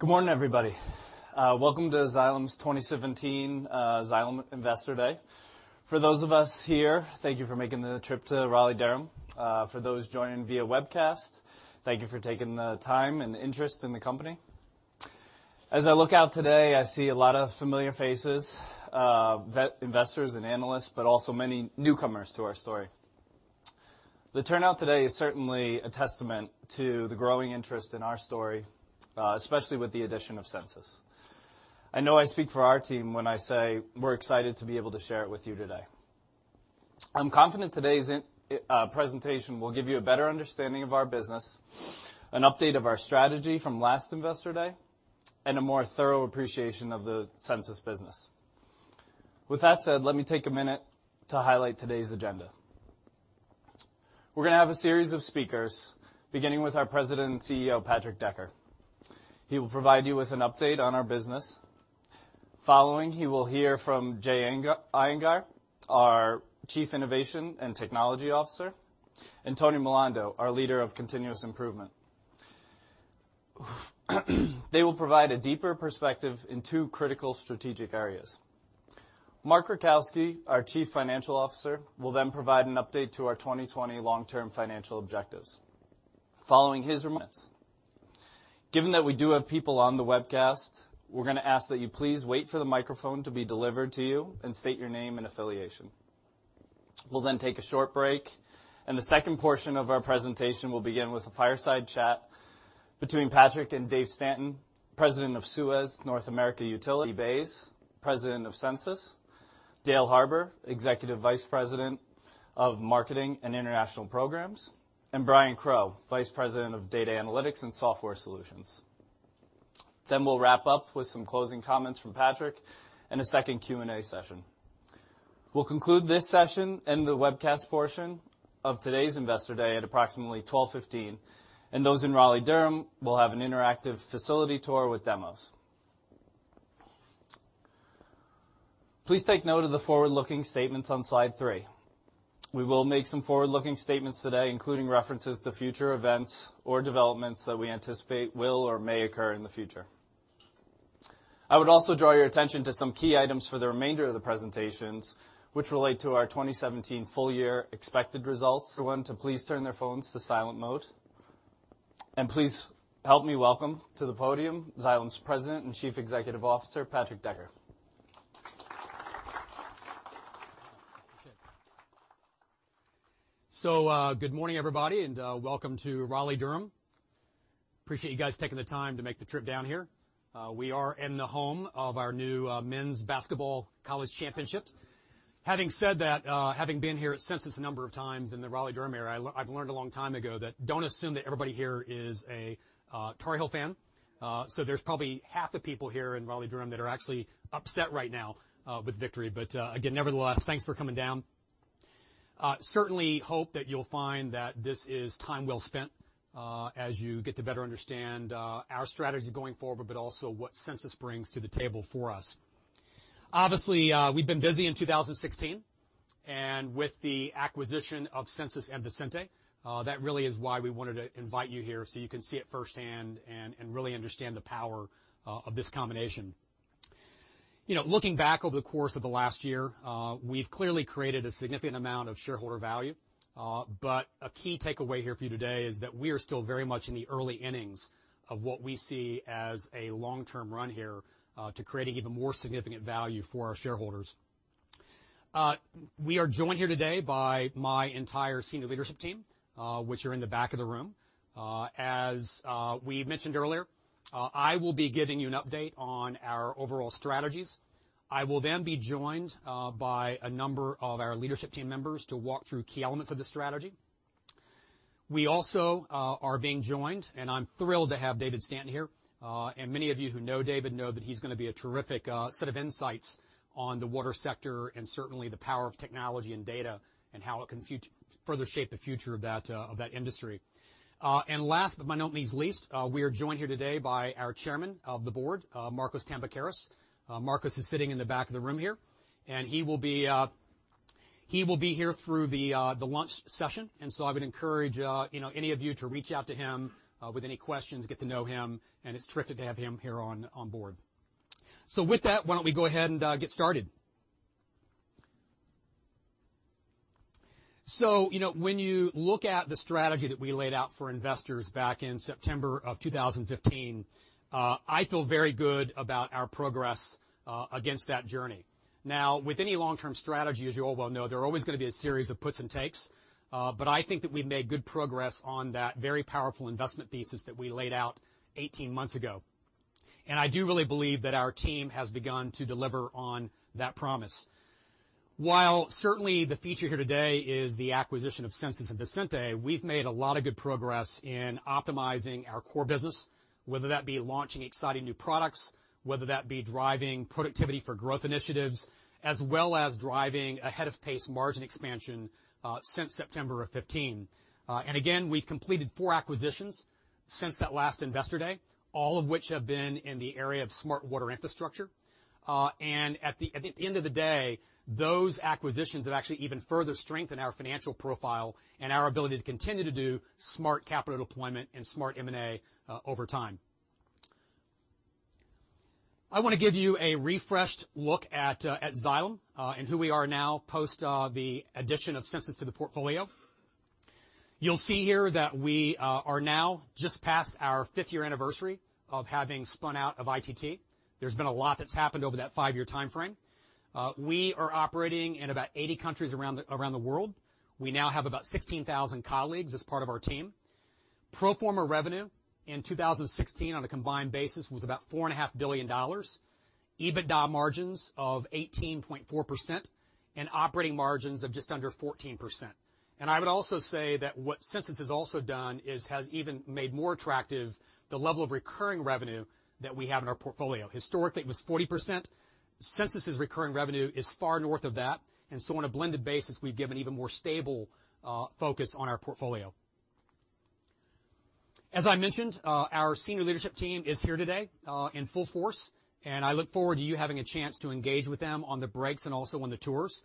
Good morning, everybody. Welcome to Xylem's 2017 Xylem Investor Day. For those of us here, thank you for making the trip to Raleigh-Durham. For those joining via webcast, thank you for taking the time and interest in the company. As I look out today, I see a lot of familiar faces, investors and analysts, but also many newcomers to our story. The turnout today is certainly a testament to the growing interest in our story, especially with the addition of Sensus. I know I speak for our team when I say we're excited to be able to share it with you today. I'm confident today's presentation will give you a better understanding of our business, an update of our strategy from last Investor Day, and a more thorough appreciation of the Sensus business. With that said, let me take a minute to highlight today's agenda. We're going to have a series of speakers, beginning with our President and Chief Executive Officer, Patrick Decker. He will provide you with an update on our business. Following, you will hear from Jay Iyengar, our Chief Innovation and Technology Officer, and Tony Milando, our leader of continuous improvement. They will provide a deeper perspective in two critical strategic areas. Mark Rajkowski, our Chief Financial Officer, will provide an update to our 2020 long-term financial objectives. Following his remarks. Given that we do have people on the webcast, we're going to ask that you please wait for the microphone to be delivered to you and state your name and affiliation. We'll take a short break, and the second portion of our presentation will begin with a fireside chat between Patrick and Dave Stanton, President of Suez North America, Randy Bays, President of Sensus, Dale Harbour, Executive Vice President of Marketing and International Programs, and Brian Crow, Vice President of Data Analytics and Software Solutions. We'll wrap up with some closing comments from Patrick and a second Q&A session. We'll conclude this session and the webcast portion of today's Investor Day at approximately 12:15, and those in Raleigh-Durham will have an interactive facility tour with demos. Please take note of the forward-looking statements on slide three. We will make some forward-looking statements today, including references to future events or developments that we anticipate will or may occur in the future. I would also draw your attention to some key items for the remainder of the presentations, which relate to our 2017 full-year expected results. Everyone to please turn their phones to silent mode. Please help me welcome to the podium Xylem's President and Chief Executive Officer, Patrick Decker. Good morning, everybody, and welcome to Raleigh-Durham. Appreciate you guys taking the time to make the trip down here. We are in the home of our new men's basketball college championships. Having said that, having been here at Sensus a number of times in the Raleigh-Durham area, I've learned a long time ago that don't assume that everybody here is a Tar Heel fan. There's probably half the people here in Raleigh-Durham that are actually upset right now with the victory. Again, nevertheless, thanks for coming down. Certainly hope that you'll find that this is time well spent as you get to better understand our strategy going forward, but also what Sensus brings to the table for us. Obviously, we've been busy in 2016, and with the acquisition of Sensus and Visenti. That really is why we wanted to invite you here so you can see it firsthand and really understand the power of this combination. Looking back over the course of the last year, we've clearly created a significant amount of shareholder value. A key takeaway here for you today is that we are still very much in the early innings of what we see as a long-term run here to create an even more significant value for our shareholders. We are joined here today by my entire senior leadership team, which are in the back of the room. As we mentioned earlier, I will be giving you an update on our overall strategies. I will then be joined by a number of our leadership team members to walk through key elements of the strategy. We also are being joined, and I'm thrilled to have David Stanton here. Many of you who know David know that he's going to be a terrific set of insights on the water sector and certainly the power of technology and data and how it can further shape the future of that industry. Last but not least, we are joined here today by our Chairman of the Board, Markos Tambakeras. Markos is sitting in the back of the room here, and he will be here through the lunch session. I would encourage any of you to reach out to him with any questions, get to know him, and it's terrific to have him here on board. With that, why don't we go ahead and get started? When you look at the strategy that we laid out for investors back in September of 2015, I feel very good about our progress against that journey. Now, with any long-term strategy, as you all well know, there are always going to be a series of puts and takes, but I think that we've made good progress on that very powerful investment thesis that we laid out 18 months ago. I do really believe that our team has begun to deliver on that promise. While certainly the feature here today is the acquisition of Sensus and Visenti, we've made a lot of good progress in optimizing our core business, whether that be launching exciting new products, whether that be driving productivity for growth initiatives, as well as driving ahead of pace margin expansion since September of 2015. Again, we've completed four acquisitions since that last Investor Day, all of which have been in the area of smart water infrastructure. At the end of the day, those acquisitions have actually even further strengthened our financial profile and our ability to continue to do smart capital deployment and smart M&A over time. I want to give you a refreshed look at Xylem and who we are now post the addition of Sensus to the portfolio. You'll see here that we are now just past our fifth-year anniversary of having spun out of ITT. There's been a lot that's happened over that five-year timeframe. We are operating in about 80 countries around the world. We now have about 16,000 colleagues as part of our team. Pro forma revenue in 2016 on a combined basis was about $4.5 billion, EBITDA margins of 18.4%, and operating margins of just under 14%. I would also say that what Sensus has also done is has even made more attractive the level of recurring revenue that we have in our portfolio. Historically, it was 40%. Sensus's recurring revenue is far north of that, on a blended basis, we've given even more stable focus on our portfolio. As I mentioned, our senior leadership team is here today in full force, and I look forward to you having a chance to engage with them on the breaks and also on the tours.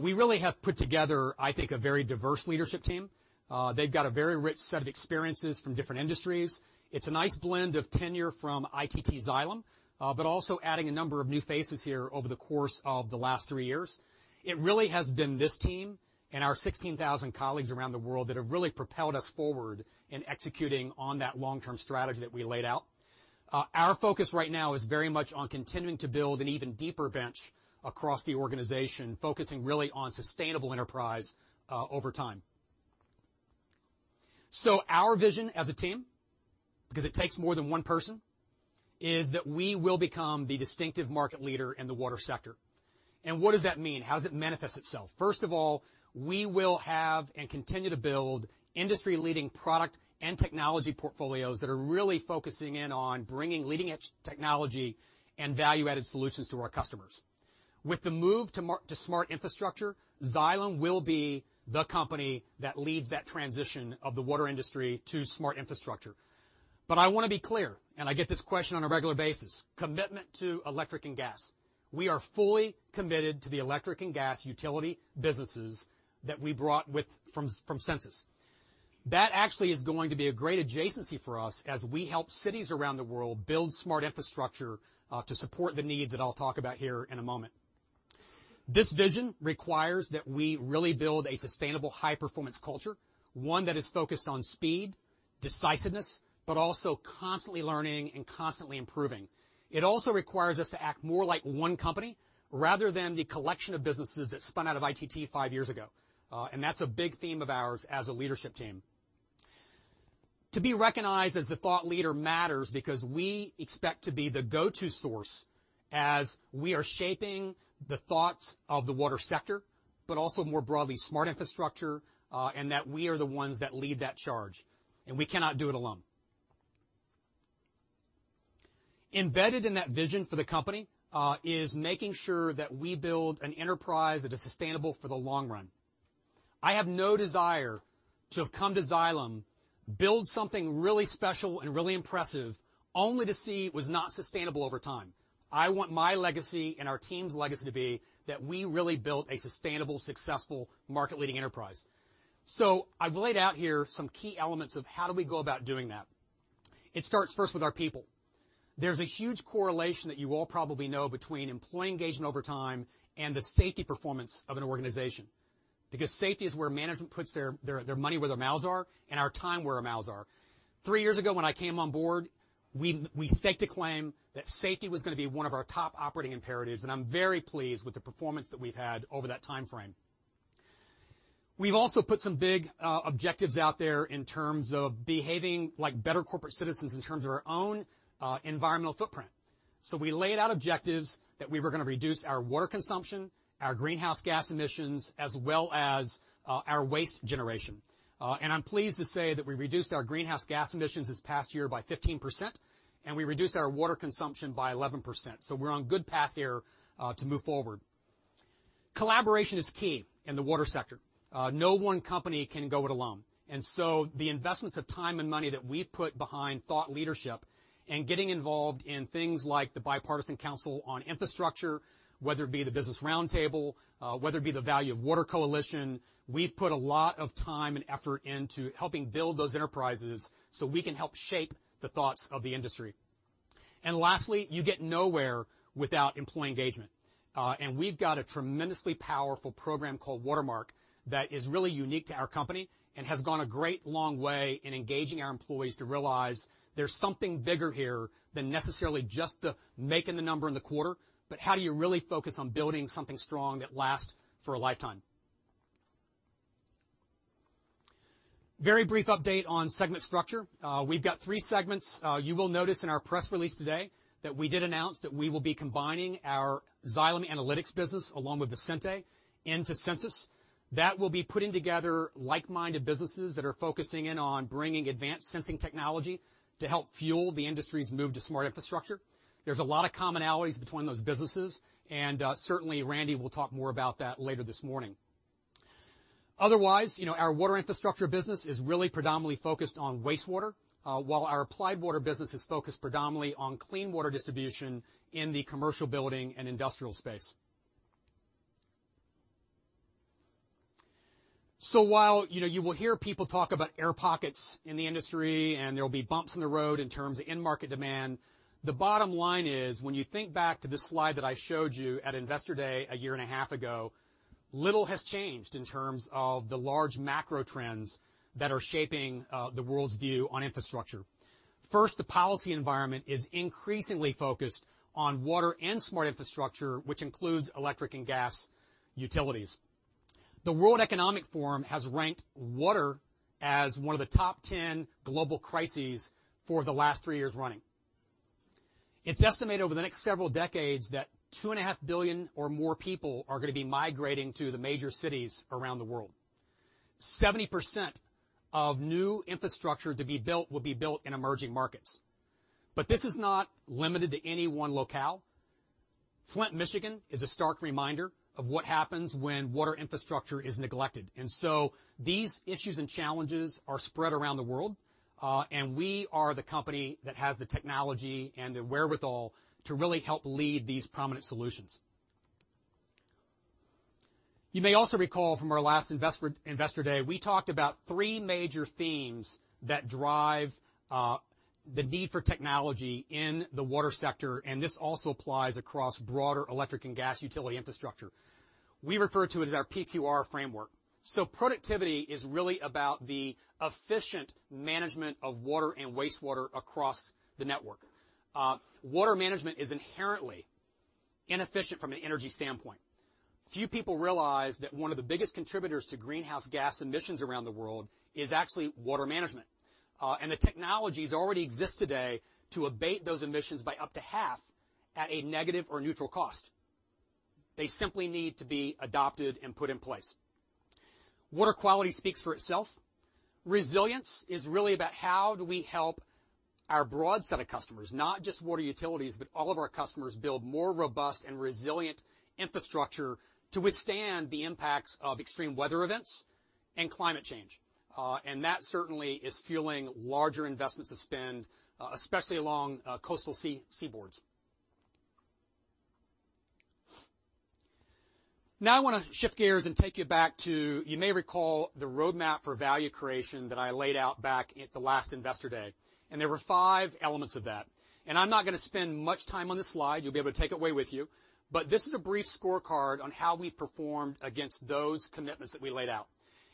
We really have put together, I think, a very diverse leadership team. They've got a very rich set of experiences from different industries. It's a nice blend of tenure from ITT Xylem, but also adding a number of new faces here over the course of the last three years. It really has been this team and our 16,000 colleagues around the world that have really propelled us forward in executing on that long-term strategy that we laid out. Our focus right now is very much on continuing to build an even deeper bench across the organization, focusing really on sustainable enterprise over time. Our vision as a team, because it takes more than one person, is that we will become the distinctive market leader in the water sector. What does that mean? How does it manifest itself? First of all, we will have and continue to build industry-leading product and technology portfolios that are really focusing in on bringing leading-edge technology and value-added solutions to our customers. With the move to smart infrastructure, Xylem will be the company that leads that transition of the water industry to smart infrastructure. I want to be clear, and I get this question on a regular basis, commitment to electric and gas. We are fully committed to the electric and gas utility businesses that we brought from Sensus. That actually is going to be a great adjacency for us as we help cities around the world build smart infrastructure to support the needs that I'll talk about here in a moment. This vision requires that we really build a sustainable, high-performance culture, one that is focused on speed, decisiveness, but also constantly learning and constantly improving. It also requires us to act more like one company rather than the collection of businesses that spun out of ITT five years ago. That's a big theme of ours as a leadership team. To be recognized as the thought leader matters because we expect to be the go-to source as we are shaping the thoughts of the water sector, but also more broadly, smart infrastructure, and that we are the ones that lead that charge, and we cannot do it alone. Embedded in that vision for the company is making sure that we build an enterprise that is sustainable for the long run. I have no desire to have come to Xylem, build something really special and really impressive, only to see it was not sustainable over time. I want my legacy and our team's legacy to be that we really built a sustainable, successful, market-leading enterprise. I've laid out here some key elements of how do we go about doing that. It starts first with our people. There's a huge correlation that you all probably know between employee engagement over time and the safety performance of an organization, because safety is where management puts their money where their mouths are and our time where our mouths are. Three years ago, when I came on board, we staked a claim that safety was going to be one of our top operating imperatives, and I'm very pleased with the performance that we've had over that timeframe. We've also put some big objectives out there in terms of behaving like better corporate citizens in terms of our own environmental footprint. We laid out objectives that we were going to reduce our water consumption, our greenhouse gas emissions, as well as our waste generation. I'm pleased to say that we reduced our greenhouse gas emissions this past year by 15%, and we reduced our water consumption by 11%. We're on a good path here to move forward. Collaboration is key in the water sector. No one company can go it alone. The investments of time and money that we've put behind thought leadership and getting involved in things like the Bipartisan Council on Infrastructure, whether it be the Business Roundtable, whether it be the Value of Water Coalition, we've put a lot of time and effort into helping build those enterprises so we can help shape the thoughts of the industry. Lastly, you get nowhere without employee engagement. We've got a tremendously powerful program called Watermark that is really unique to our company and has gone a great long way in engaging our employees to realize there's something bigger here than necessarily just the making the number in the quarter, but how do you really focus on building something strong that lasts for a lifetime? Very brief update on segment structure. We've got three segments. You will notice in our press release today that we did announce that we will be combining our Xylem Analytics business along with Visenti into Sensus. That will be putting together like-minded businesses that are focusing in on bringing advanced sensing technology to help fuel the industry's move to smart infrastructure. There's a lot of commonalities between those businesses, certainly Randy will talk more about that later this morning. Otherwise, our Water Infrastructure business is really predominantly focused on wastewater, while our Applied Water business is focused predominantly on clean water distribution in the commercial building and industrial space. While you will hear people talk about air pockets in the industry, and there'll be bumps in the road in terms of end market demand, the bottom line is, when you think back to the slide that I showed you at Investor Day a year and a half ago, little has changed in terms of the large macro trends that are shaping the world's view on infrastructure. First, the policy environment is increasingly focused on water and smart infrastructure, which includes electric and gas utilities. The World Economic Forum has ranked water as one of the top 10 global crises for the last three years running. It's estimated over the next several decades that two and a half billion or more people are going to be migrating to the major cities around the world. 70% of new infrastructure to be built will be built in emerging markets. This is not limited to any one locale. Flint, Michigan, is a stark reminder of what happens when water infrastructure is neglected. These issues and challenges are spread around the world, and we are the company that has the technology and the wherewithal to really help lead these prominent solutions. You may also recall from our last Investor Day, we talked about three major themes that drive the need for technology in the water sector, and this also applies across broader electric and gas utility infrastructure. We refer to it as our PQR framework. Productivity is really about the efficient management of water and wastewater across the network. Water management is inherently inefficient from an energy standpoint. Few people realize that one of the biggest contributors to greenhouse gas emissions around the world is actually water management. The technologies already exist today to abate those emissions by up to half at a negative or neutral cost. They simply need to be adopted and put in place. Water quality speaks for itself. Resilience is really about how do we help our broad set of customers, not just water utilities, but all of our customers, build more robust and resilient infrastructure to withstand the impacts of extreme weather events and climate change. That certainly is fueling larger investments of spend, especially along coastal seaboards. Now I want to shift gears and take you back to, you may recall the roadmap for value creation that I laid out back at the last Investor Day, and there were five elements of that. I'm not going to spend much time on this slide. You'll be able to take it away with you, but this is a brief scorecard on how we performed against those commitments that we laid out.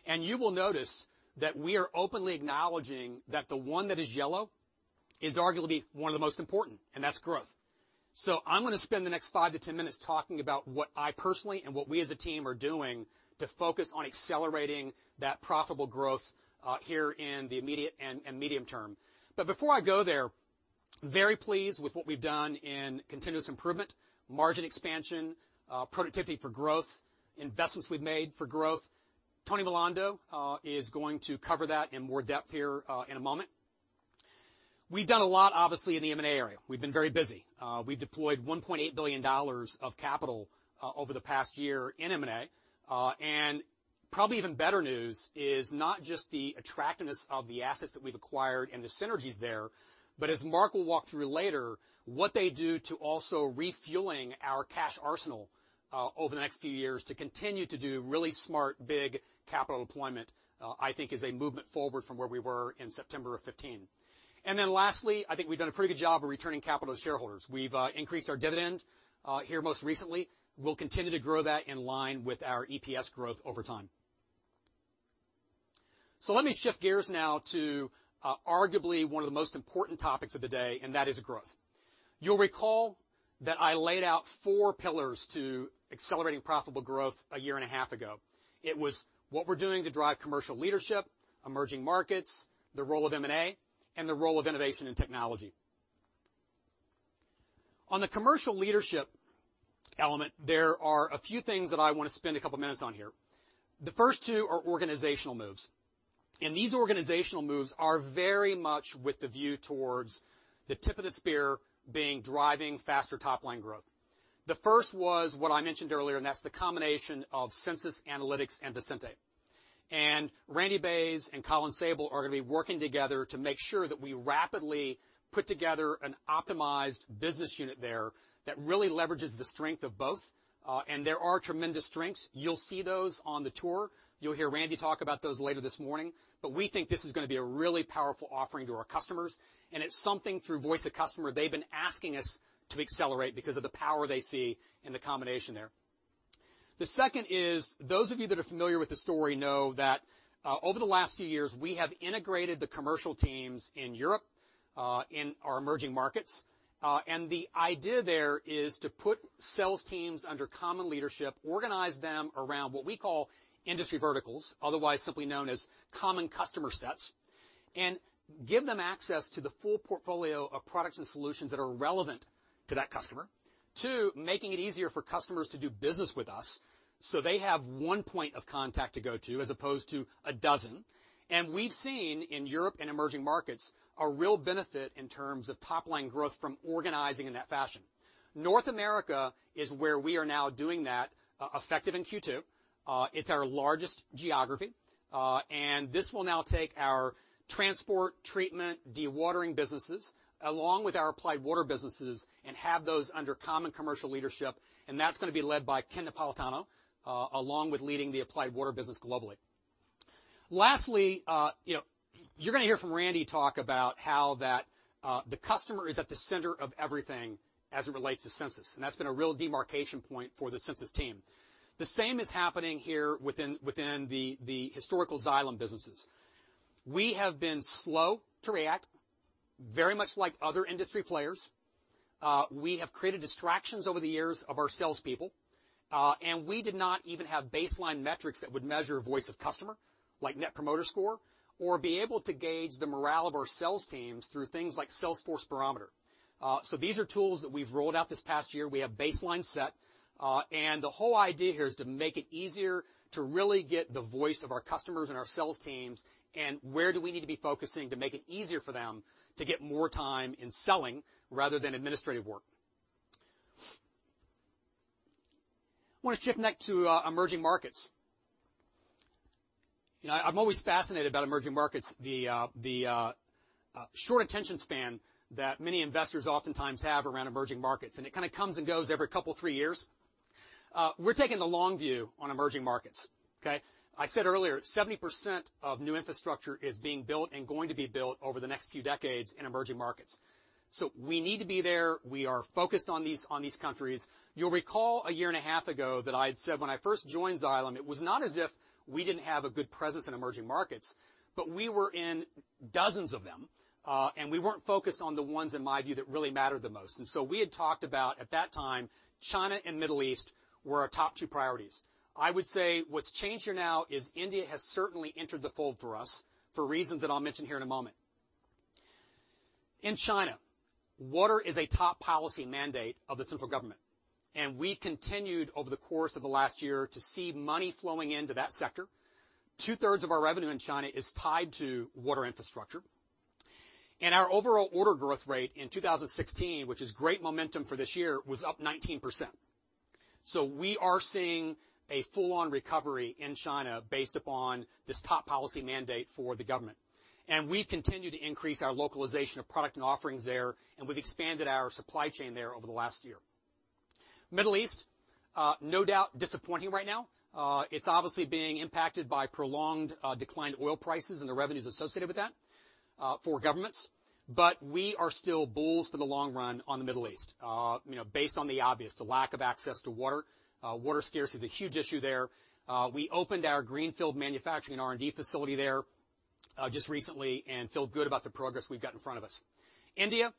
You will notice that we are openly acknowledging that the one that is yellow is arguably one of the most important, and that's growth. I'm going to spend the next five to 10 minutes talking about what I personally and what we as a team are doing to focus on accelerating that profitable growth here in the immediate and medium term. Before I go there, very pleased with what we've done in continuous improvement, margin expansion, productivity for growth, investments we've made for growth. Tony Milando is going to cover that in more depth here in a moment. We've done a lot, obviously, in the M&A area. We've been very busy. We've deployed $1.8 billion of capital over the past year in M&A. Probably even better news is not just the attractiveness of the assets that we've acquired and the synergies there, but as Mark will walk through later, what they do to also refueling our cash arsenal over the next few years to continue to do really smart, big capital deployment, I think is a movement forward from where we were in September of 2015. Lastly, I think we've done a pretty good job of returning capital to shareholders. We've increased our dividend here most recently. We'll continue to grow that in line with our EPS growth over time. Let me shift gears now to arguably one of the most important topics of the day, and that is growth. You'll recall that I laid out four pillars to accelerating profitable growth a year and a half ago. It was what we're doing to drive commercial leadership, emerging markets, the role of M&A, and the role of innovation in technology. On the commercial leadership element, there are a few things that I want to spend a couple of minutes on here. The first two are organizational moves, and these organizational moves are very much with the view towards the tip of the spear being driving faster top-line growth. The first was what I mentioned earlier, and that's the combination of Sensus Analytics and Visenti. Randy Bays and Colin Sabol are going to be working together to make sure that we rapidly put together an optimized business unit there that really leverages the strength of both. There are tremendous strengths. You'll see those on the tour. You'll hear Randy talk about those later this morning. We think this is going to be a really powerful offering to our customers, and it's something through voice of customer they've been asking us to accelerate because of the power they see in the combination there. The second is, those of you that are familiar with the story know that over the last few years, we have integrated the commercial teams in Europe, in our emerging markets. The idea there is to put sales teams under common leadership, organize them around what we call industry verticals, otherwise simply known as common customer sets, and give them access to the full portfolio of products and solutions that are relevant to that customer. Two, making it easier for customers to do business with us, so they have one point of contact to go to as opposed to a dozen. We've seen in Europe and emerging markets a real benefit in terms of top-line growth from organizing in that fashion. North America is where we are now doing that, effective in Q2. It's our largest geography. This will now take our transport, treatment, dewatering businesses, along with our Applied Water businesses and have those under common commercial leadership, and that's going to be led by Ken Napolitano, along with leading the Applied Water business globally. Lastly, you're going to hear from Randy talk about how the customer is at the center of everything as it relates to Sensus, and that's been a real demarcation point for the Sensus team. The same is happening here within the historical Xylem businesses. We have been slow to react, very much like other industry players. We have created distractions over the years of our salespeople, and we did not even have baseline metrics that would measure voice of customer, like Net Promoter Score, or be able to gauge the morale of our sales teams through things like sales force barometer. These are tools that we've rolled out this past year. We have baseline set, and the whole idea here is to make it easier to really get the voice of our customers and our sales teams and where do we need to be focusing to make it easier for them to get more time in selling rather than administrative work. I want to shift next to emerging markets. I'm always fascinated about emerging markets, the short attention span that many investors oftentimes have around emerging markets, and it kind of comes and goes every couple, three years. We're taking the long view on emerging markets. Okay? I said earlier, 70% of new infrastructure is being built and going to be built over the next few decades in emerging markets. We need to be there. We are focused on these countries. You'll recall a year and a half ago that I had said when I first joined Xylem, it was not as if we didn't have a good presence in emerging markets, but we were in dozens of them. We weren't focused on the ones, in my view, that really mattered the most. So we had talked about, at that time, China and Middle East were our top two priorities. I would say what's changed here now is India has certainly entered the fold for us for reasons that I'll mention here in a moment. In China, water is a top policy mandate of the central government, and we've continued over the course of the last year to see money flowing into that sector. Two-thirds of our revenue in China is tied to Water Infrastructure, and our overall order growth rate in 2016, which is great momentum for this year, was up 19%. We are seeing a full-on recovery in China based upon this top policy mandate for the government. And we've continued to increase our localization of product and offerings there, and we've expanded our supply chain there over the last year. Middle East, no doubt disappointing right now. It's obviously being impacted by prolonged declined oil prices and the revenues associated with that for governments. We are still bulls for the long run on the Middle East. Based on the obvious, the lack of access to water. Water scarcity is a huge issue there. We opened our greenfield manufacturing R&D facility there just recently and feel good about the progress we've got in front of us. India,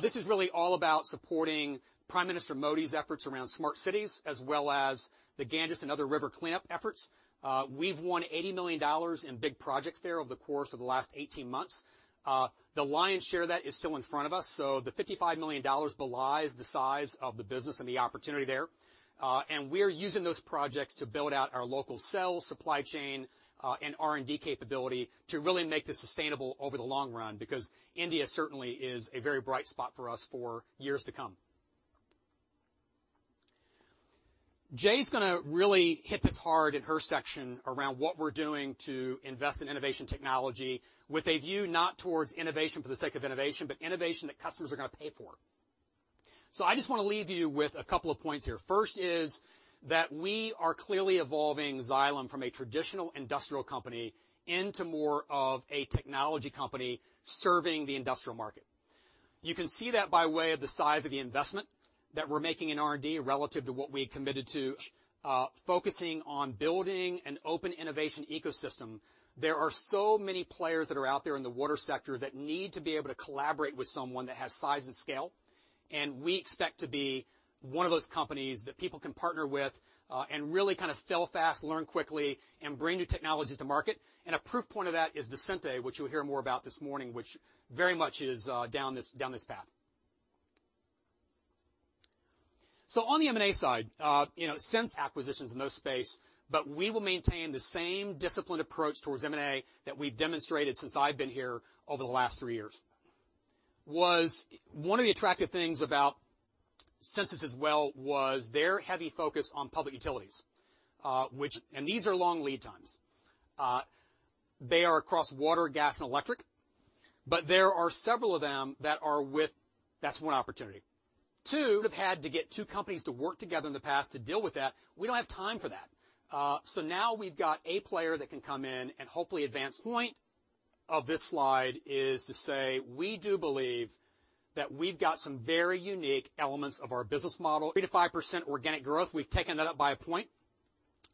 this is really all about supporting Prime Minister Modi's efforts around smart cities, as well as the Ganges and other river cleanup efforts. We've won $80 million in big projects there over the course of the last 18 months. The lion's share of that is still in front of us. The $55 million belies the size of the business and the opportunity there. We're using those projects to build out our local sales supply chain, and R&D capability to really make this sustainable over the long run, because India certainly is a very bright spot for us for years to come. Jay's going to really hit this hard in her section around what we're doing to invest in innovation technology with a view not towards innovation for the sake of innovation, but innovation that customers are going to pay for. I just want to leave you with a couple of points here. First is that we are clearly evolving Xylem from a traditional industrial company into more of a technology company serving the industrial market. You can see that by way of the size of the investment that we're making in R&D relative to what we had committed to. Focusing on building an open innovation ecosystem. There are so many players that are out there in the water sector that need to be able to collaborate with someone that has size and scale. We expect to be one of those companies that people can partner with and really kind of fail fast, learn quickly, and bring new technologies to market. A proof point of that is Visenti, which you'll hear more about this morning, which very much is down this path. On the M&A side, since acquisitions in those space, but we will maintain the same disciplined approach towards M&A that we've demonstrated since I've been here over the last three years. One of the attractive things about Sensus as well was their heavy focus on public utilities. These are long lead times. They are across water, gas, and electric, but there are several of them that are. That's one opportunity. Two, have had to get two companies to work together in the past to deal with that. We don't have time for that. Now we've got a player that can come in and hopefully. Point of this slide is to say we do believe that we've got some very unique elements of our business model. 3%-5% organic growth. We've taken that up by a point.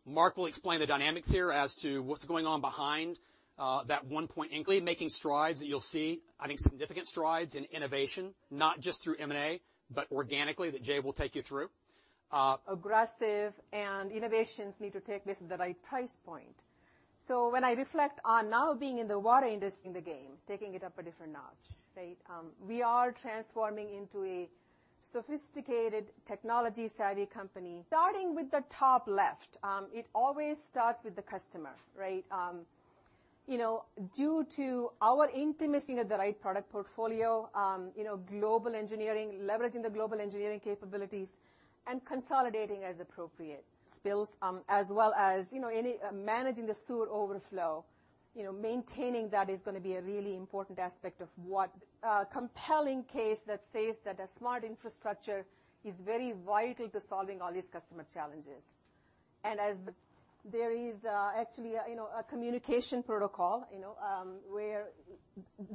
Mark will explain the dynamics here as to what's going on behind that one point. Making strides that you'll see, I think significant strides in innovation, not just through M&A, but organically that Jay will take you through. Aggressive and innovations need to take place at the right price point. When I reflect on now being in the water industry. In the game, taking it up a different notch. Right. We are transforming into a sophisticated technology savvy company. Starting with the top left, it always starts with the customer. Right. Due to our intimacy with the right product portfolio, global engineering, leveraging the global engineering capabilities, and consolidating as appropriate. Spills, as well as managing the sewer overflow, maintaining that is going to be a really important aspect of what a compelling case that says that a smart infrastructure is very vital to solving all these customer challenges. As there is actually a communication protocol,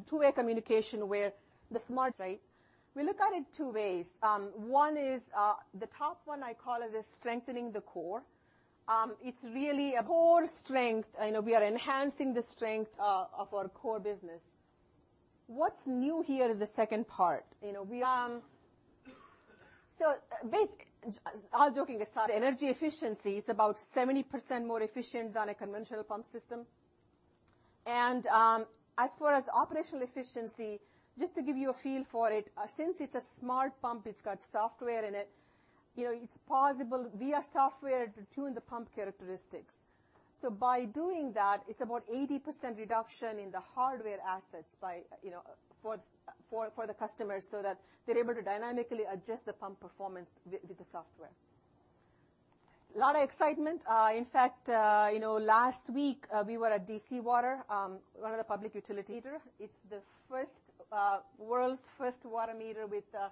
two-way communication where the smart. We look at it two ways. One is, the top one I call it is strengthening the core. It's really a core strength. We are enhancing the strength of our core business. What's new here is the second part. Basically, all joking aside, energy efficiency, it's about 70% more efficient than a conventional pump system. As far as operational efficiency, just to give you a feel for it, since it's a smart pump, it's got software in it's possible via software to tune the pump characteristics. By doing that, it's about 80% reduction in the hardware assets for the customers so that they're able to dynamically adjust the pump performance with the software. Lot of excitement. In fact, last week, we were at DC Water, one of the public utility. Meter. It's the world's first water meter with a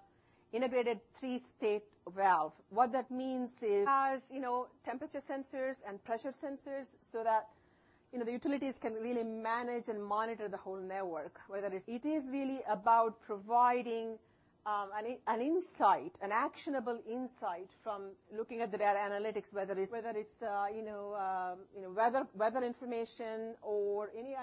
integrated three-state valve. What that means is it has temperature sensors and pressure sensors so that the utilities can really manage and monitor the whole network, whether it's. It is really about providing an insight, an actionable insight from looking at the data analytics, whether it's weather information or any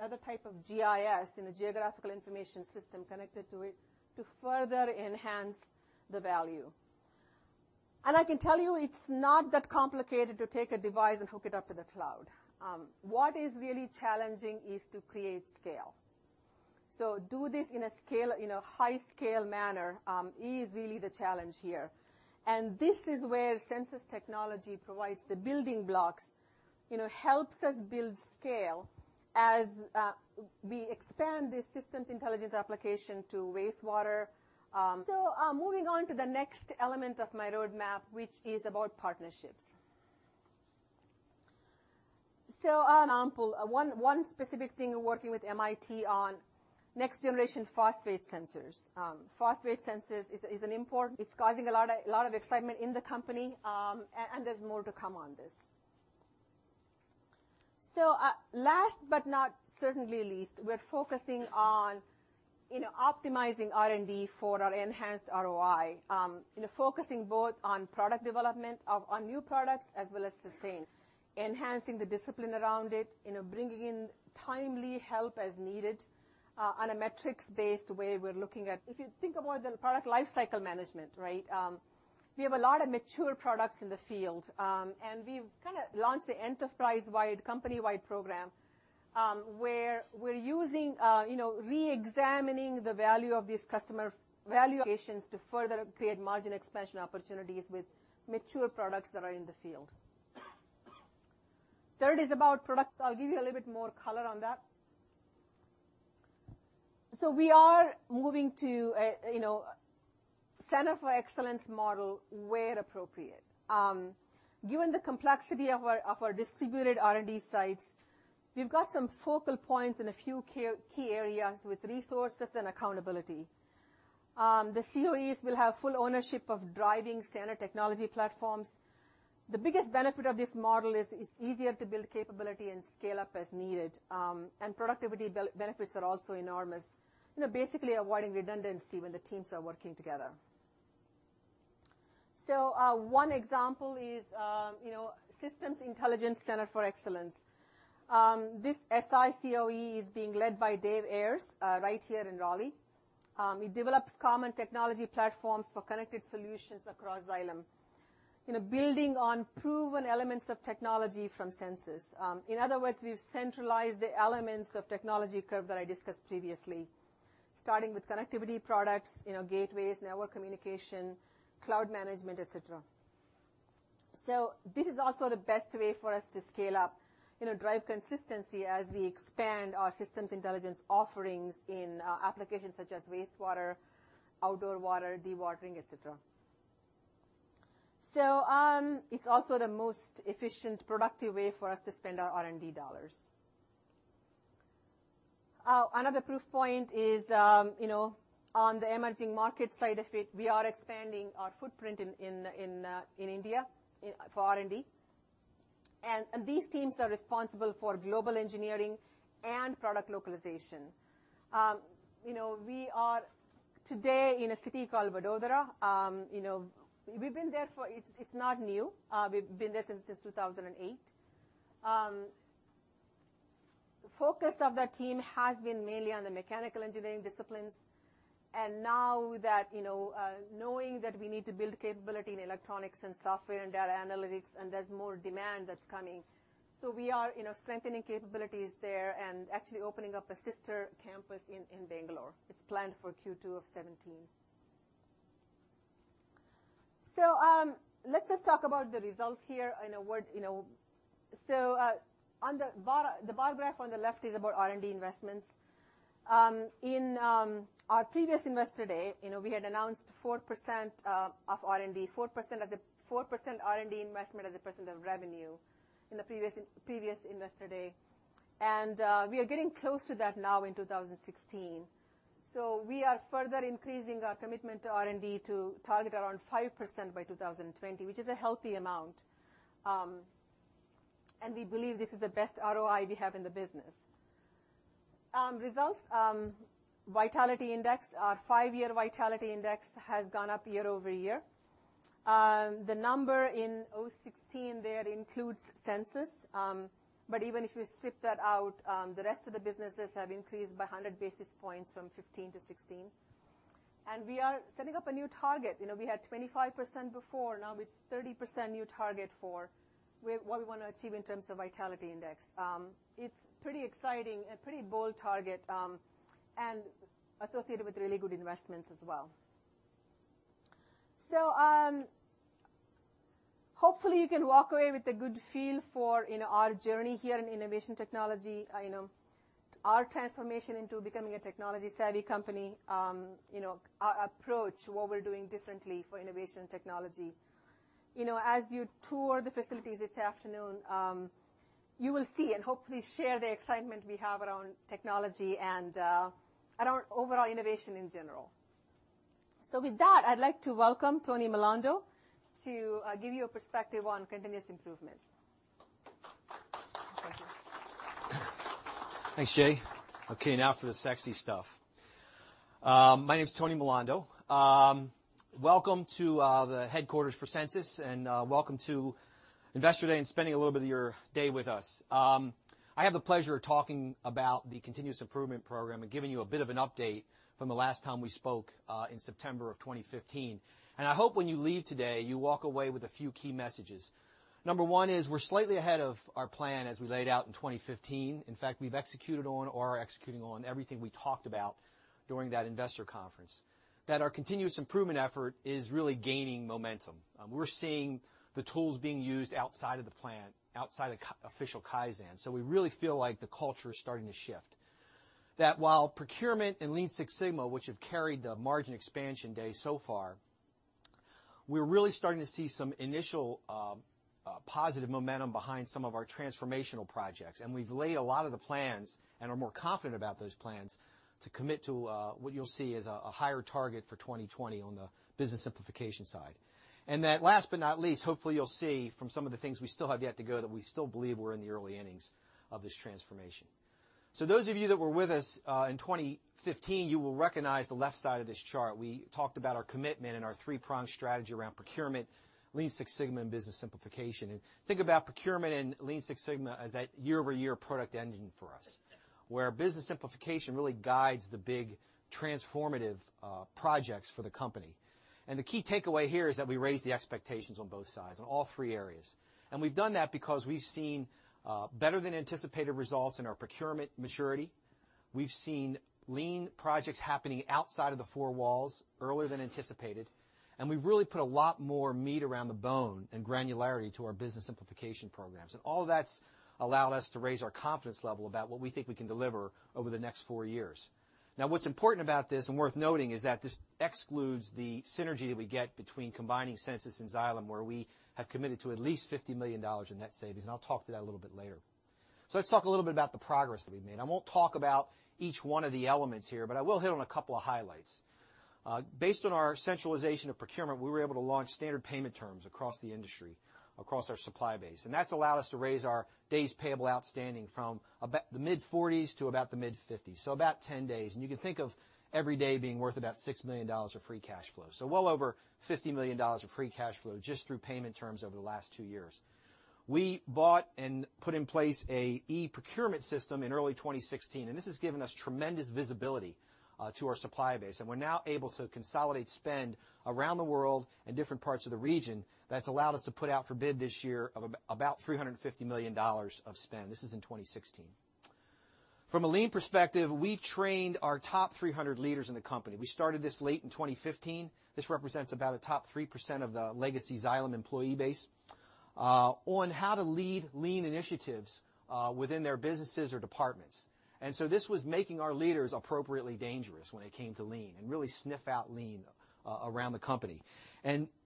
other type of GIS, geographical information system, connected to it to further enhance the value. I can tell you it's not that complicated to take a device and hook it up to the cloud. What is really challenging is to create scale. Do this in a high scale manner is really the challenge here. This is where Sensus technology provides the building blocks, helps us build scale as we expand this systems intelligence application to wastewater. Moving on to the next element of my roadmap, which is about partnerships. One example, one specific thing we're working with MIT on next generation phosphate sensors. Phosphate sensors is an important. It's causing a lot of excitement in the company, and there's more to come on this. Last but not certainly least, we're focusing on optimizing R&D for our enhanced ROI. Focusing both on product development on new products as well as sustain, enhancing the discipline around it, bringing in timely help as needed, on a metrics-based way we're looking at. If you think about the product lifecycle management, we have a lot of mature products in the field. We've kind of launched the enterprise-wide, company-wide program, where we're re-examining the value of these customer value to further create margin expansion opportunities with mature products that are in the field. Third is about products. I'll give you a little bit more color on that. We are moving to a Center of Excellence model where appropriate. Given the complexity of our distributed R&D sites, we've got some focal points in a few key areas with resources and accountability. The CoEs will have full ownership of driving standard technology platforms. The biggest benefit of this model is it's easier to build capability and scale up as needed. Productivity benefits are also enormous. Basically avoiding redundancy when the teams are working together. One example is Systems Intelligence Center of Excellence. This SI CoE is being led by Dave Ayres right here in Raleigh. He develops common technology platforms for connected solutions across Xylem. Building on proven elements of technology from Sensus. In other words, we've centralized the elements of technology curve that I discussed previously, starting with connectivity products, gateways, network communication, cloud management, et cetera. This is also the best way for us to scale up, drive consistency as we expand our systems intelligence offerings in applications such as wastewater, outdoor water, dewatering, et cetera. It's also the most efficient, productive way for us to spend our R&D dollars. Another proof point is on the emerging market side of it, we are expanding our footprint in India for R&D. These teams are responsible for global engineering and product localization. We are today in a city called Vadodara. It's not new. We've been there since 2008. Focus of that team has been mainly on the mechanical engineering disciplines. Now knowing that we need to build capability in electronics and software and data analytics, and there's more demand that's coming. We are strengthening capabilities there and actually opening up a sister campus in Bangalore. It's planned for Q2 of 2017. Let's just talk about the results here in a word. The bar graph on the left is about R&D investments. In our previous Investor Day, we had announced 4% of R&D, 4% R&D investment as a percent of revenue in the previous Investor Day. We are getting close to that now in 2016. We are further increasing our commitment to R&D to target around 5% by 2020, which is a healthy amount. We believe this is the best ROI we have in the business. Results, vitality index. Our five-year vitality index has gone up year-over-year. The number in 2016 there includes Sensus. But even if you strip that out, the rest of the businesses have increased by 100 basis points from 2015 to 2016. We are setting up a new target. We had 25% before, now it's 30% new target for what we want to achieve in terms of vitality index. It's pretty exciting, a pretty bold target, and associated with really good investments as well. Hopefully you can walk away with a good feel for our journey here in innovation technology, our transformation into becoming a technology-savvy company, our approach, what we're doing differently for innovation technology. As you tour the facilities this afternoon, you will see and hopefully share the excitement we have around technology and around overall innovation in general. With that, I'd like to welcome Tony Milando to give you a perspective on continuous improvement. Thanks, Jay. Okay, now for the sexy stuff. My name's Tony Milando. Welcome to the headquarters for Sensus, and welcome to Investor Day and spending a little bit of your day with us. I have the pleasure of talking about the Continuous Improvement program and giving you a bit of an update from the last time we spoke, in September of 2015. I hope when you leave today, you walk away with a few key messages. Number one is we're slightly ahead of our plan as we laid out in 2015. In fact, we've executed on or are executing on everything we talked about during that investor conference, that our Continuous Improvement effort is really gaining momentum. We're seeing the tools being used outside of the plan, outside official Kaizen, so we really feel like the culture is starting to shift. While procurement and Lean Six Sigma, which have carried the margin expansion day so far, we're really starting to see some initial positive momentum behind some of our transformational projects, and we've laid a lot of the plans and are more confident about those plans to commit to, what you'll see is a higher target for 2020 on the Business Simplification side. Last but not least, hopefully you'll see from some of the things we still have yet to go, that we still believe we're in the early innings of this transformation. So those of you that were with us, in 2015, you will recognize the left side of this chart. We talked about our commitment and our three-pronged strategy around procurement, Lean Six Sigma, and Business Simplification. Think about procurement and Lean Six Sigma as that year-over-year product engine for us, where Business Simplification really guides the big transformative projects for the company. The key takeaway here is that we raise the expectations on both sides, on all three areas. We've done that because we've seen better than anticipated results in our procurement maturity. We've seen Lean projects happening outside of the four walls earlier than anticipated, and we've really put a lot more meat around the bone and granularity to our Business Simplification programs. All that's allowed us to raise our confidence level about what we think we can deliver over the next four years. What's important about this, and worth noting, is that this excludes the synergy that we get between combining Sensus and Xylem, where we have committed to at least $50 million in net savings, I'll talk to that a little bit later. Let's talk a little bit about the progress that we've made. I won't talk about each one of the elements here, but I will hit on a couple of highlights. Based on our centralization of procurement, we were able to launch standard payment terms across the industry, across our supply base, and that's allowed us to raise our days payable outstanding from about the mid-40s to about the mid-50s, so about 10 days. You can think of every day being worth about $6 million of free cash flow. Well over $50 million of free cash flow just through payment terms over the last two years. We bought and put in place an e-procurement system in early 2016, and this has given us tremendous visibility to our supply base. We're now able to consolidate spend around the world in different parts of the region that's allowed us to put out for bid this year about $350 million of spend. This is in 2016. From a Lean perspective, we've trained our top 300 leaders in the company. We started this late in 2015. This represents about a top 3% of the legacy Xylem employee base, on how to lead Lean initiatives within their businesses or departments. This was making our leaders appropriately dangerous when it came to Lean and really sniff out Lean around the company.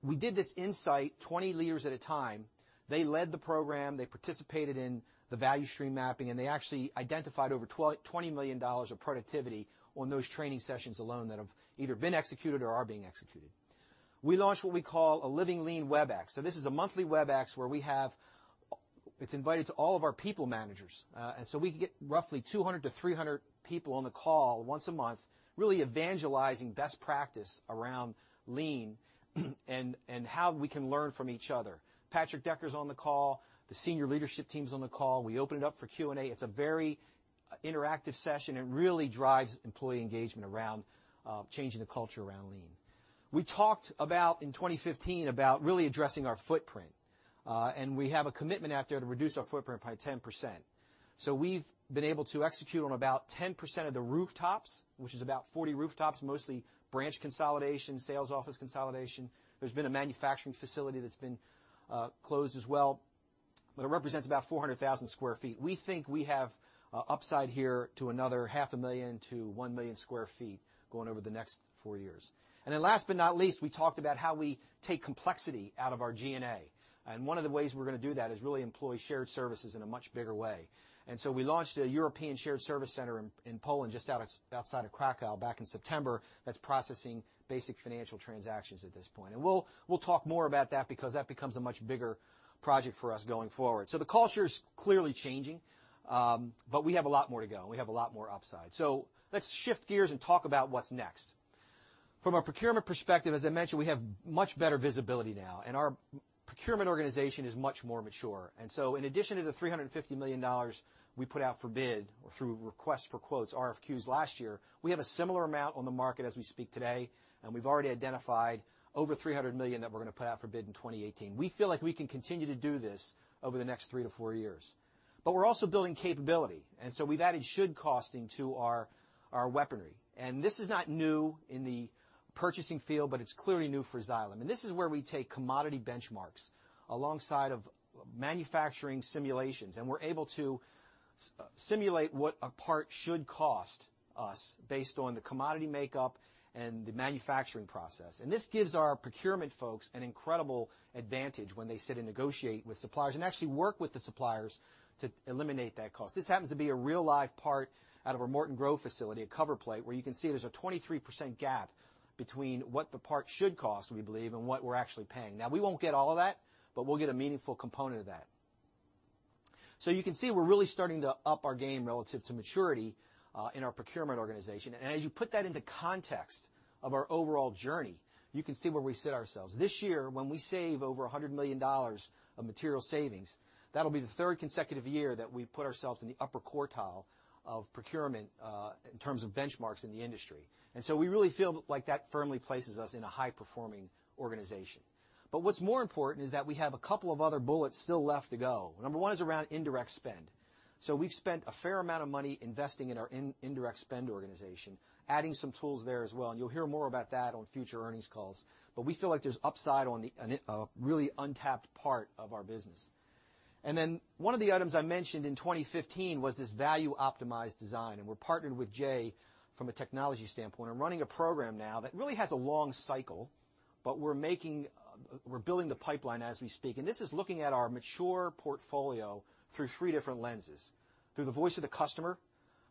We did this insight 20 leaders at a time. They led the program, they participated in the value stream mapping, they actually identified over $20 million of productivity on those training sessions alone that have either been executed or are being executed. We launched what we call a Living Lean Webex. This is a monthly Webex where it's invited to all of our people managers. We can get roughly 200 to 300 people on the call once a month, really evangelizing best practice around Lean and how we can learn from each other. Patrick Decker's on the call. The senior leadership team's on the call. We open it up for Q&A. It's a very interactive session and really drives employee engagement around changing the culture around Lean. We talked about, in 2015, about really addressing our footprint. We have a commitment out there to reduce our footprint by 10%. We've been able to execute on about 10% of the rooftops, which is about 40 rooftops, mostly branch consolidation, sales office consolidation. There's been a manufacturing facility that's been closed as well. It represents about 400,000 square feet. We think we have upside here to another half a million to one million square feet going over the next four years. Last but not least, we talked about how we take complexity out of our G&A. One of the ways we're going to do that is really employ shared services in a much bigger way. We launched a European shared service center in Poland, just outside of Kraków back in September, that's processing basic financial transactions at this point. We'll talk more about that because that becomes a much bigger project for us going forward. The culture is clearly changing, we have a lot more to go. We have a lot more upside. Let's shift gears and talk about what's next. From a procurement perspective, as I mentioned, we have much better visibility now, our procurement organization is much more mature. In addition to the $350 million we put out for bid or through requests for quotes, RFQs, last year, we have a similar amount on the market as we speak today, we've already identified over $300 million that we're going to put out for bid in 2018. We feel like we can continue to do this over the next three to four years. We're also building capability, we've added should costing to our weaponry. This is not new in the purchasing field, but it's clearly new for Xylem. This is where we take commodity benchmarks alongside of manufacturing simulations, we're able to simulate what a part should cost us based on the commodity makeup and the manufacturing process. This gives our procurement folks an incredible advantage when they sit and negotiate with suppliers and actually work with the suppliers to eliminate that cost. This happens to be a real live part out of our Morton Grove facility, a cover plate, where you can see there's a 23% gap between what the part should cost, we believe, and what we're actually paying. Now, we won't get all of that, but we'll get a meaningful component of that. You can see we're really starting to up our game relative to maturity in our procurement organization. As you put that into context of our overall journey, you can see where we sit ourselves. This year, when we save over $100 million of material savings, that'll be the third consecutive year that we've put ourselves in the upper quartile of procurement in terms of benchmarks in the industry. We really feel like that firmly places us in a high-performing organization. What's more important is that we have a couple of other bullets still left to go. Number one is around indirect spend. We've spent a fair amount of money investing in our indirect spend organization, adding some tools there as well, you'll hear more about that on future earnings calls. We feel like there's upside on a really untapped part of our business. One of the items I mentioned in 2015 was this value-optimized design, we're partnered with Jay from a technology standpoint running a program now that really has a long cycle, we're building the pipeline as we speak. This is looking at our mature portfolio through three different lenses, through the voice of the customer,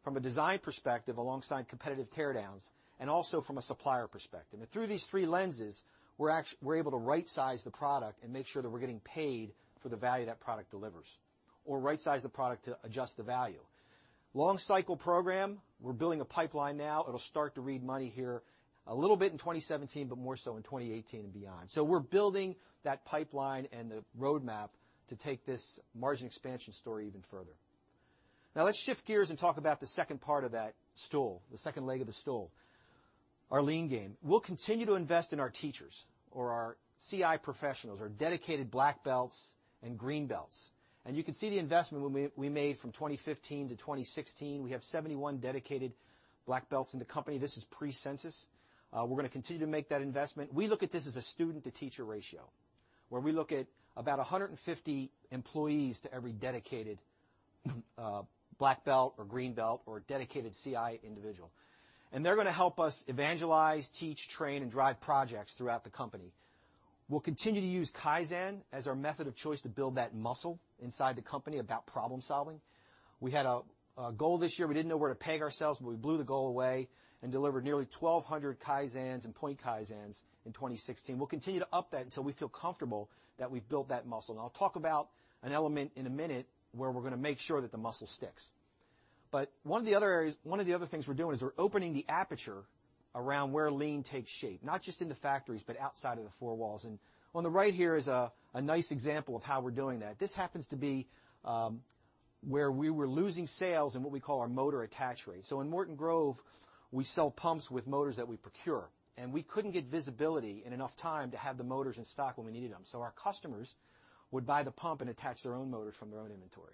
from a design perspective alongside competitive teardowns, also from a supplier perspective. Through these three lenses, we're able to rightsize the product and make sure that we're getting paid for the value that product delivers, or rightsize the product to adjust the value. Long cycle program. We're building a pipeline now. It'll start to read money here a little bit in 2017, but more so in 2018 and beyond. We're building that pipeline and the roadmap to take this margin expansion story even further. Now let's shift gears and talk about the second part of that stool, the second leg of the stool, our lean gain. We'll continue to invest in our teachers or our CI professionals, our dedicated black belts and green belts. You can see the investment we made from 2015 to 2016. We have 71 dedicated black belts in the company. This is pre-Sensus. We're going to continue to make that investment. We look at this as a student-to-teacher ratio, where we look at about 150 employees to every dedicated black belt or green belt or dedicated CI individual. They're going to help us evangelize, teach, train, and drive projects throughout the company. We'll continue to use Kaizen as our method of choice to build that muscle inside the company about problem-solving. We had a goal this year. We didn't know where to peg ourselves, we blew the goal away and delivered nearly 1,200 Kaizens and point Kaizens in 2016. We'll continue to up that until we feel comfortable that we've built that muscle. I'll talk about an element in a minute where we're going to make sure that the muscle sticks. One of the other things we're doing is we're opening the aperture around where lean takes shape, not just in the factories but outside of the four walls. On the right here is a nice example of how we're doing that. This happens to be where we were losing sales in what we call our motor attach rate. In Morton Grove, we sell pumps with motors that we procure. We couldn't get visibility in enough time to have the motors in stock when we needed them. Our customers would buy the pump and attach their own motors from their own inventory.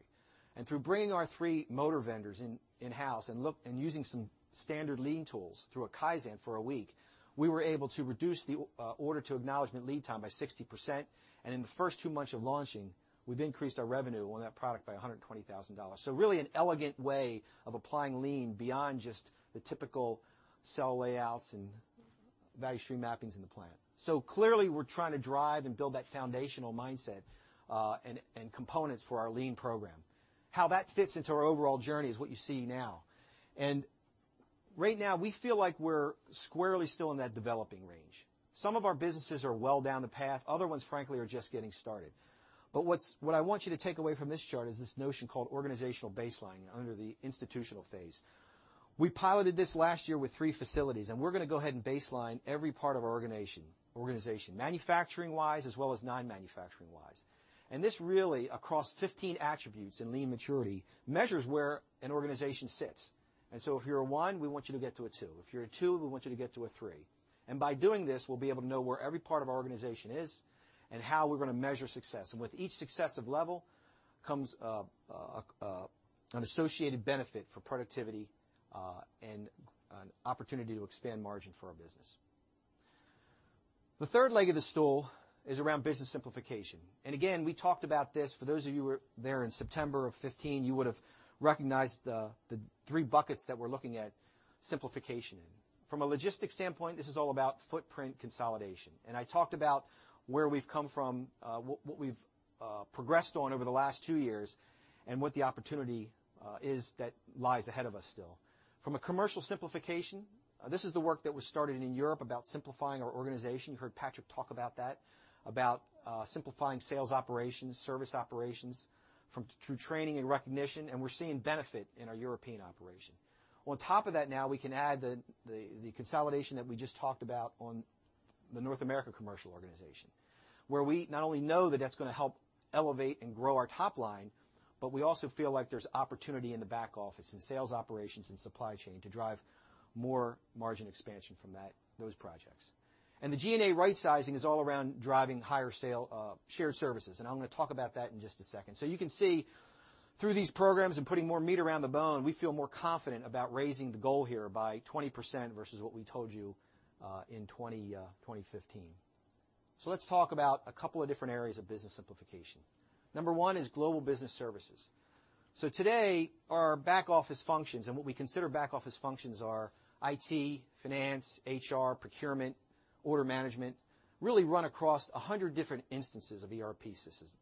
Through bringing our three motor vendors in-house and using some standard lean tools through a Kaizen for a week, we were able to reduce the order-to-acknowledgment lead time by 60%, and in the first two months of launching, we've increased our revenue on that product by $120,000. Really an elegant way of applying lean beyond just the typical cell layouts and value stream mappings in the plant. Clearly, we're trying to drive and build that foundational mindset and components for our lean program. How that fits into our overall journey is what you see now. Right now, we feel like we're squarely still in that developing range. Some of our businesses are well down the path. Other ones, frankly, are just getting started. What I want you to take away from this chart is this notion called organizational baseline under the institutional phase. We piloted this last year with three facilities, and we're going to go ahead and baseline every part of our organization, manufacturing-wise, as well as non-manufacturing-wise. This really, across 15 attributes in lean maturity, measures where an organization sits. If you're a one, we want you to get to a two. If you're a two, we want you to get to a three. By doing this, we'll be able to know where every part of our organization is and how we're going to measure success. With each successive level comes an associated benefit for productivity and an opportunity to expand margin for our business. The third leg of the stool is around business simplification. Again, we talked about this. For those of you who were there in September of 2015, you would've recognized the three buckets that we're looking at simplification in. From a logistics standpoint, this is all about footprint consolidation, and I talked about where we've come from, what we've progressed on over the last two years, and what the opportunity is that lies ahead of us still. From a commercial simplification, this is the work that was started in Europe about simplifying our organization. You heard Patrick talk about that, about simplifying sales operations, service operations through training and recognition, and we're seeing benefit in our European operation. On top of that now, we can add the consolidation that we just talked about on the North America commercial organization, where we not only know that that's going to help elevate and grow our top line, but we also feel like there's opportunity in the back office, in sales operations and supply chain, to drive more margin expansion from those projects. The G&A rightsizing is all around driving higher shared services, and I'm going to talk about that in just a second. You can see through these programs and putting more meat around the bone, we feel more confident about raising the goal here by 20% versus what we told you in 2015. Let's talk about a couple of different areas of business simplification. Number one is global business services. Today, our back-office functions, and what we consider back-office functions are IT, finance, HR, procurement, order management, really run across 100 different instances of ERP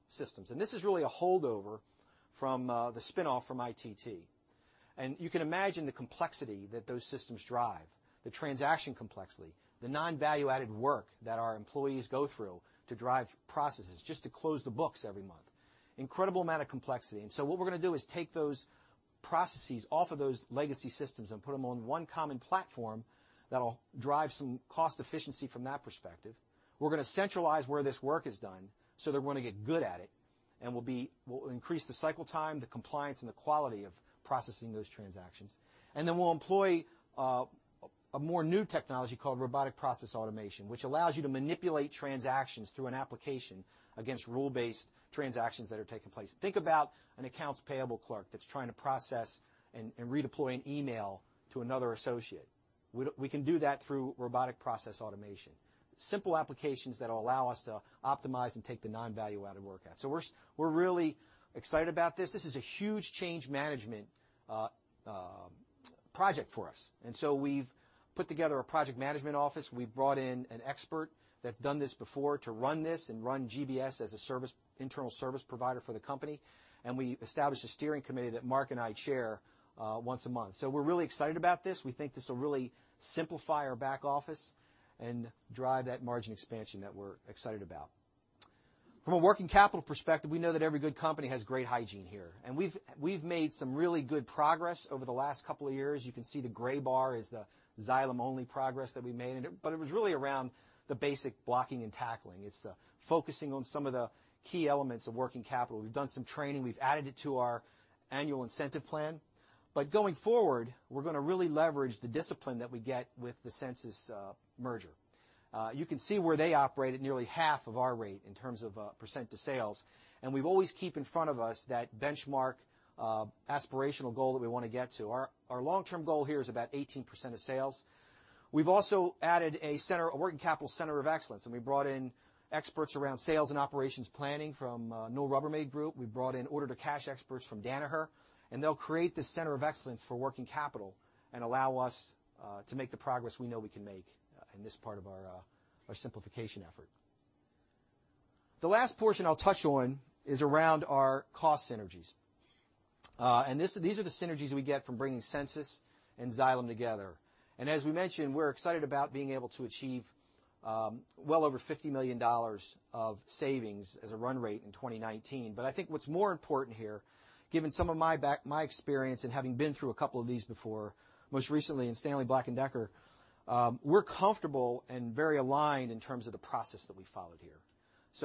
systems. This is really a holdover from the spinoff from ITT. You can imagine the complexity that those systems drive, the transaction complexity, the non-value-added work that our employees go through to drive processes just to close the books every month. Incredible amount of complexity. What we're going to do is take those processes off of those legacy systems and put them on one common platform that'll drive some cost efficiency from that perspective. We're going to centralize where this work is done so that we're going to get good at it, and we'll increase the cycle time, the compliance, and the quality of processing those transactions. We'll employ a more new technology called robotic process automation, which allows you to manipulate transactions through an application against rule-based transactions that are taking place. Think about an accounts payable clerk that's trying to process and redeploy an email to another associate. We can do that through robotic process automation. Simple applications that'll allow us to optimize and take the non-value-added work out. We're really excited about this. This is a huge change management project for us. We've put together a project management office. We've brought in an expert that's done this before to run this and run GBS as an internal service provider for the company. We established a steering committee that Mark and I chair once a month. We're really excited about this. We think this will really simplify our back office and drive that margin expansion that we're excited about. From a working capital perspective, we know that every good company has great hygiene here, and we've made some really good progress over the last couple of years. You can see the gray bar is the Xylem-only progress that we made, but it was really around the basic blocking and tackling. It's the focusing on some of the key elements of working capital. We've done some training. We've added it to our annual incentive plan. Going forward, we're going to really leverage the discipline that we get with the Sensus merger. You can see where they operate at nearly half of our rate in terms of percent to sales, and we've always keep in front of us that benchmark, aspirational goal that we want to get to. Our long-term goal here is about 18% of sales. We've also added a working capital Center of Excellence, and we brought in experts around sales and operations planning from Newell Rubbermaid group. We brought in order to cash experts from Danaher, and they'll create this Center of Excellence for working capital and allow us to make the progress we know we can make in this part of our simplification effort. The last portion I'll touch on is around our cost synergies. These are the synergies we get from bringing Sensus and Xylem together. As we mentioned, we're excited about being able to achieve well over $50 million of savings as a run rate in 2019. I think what's more important here, given some of my experience and having been through a couple of these before, most recently in Stanley Black & Decker, we're comfortable and very aligned in terms of the process that we followed here.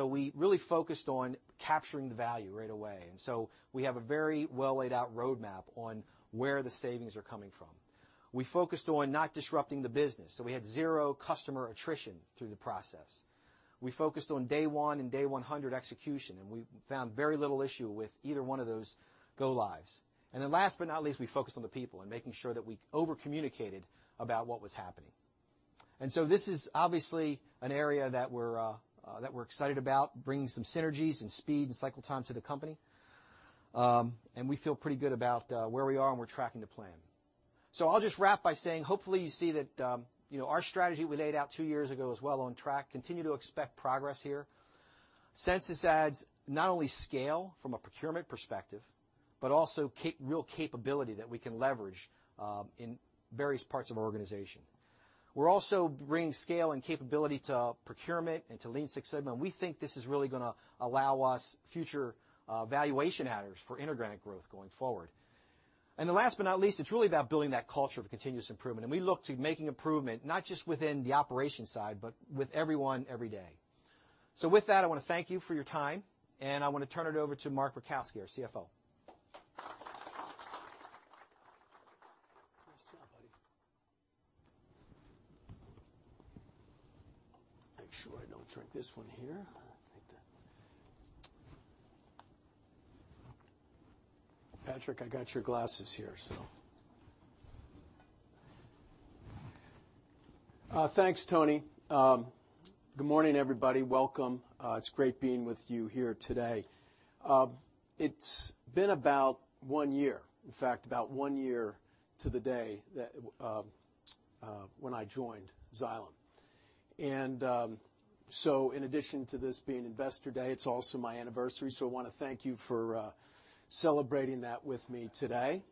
We really focused on capturing the value right away. We have a very well laid out roadmap on where the savings are coming from. We focused on not disrupting the business, so we had zero customer attrition through the process. We focused on day one and day 100 execution, and we found very little issue with either one of those go lives. Last but not least, we focused on the people and making sure that we over-communicated about what was happening. This is obviously an area that we're excited about, bringing some synergies and speed and cycle time to the company. We feel pretty good about where we are, and we're tracking the plan. I'll just wrap by saying hopefully you see that our strategy we laid out two years ago is well on track. Continue to expect progress here. Sensus adds not only scale from a procurement perspective, but also real capability that we can leverage in various parts of our organization. We're also bringing scale and capability to procurement and to Lean Six Sigma, and we think this is really going to allow us future valuation adders for inorganic growth going forward. Last but not least, it's really about building that culture of continuous improvement, and we look to making improvement not just within the operations side, but with everyone every day. With that, I want to thank you for your time, and I want to turn it over to Mark Rajkowski, our CFO. Nice job, buddy. Make sure I don't drink this one here Patrick, I got your glasses here. Thanks, Tony. Good morning, everybody. Welcome. It's great being with you here today. It's been about one year, in fact, about one year to the day, when I joined Xylem. In addition to this being Investor Day, it's also my anniversary, so I want to thank you for celebrating that with me today.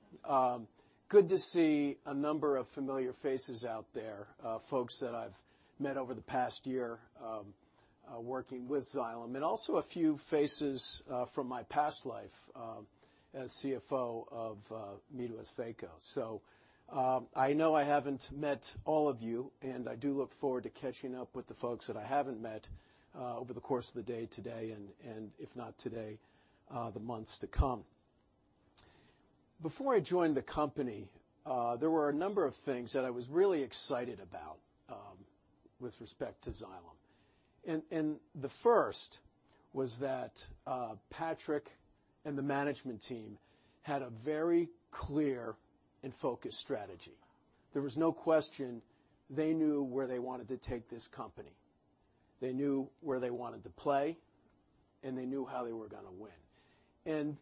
Good to see a number of familiar faces out there, folks that I've met over the past year working with Xylem, and also a few faces from my past life as CFO of MeadWestvaco. I know I haven't met all of you, and I do look forward to catching up with the folks that I haven't met over the course of the day today, and if not today, the months to come. Before I joined the company, there were a number of things that I was really excited about with respect to Xylem. The first was that Patrick and the management team had a very clear and focused strategy. There was no question they knew where they wanted to take this company. They knew where they wanted to play, and they knew how they were going to win.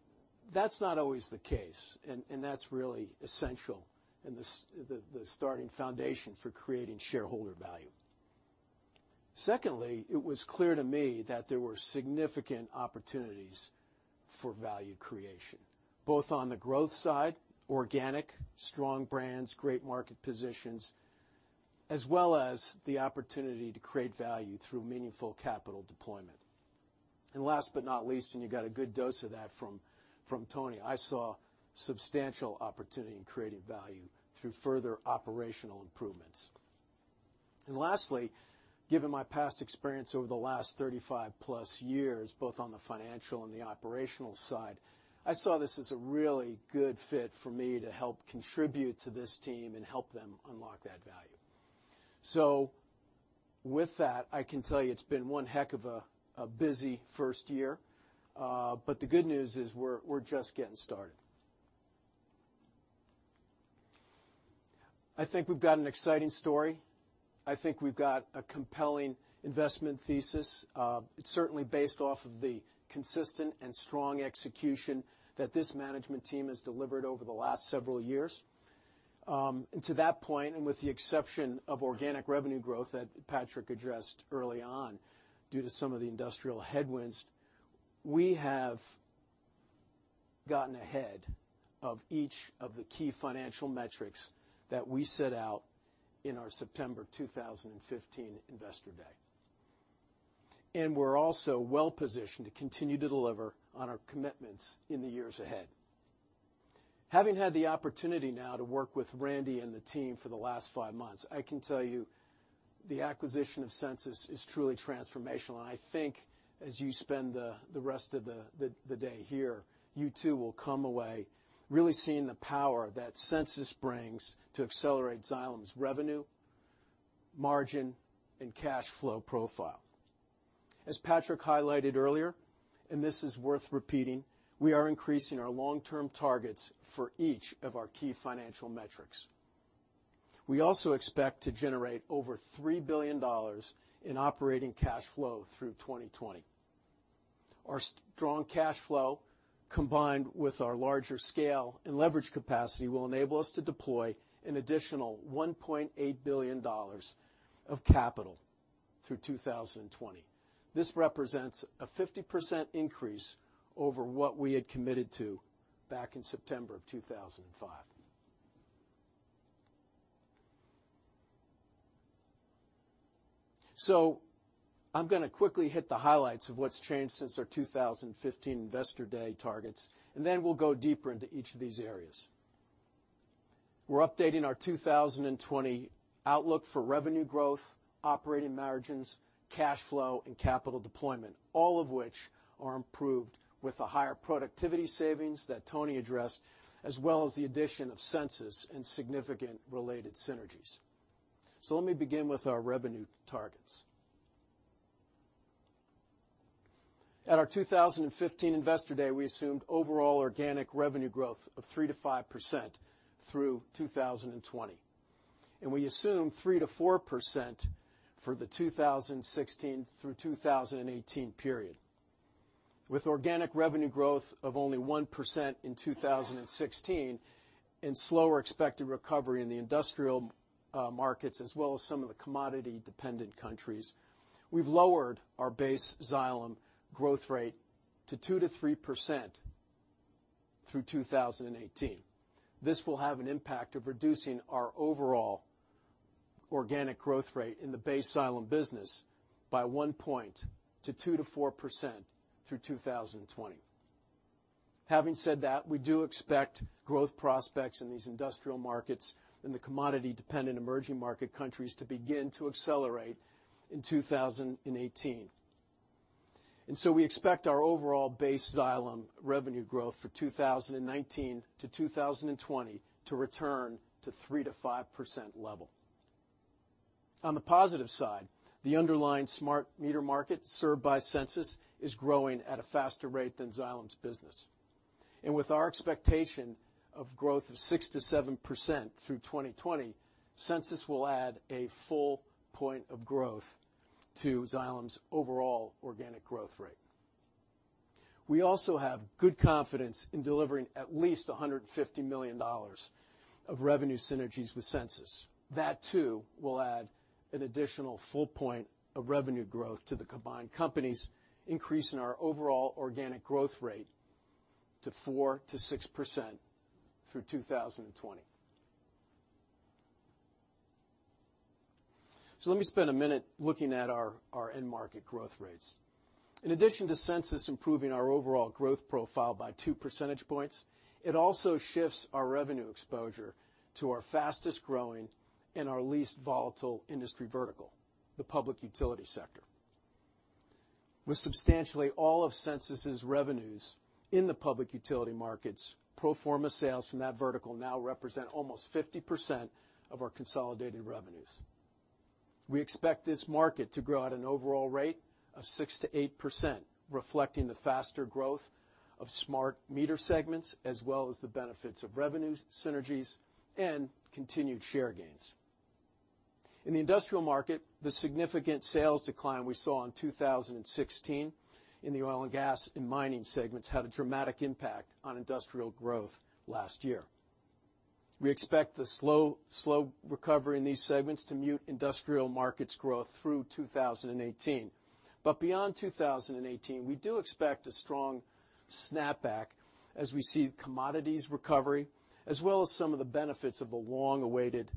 That's not always the case, and that's really essential and the starting foundation for creating shareholder value. Secondly, it was clear to me that there were significant opportunities for value creation, both on the growth side, organic, strong brands, great market positions, as well as the opportunity to create value through meaningful capital deployment. Last but not least, and you got a good dose of that from Tony, I saw substantial opportunity in creating value through further operational improvements. Lastly, given my past experience over the last 35-plus years, both on the financial and the operational side, I saw this as a really good fit for me to help contribute to this team and help them unlock that value. With that, I can tell you it's been one heck of a busy first year, but the good news is we're just getting started. I think we've got an exciting story. I think we've got a compelling investment thesis. It's certainly based off of the consistent and strong execution that this management team has delivered over the last several years. To that point, and with the exception of organic revenue growth that Patrick addressed early on due to some of the industrial headwinds, we have gotten ahead of each of the key financial metrics that we set out in our September 2015 Investor Day. We're also well positioned to continue to deliver on our commitments in the years ahead. Having had the opportunity now to work with Randy and the team for the last five months, I can tell you the acquisition of Sensus is truly transformational, and I think as you spend the rest of the day here, you too will come away really seeing the power that Sensus brings to accelerate Xylem's revenue, margin, and cash flow profile. As Patrick highlighted earlier, this is worth repeating, we are increasing our long-term targets for each of our key financial metrics. We also expect to generate over $3 billion in operating cash flow through 2020. Our strong cash flow, combined with our larger scale and leverage capacity, will enable us to deploy an additional $1.8 billion of capital through 2020. This represents a 50% increase over what we had committed to back in September of 2015. I'm going to quickly hit the highlights of what's changed since our 2015 Investor Day targets, and then we'll go deeper into each of these areas. We're updating our 2020 outlook for revenue growth, operating margins, cash flow, and capital deployment, all of which are improved with the higher productivity savings that Tony addressed, as well as the addition of Sensus and significant related synergies. Let me begin with our revenue targets. At our 2015 Investor Day, we assumed overall organic revenue growth of 3%-5% through 2020, and we assume 3%-4% for the 2016 through 2018 period. With organic revenue growth of only 1% in 2016 and slower expected recovery in the industrial markets as well as some of the commodity-dependent countries, we've lowered our base Xylem growth rate to 2%-3% through 2018. This will have an impact of reducing our overall organic growth rate in the base Xylem business by one point to 2%-4% through 2020. Having said that, we do expect growth prospects in these industrial markets and the commodity-dependent emerging market countries to begin to accelerate in 2018. We expect our overall base Xylem revenue growth for 2019 to 2020 to return to 3%-5% level. On the positive side, the underlying smart meter market served by Sensus is growing at a faster rate than Xylem's business. With our expectation of growth of 6%-7% through 2020, Sensus will add a full point of growth to Xylem's overall organic growth rate. We also have good confidence in delivering at least $150 million of revenue synergies with Sensus. That too will add an additional full point of revenue growth to the combined companies, increasing our overall organic growth rate to 4%-6% through 2020. Let me spend a minute looking at our end market growth rates. In addition to Sensus improving our overall growth profile by two percentage points, it also shifts our revenue exposure to our fastest-growing and our least volatile industry vertical, the public utility sector. With substantially all of Sensus's revenues in the public utility markets, pro forma sales from that vertical now represent almost 50% of our consolidated revenues. We expect this market to grow at an overall rate of 6%-8%, reflecting the faster growth of smart meter segments, as well as the benefits of revenue synergies and continued share gains. In the industrial market, the significant sales decline we saw in 2016 in the oil and gas and mining segments had a dramatic impact on industrial growth last year. We expect the slow recovery in these segments to mute industrial markets growth through 2018. Beyond 2018, we do expect a strong snapback as we see commodities recovery, as well as some of the benefits of a long-awaited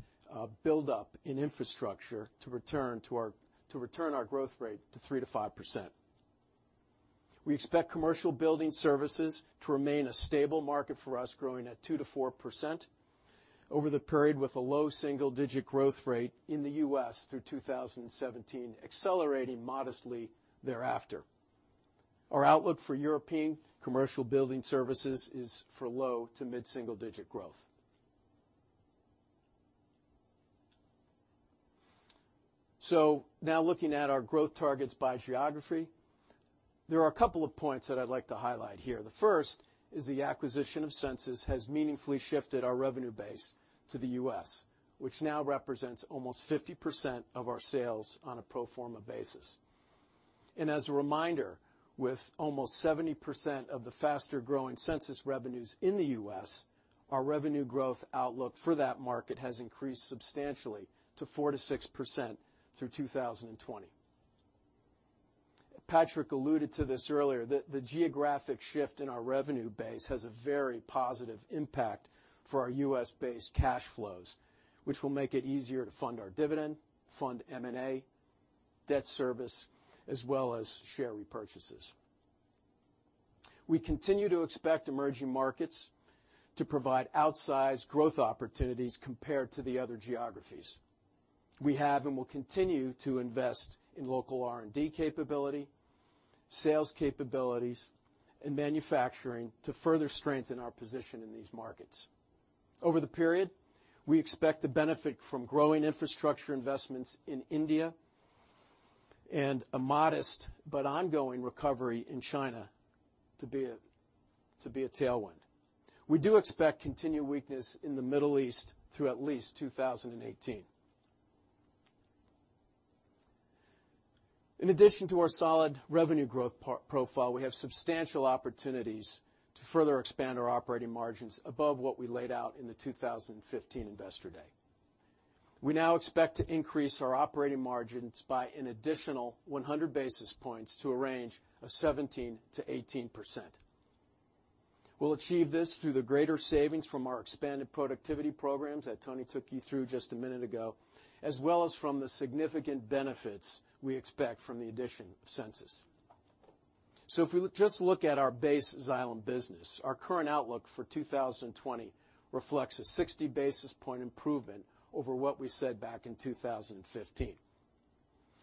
buildup in infrastructure to return our growth rate to 3%-5%. We expect commercial building services to remain a stable market for us, growing at 2%-4% over the period, with a low single-digit growth rate in the U.S. through 2017, accelerating modestly thereafter. Our outlook for European commercial building services is for low to mid-single-digit growth. Now looking at our growth targets by geography, there are a couple of points that I'd like to highlight here. The first is the acquisition of Sensus has meaningfully shifted our revenue base to the U.S., which now represents almost 50% of our sales on a pro forma basis. As a reminder, with almost 70% of the faster-growing Sensus revenues in the U.S., our revenue growth outlook for that market has increased substantially to 4%-6% through 2020. Patrick alluded to this earlier, that the geographic shift in our revenue base has a very positive impact for our U.S.-based cash flows, which will make it easier to fund our dividend, fund M&A, debt service, as well as share repurchases. We continue to expect emerging markets to provide outsized growth opportunities compared to the other geographies. We have and will continue to invest in local R&D capability, sales capabilities, and manufacturing to further strengthen our position in these markets. Over the period, we expect to benefit from growing infrastructure investments in India and a modest but ongoing recovery in China to be a tailwind. We do expect continued weakness in the Middle East through at least 2018. In addition to our solid revenue growth profile, we have substantial opportunities to further expand our operating margins above what we laid out in the 2015 Investor Day. We now expect to increase our operating margins by an additional 100 basis points to a range of 17%-18%. We'll achieve this through the greater savings from our expanded productivity programs that Tony took you through just a minute ago, as well as from the significant benefits we expect from the addition of Sensus. If we just look at our base Xylem business, our current outlook for 2020 reflects a 60 basis point improvement over what we said back in 2015,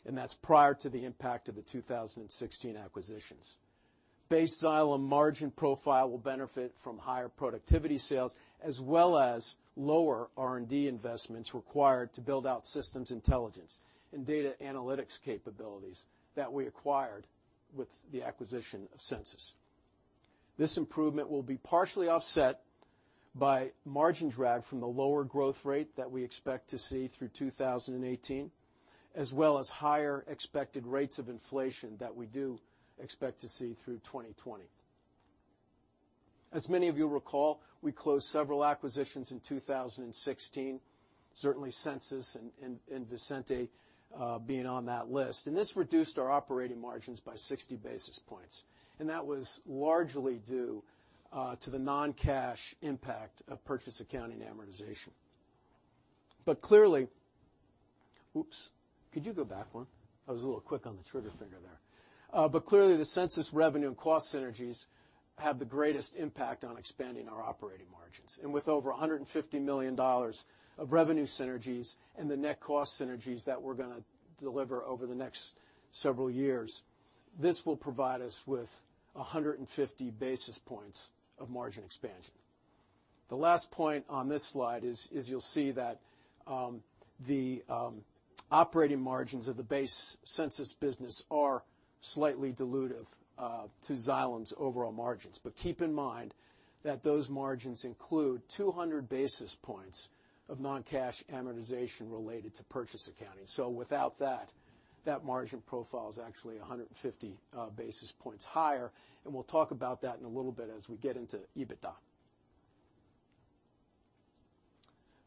and that's prior to the impact of the 2016 acquisitions. Base Xylem margin profile will benefit from higher productivity sales as well as lower R&D investments required to build out systems intelligence and data analytics capabilities that we acquired with the acquisition of Sensus. This improvement will be partially offset by margin drag from the lower growth rate that we expect to see through 2018, as well as higher expected rates of inflation that we do expect to see through 2020. As many of you recall, we closed several acquisitions in 2016, certainly Sensus and Visenti being on that list, and this reduced our operating margins by 60 basis points, and that was largely due to the non-cash impact of purchase accounting amortization. Clearly Oops, could you go back one? I was a little quick on the trigger finger there. Clearly, the Sensus revenue and cost synergies have the greatest impact on expanding our operating margins. With over $150 million of revenue synergies and the net cost synergies that we're going to deliver over the next several years, this will provide us with 150 basis points of margin expansion. The last point on this slide is you'll see that the operating margins of the base Sensus business are slightly dilutive to Xylem's overall margins. Keep in mind that those margins include 200 basis points of non-cash amortization related to purchase accounting. Without that margin profile is actually 150 basis points higher, and we'll talk about that in a little bit as we get into EBITDA.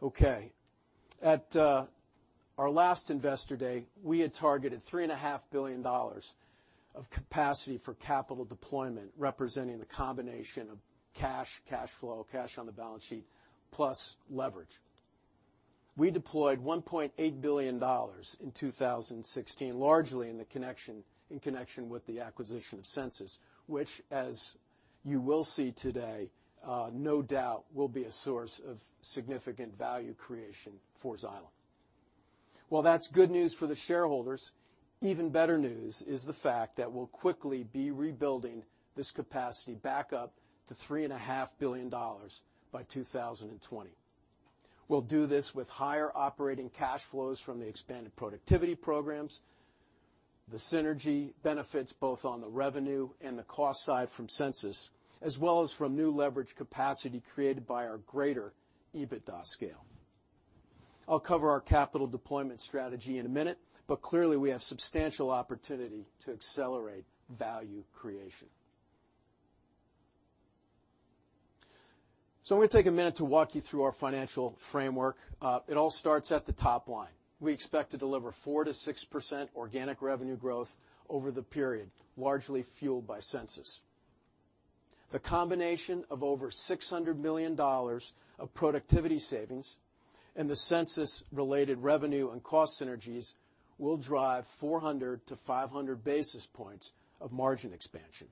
Okay. At our last Investor Day, we had targeted $3.5 billion of capacity for capital deployment, representing the combination of cash flow, cash on the balance sheet, plus leverage. We deployed $1.8 billion in 2016, largely in connection with the acquisition of Sensus, which as you will see today, no doubt will be a source of significant value creation for Xylem. While that's good news for the shareholders, even better news is the fact that we'll quickly be rebuilding this capacity back up to $3.5 billion by 2020. We'll do this with higher operating cash flows from the expanded productivity programs, the synergy benefits both on the revenue and the cost side from Sensus, as well as from new leverage capacity created by our greater EBITDA scale. I'll cover our capital deployment strategy in a minute, but clearly, we have substantial opportunity to accelerate value creation. I'm going to take a minute to walk you through our financial framework. It all starts at the top line. We expect to deliver 4%-6% organic revenue growth over the period, largely fueled by Sensus. The combination of over $600 million of productivity savings and the Sensus-related revenue and cost synergies will drive 400 to 500 basis points of margin expansion.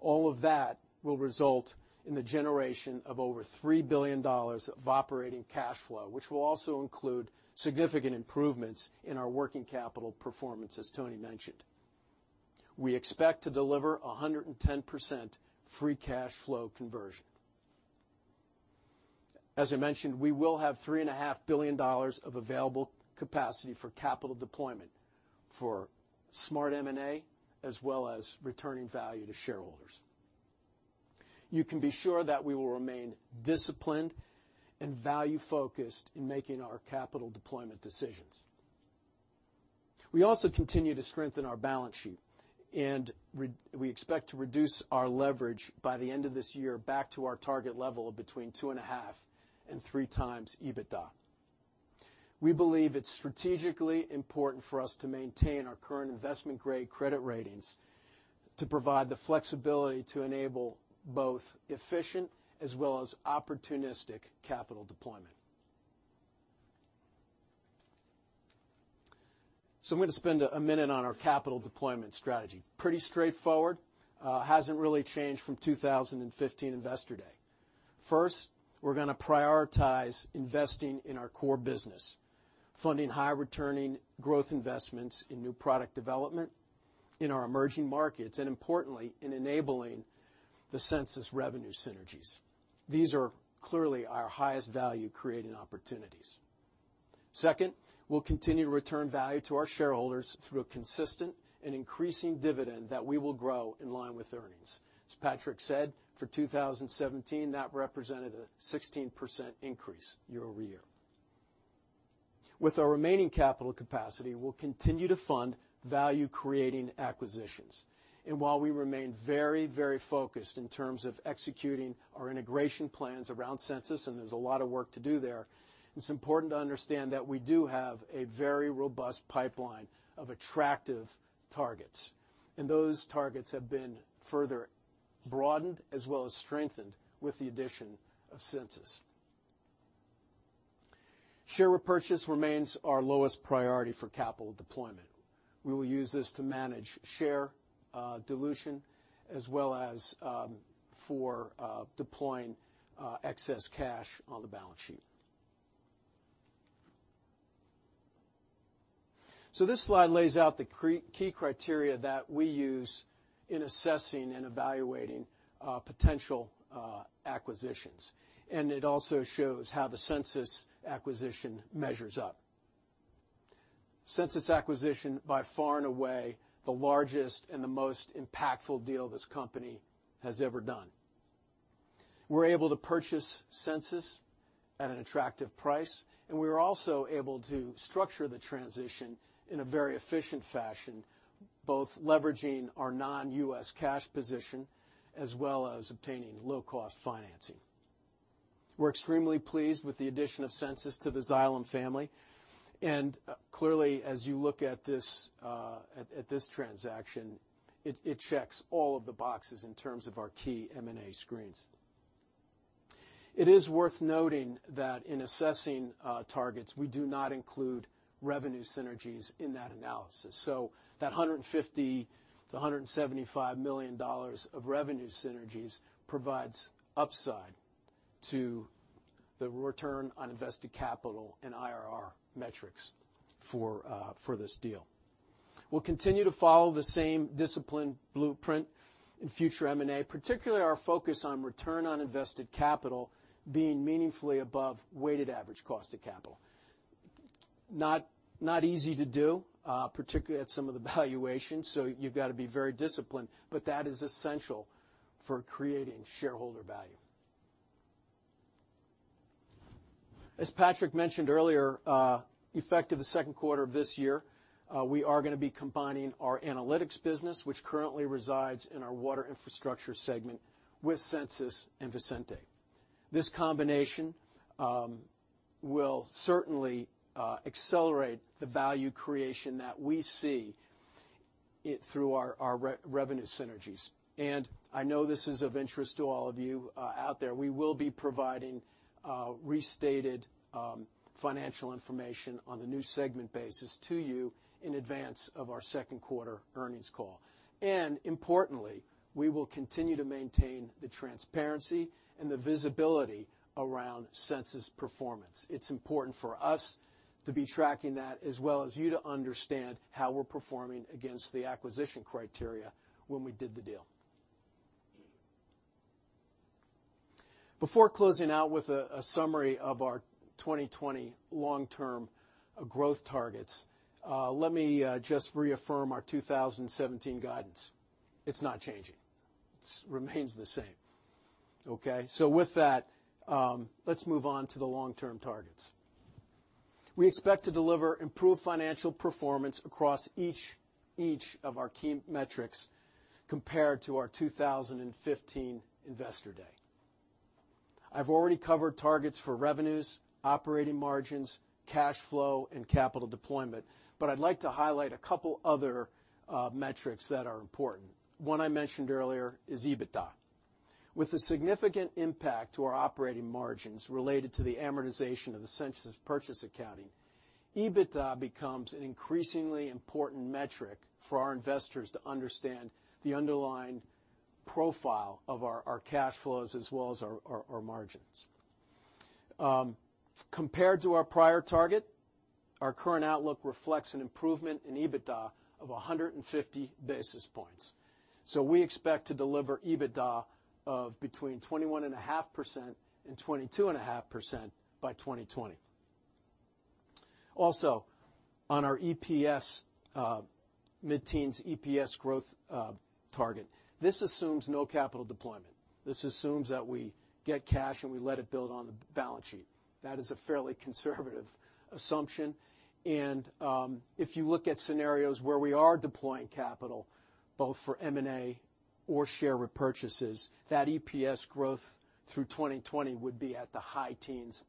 All of that will result in the generation of over $3 billion of operating cash flow, which will also include significant improvements in our working capital performance, as Tony mentioned. We expect to deliver 110% free cash flow conversion. As I mentioned, we will have $3.5 billion of available capacity for capital deployment for smart M&A, as well as returning value to shareholders. You can be sure that we will remain disciplined and value-focused in making our capital deployment decisions. We also continue to strengthen our balance sheet, and we expect to reduce our leverage by the end of this year back to our target level of between two and a half and three times EBITDA. We believe it's strategically important for us to maintain our current investment-grade credit ratings to provide the flexibility to enable both efficient as well as opportunistic capital deployment. I'm going to spend a minute on our capital deployment strategy. Pretty straightforward. Hasn't really changed from 2015 Investor Day. First, we're going to prioritize investing in our core business, funding high-returning growth investments in new product development in our emerging markets, and importantly, in enabling the Sensus revenue synergies. These are clearly our highest value-creating opportunities. Second, we'll continue to return value to our shareholders through a consistent and increasing dividend that we will grow in line with earnings. As Patrick said, for 2017, that represented a 16% increase year-over-year. With our remaining capital capacity, we'll continue to fund value-creating acquisitions. While we remain very focused in terms of executing our integration plans around Sensus, and there's a lot of work to do there, it's important to understand that we do have a very robust pipeline of attractive targets, and those targets have been further broadened as well as strengthened with the addition of Sensus. Share repurchase remains our lowest priority for capital deployment. We will use this to manage share dilution as well as for deploying excess cash on the balance sheet. This slide lays out the key criteria that we use in assessing and evaluating potential acquisitions, and it also shows how the Sensus acquisition measures up. Sensus acquisition, by far and away, the largest and the most impactful deal this company has ever done. We were able to purchase Sensus at an attractive price, we were also able to structure the transition in a very efficient fashion, both leveraging our non-U.S. cash position as well as obtaining low-cost financing. We're extremely pleased with the addition of Sensus to the Xylem family, clearly, as you look at this transaction, it checks all of the boxes in terms of our key M&A screens. It is worth noting that in assessing targets, we do not include revenue synergies in that analysis. That $150 million-$175 million of revenue synergies provides upside to the return on invested capital and IRR metrics for this deal. We'll continue to follow the same discipline blueprint in future M&A, particularly our focus on return on invested capital being meaningfully above weighted average cost of capital. Not easy to do, particularly at some of the valuations, you've got to be very disciplined, that is essential for creating shareholder value. As Patrick mentioned earlier, effective the second quarter of this year, we are going to be combining our analytics business, which currently resides in our Water Infrastructure segment, with Sensus and Visenti. This combination will certainly accelerate the value creation that we see through our revenue synergies. I know this is of interest to all of you out there. We will be providing restated financial information on the new segment basis to you in advance of our second quarter earnings call. Importantly, we will continue to maintain the transparency and the visibility around Sensus performance. It's important for us to be tracking that as well as you to understand how we're performing against the acquisition criteria when we did the deal. Before closing out with a summary of our 2020 long-term growth targets, let me just reaffirm our 2017 guidance. It's not changing. It remains the same. Okay? With that, let's move on to the long-term targets. We expect to deliver improved financial performance across each of our key metrics compared to our 2015 Investor Day. I've already covered targets for revenues, operating margins, cash flow, and capital deployment. I'd like to highlight a couple other metrics that are important. One I mentioned earlier is EBITDA. With the significant impact to our operating margins related to the amortization of the Sensus purchase accounting, EBITDA becomes an increasingly important metric for our investors to understand the underlying profile of our cash flows as well as our margins. Compared to our prior target, our current outlook reflects an improvement in EBITDA of 150 basis points. We expect to deliver EBITDA of between 21.5%-22.5% by 2020. Also, on our mid-teens EPS growth target. This assumes no capital deployment. This assumes that we get cash, and we let it build on the balance sheet. That is a fairly conservative assumption, and if you look at scenarios where we are deploying capital, both for M&A or share repurchases, that EPS growth through 2020 would be at the high teens+.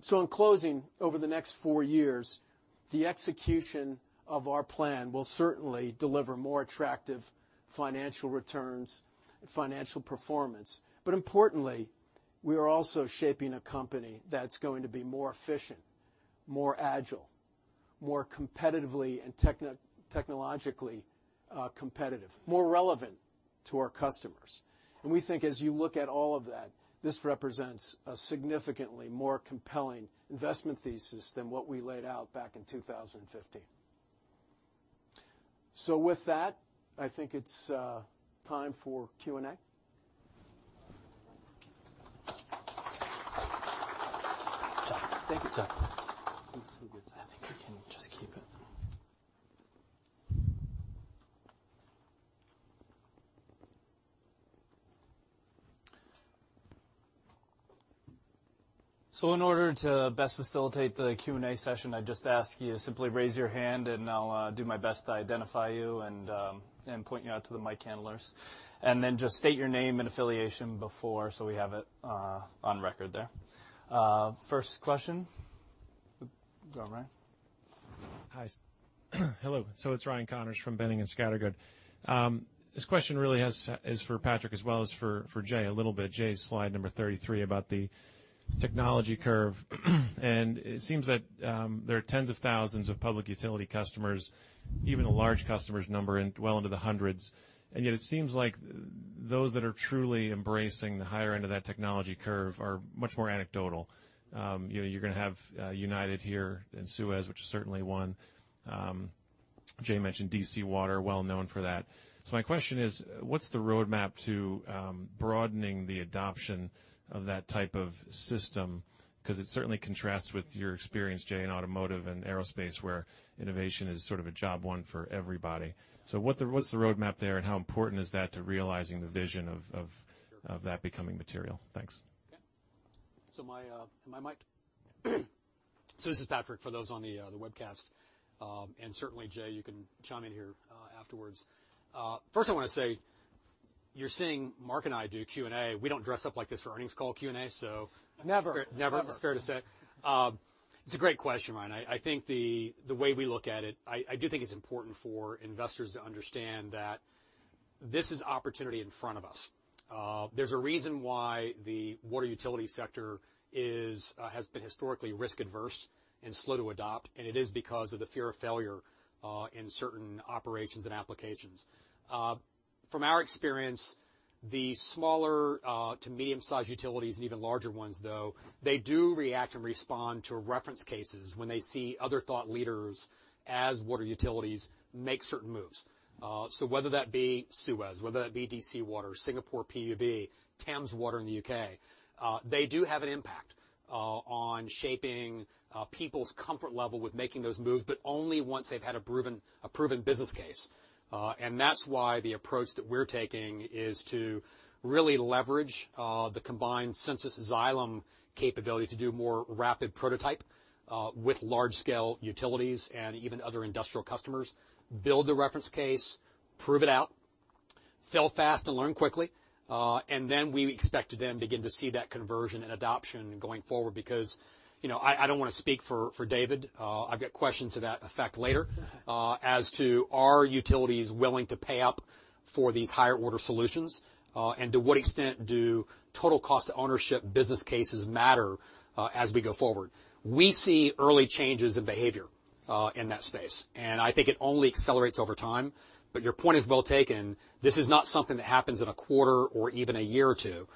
In closing, over the next four years, the execution of our plan will certainly deliver more attractive financial returns and financial performance. Importantly, we are also shaping a company that's going to be more efficient, more agile, more competitively and technologically competitive, more relevant to our customers. We think as you look at all of that, this represents a significantly more compelling investment thesis than what we laid out back in 2015. With that, I think it's time for Q&A. Thank you, John. You're good. I think we can just keep it. In order to best facilitate the Q&A session, I'd just ask you to simply raise your hand, and I'll do my best to identify you and point you out to the mic handlers. Then just state your name and affiliation before, so we have it on record there. First question. Go, Ryan. Hi. Hello. Ryan Connors from Boenning & Scattergood. This question really is for Patrick as well as for Jay a little bit. Jay's slide number 33 about the technology curve. It seems that there are tens of thousands of public utility customers, even the large customers number well into the hundreds, and yet it seems like those that are truly embracing the higher end of that technology curve are much more anecdotal. You're going to have United Water here and Suez, which is certainly one. Jay mentioned DC Water, well known for that. My question is, what's the roadmap to broadening the adoption of that type of system? Because it certainly contrasts with your experience, Jay, in automotive and aerospace, where innovation is sort of a job one for everybody. What's the roadmap there, and how important is that to realizing the vision of that becoming material? Thanks. Okay. My mic. Yeah. This is Patrick, for those on the webcast. Certainly, Jay, you can chime in here afterwards. First, I want to say, you're seeing Mark and I do Q&A. We don't dress up like this for earnings call Q&A. Never never, it's fair to say. It's a great question, Ryan. I think the way we look at it, I do think it's important for investors to understand that this is opportunity in front of us. There's a reason why the water utility sector has been historically risk-averse and slow to adopt, it is because of the fear of failure in certain operations and applications. The smaller to medium-sized utilities and even larger ones, though, they do react and respond to reference cases when they see other thought leaders as water utilities make certain moves. Whether that be Suez, whether that be D.C. Water, Singapore Public Utilities Board, Thames Water in the U.K., they do have an impact on shaping people's comfort level with making those moves, but only once they've had a proven business case. That's why the approach that we're taking is to really leverage the combined Sensus Xylem capability to do more rapid prototype with large-scale utilities and even other industrial customers, build the reference case, prove it out, fail fast, and learn quickly. Then we expect to then begin to see that conversion and adoption going forward because, I don't want to speak for David. I've got questions to that effect later as to are utilities willing to pay up for these higher order solutions, to what extent do total cost to ownership business cases matter as we go forward. We see early changes in behavior in that space, I think it only accelerates over time. Your point is well taken. This is not something that happens in a quarter or even a year or two,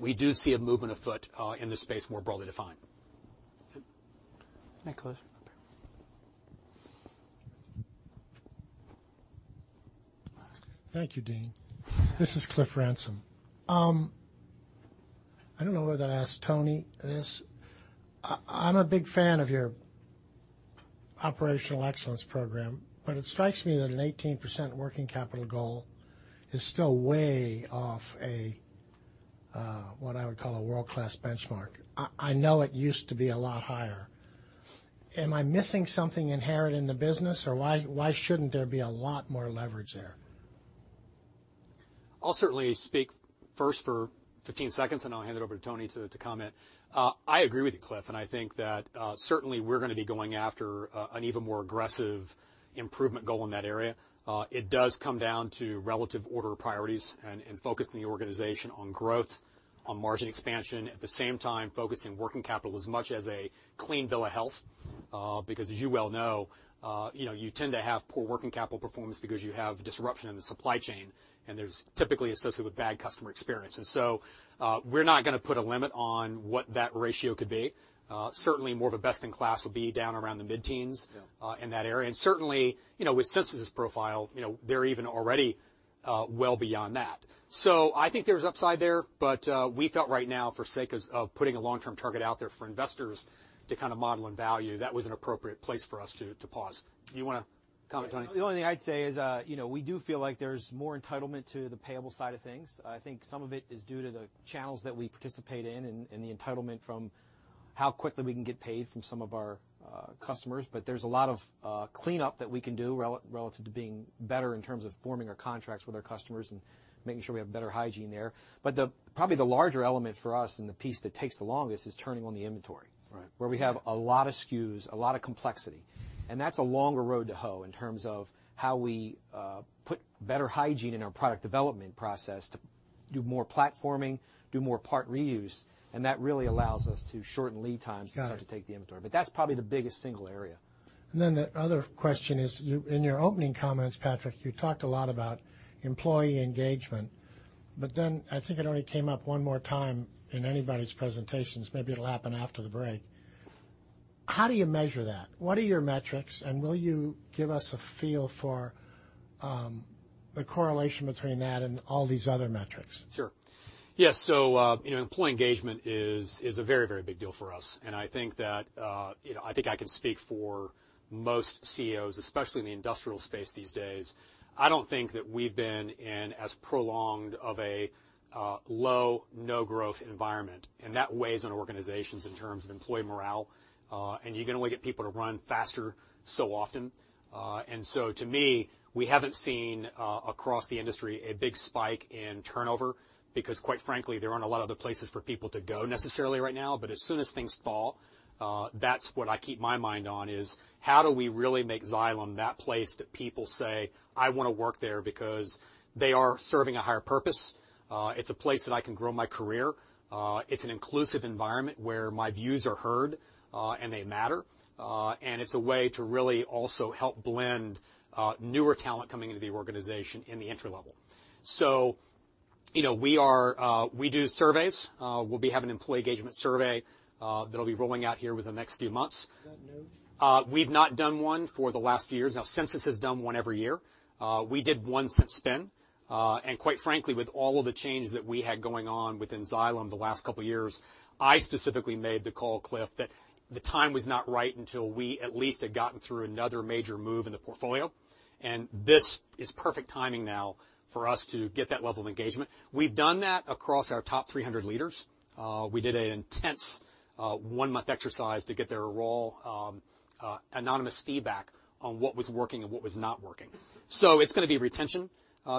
we do see a movement afoot in this space more broadly defined. Nicholas. Up here. Thank you, Deane. This is Cliff Ransom. I don't know whether to ask Tony this. I'm a big fan of your Operational Excellence Program, it strikes me that an 18% working capital goal is still way off what I would call a world-class benchmark. I know it used to be a lot higher. Am I missing something inherent in the business, or why shouldn't there be a lot more leverage there? I'll certainly speak first for 15 seconds, then I'll hand it over to Tony to comment. I agree with you, Cliff, and I think that certainly we're going to be going after an even more aggressive improvement goal in that area. It does come down to relative order of priorities and focus in the organization on growth, on margin expansion, at the same time, focusing working capital as much as a clean bill of health, because as you well know you tend to have poor working capital performance because you have disruption in the supply chain, and there's typically associated with bad customer experiences. We're not going to put a limit on what that ratio could be. Certainly more of a best-in-class will be down around the mid-teens- Yeah Certainly, with Sensus' profile, they're even already well beyond that. I think there's upside there, but we felt right now, for sake of putting a long-term target out there for investors to kind of model and value, that was an appropriate place for us to pause. Do you want to comment, Tony? The only thing I'd say is, we do feel like there's more entitlement to the payable side of things. I think some of it is due to the channels that we participate in and the entitlement from how quickly we can get paid from some of our customers. There's a lot of cleanup that we can do relative to being better in terms of forming our contracts with our customers and making sure we have better hygiene there. Probably the larger element for us and the piece that takes the longest is turning on the inventory- Right. Where we have a lot of SKUs, a lot of complexity, and that's a longer road to hoe in terms of how we put better hygiene in our product development process to do more platforming, do more part reuse, and that really allows us to shorten lead times- Got it. Start to take the inventory. That's probably the biggest single area. The other question is, in your opening comments, Patrick, you talked a lot about employee engagement, I think it only came up one more time in anybody's presentations. Maybe it'll happen after the break. How do you measure that? What are your metrics, and will you give us a feel for the correlation between that and all these other metrics? Sure. Yes, employee engagement is a very big deal for us, and I think I can speak for most CEOs, especially in the industrial space these days. I don't think that we've been in as prolonged of a low, no-growth environment, that weighs on organizations in terms of employee morale. You can only get people to run faster so often. To me, we haven't seen, across the industry, a big spike in turnover because quite frankly, there aren't a lot of other places for people to go necessarily right now. As soon as things thaw, that's what I keep my mind on is how do we really make Xylem that place that people say, "I want to work there because they are serving a higher purpose. It's a place that I can grow my career. It's an inclusive environment where my views are heard, and they matter." It's a way to really also help blend newer talent coming into the organization in the entry level. We do surveys. We'll be having an employee engagement survey that'll be rolling out here within the next few months. Is that new? We've not done one for the last few years now. Sensus has done one every year. We did one since spin. Quite frankly, with all of the changes that we had going on within Xylem the last couple of years, I specifically made the call, Cliff, that the time was not right until we at least had gotten through another major move in the portfolio, and this is perfect timing now for us to get that level of engagement. We've done that across our top 300 leaders. We did an intense one-month exercise to get their raw, anonymous feedback on what was working and what was not working. It's going to be retention,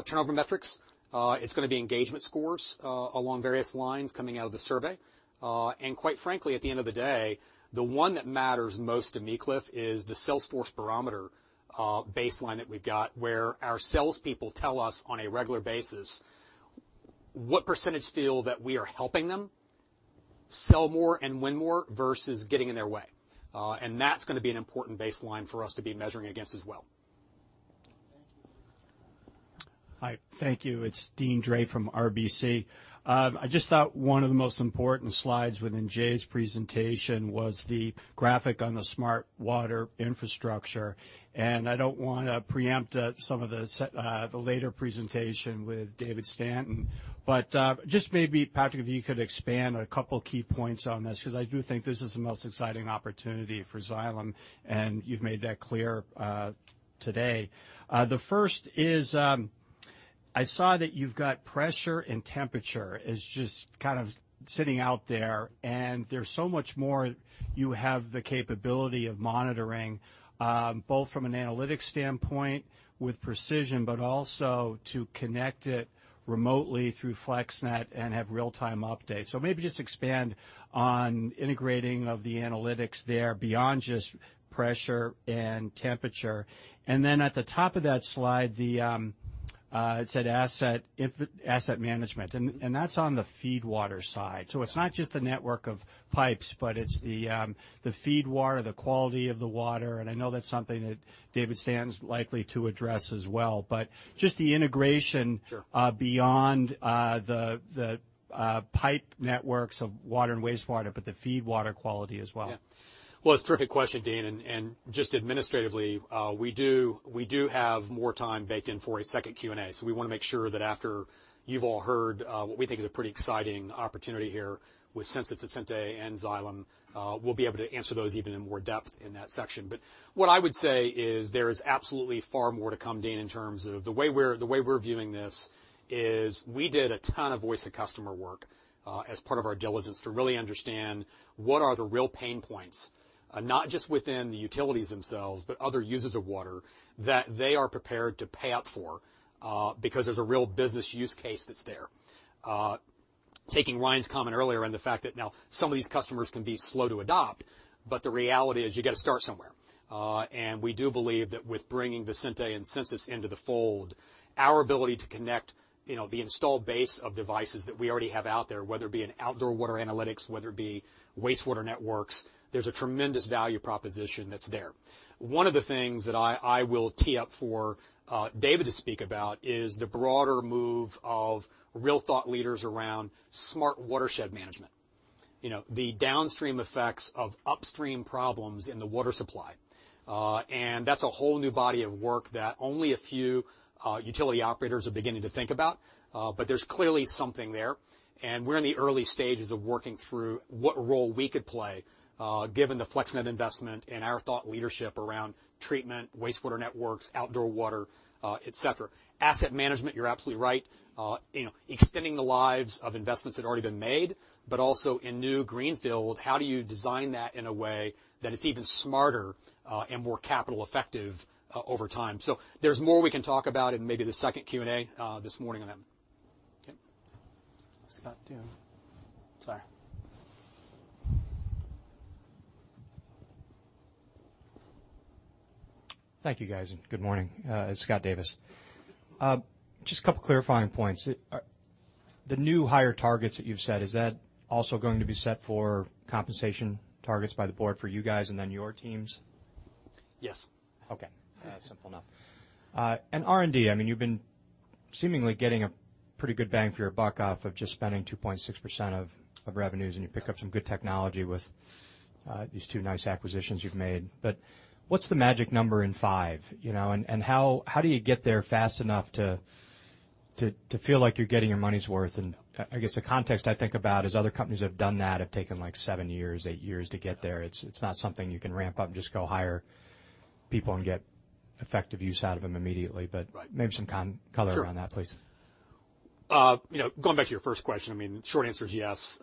turnover metrics. It's going to be engagement scores along various lines coming out of the survey. Quite frankly, at the end of the day, the one that matters most to me, Cliff, is the sales force barometer baseline that we've got where our salespeople tell us on a regular basis what % feel that we are helping them sell more and win more versus getting in their way. That's going to be an important baseline for us to be measuring against as well. Thank you. Hi, thank you. It's Deane Dray from RBC. I just thought one of the most important slides within Jay's presentation was the graphic on the smart water infrastructure, and I don't want to preempt some of the later presentation with David Stanton. Just maybe, Patrick, if you could expand a couple of key points on this, because I do think this is the most exciting opportunity for Xylem, and you've made that clear today. The first is, I saw that you've got pressure and temperature as just kind of sitting out there, and there's so much more you have the capability of monitoring, both from an analytics standpoint with precision, but also to connect it remotely through FlexNet and have real-time updates. Maybe just expand on integrating of the analytics there beyond just pressure and temperature. At the top of that slide, it said asset management, and that's on the feedwater side. It's not just the network of pipes, but it's the feedwater, the quality of the water, I know that's something that David Stanton's likely to address as well, just the integration- Sure Beyond the pipe networks of water and wastewater, the feedwater quality as well. Yeah. Well, it's a terrific question, Deane. Just administratively, we do have more time baked in for a second Q&A, so we want to make sure that after you've all heard what we think is a pretty exciting opportunity here with Sensus, Visenti and Xylem, we'll be able to answer those even in more depth in that section. What I would say is there is absolutely far more to come, Deane, in terms of the way we're viewing this is we did a ton of voice of customer work as part of our diligence to really understand what are the real pain points, not just within the utilities themselves, but other users of water that they are prepared to pay up for because there's a real business use case that's there. Taking Ryan's comment earlier. The fact that now some of these customers can be slow to adopt, the reality is you got to start somewhere. We do believe that with bringing Visenti and Sensus into the fold, our ability to connect the installed base of devices that we already have out there, whether it be in outdoor water analytics, whether it be wastewater networks, there's a tremendous value proposition that's there. One of the things that I will tee up for David to speak about is the broader move of real thought leaders around smart watershed management. The downstream effects of upstream problems in the water supply. That's a whole new body of work that only a few utility operators are beginning to think about. There's clearly something there. We're in the early stages of working through what role we could play given the FlexNet investment and our thought leadership around treatment, wastewater networks, outdoor water, et cetera. Asset management, you're absolutely right. Extending the lives of investments that have already been made, also in new greenfield, how do you design that in a way that is even smarter and more capital effective over time? There's more we can talk about in maybe the second Q&A this morning on that. Okay. Scott Davis. Sorry. Thank you guys, good morning. It's Scott Davis. Just a couple of clarifying points. The new higher targets that you've set, is that also going to be set for compensation targets by the board for you guys and then your teams? Yes. Okay. Simple enough. R&D, you've been seemingly getting a pretty good bang for your buck off of just spending 2.6% of revenues, and you pick up some good technology with these two nice acquisitions you've made. What's the magic number in five? How do you get there fast enough to feel like you're getting your money's worth? I guess the context I think about is other companies that have done that have taken seven years, eight years to get there. It's not something you can ramp up and just go hire people and get effective use out of them immediately. Right maybe some kind of color around that Sure please. Going back to your first question, short answer is yes.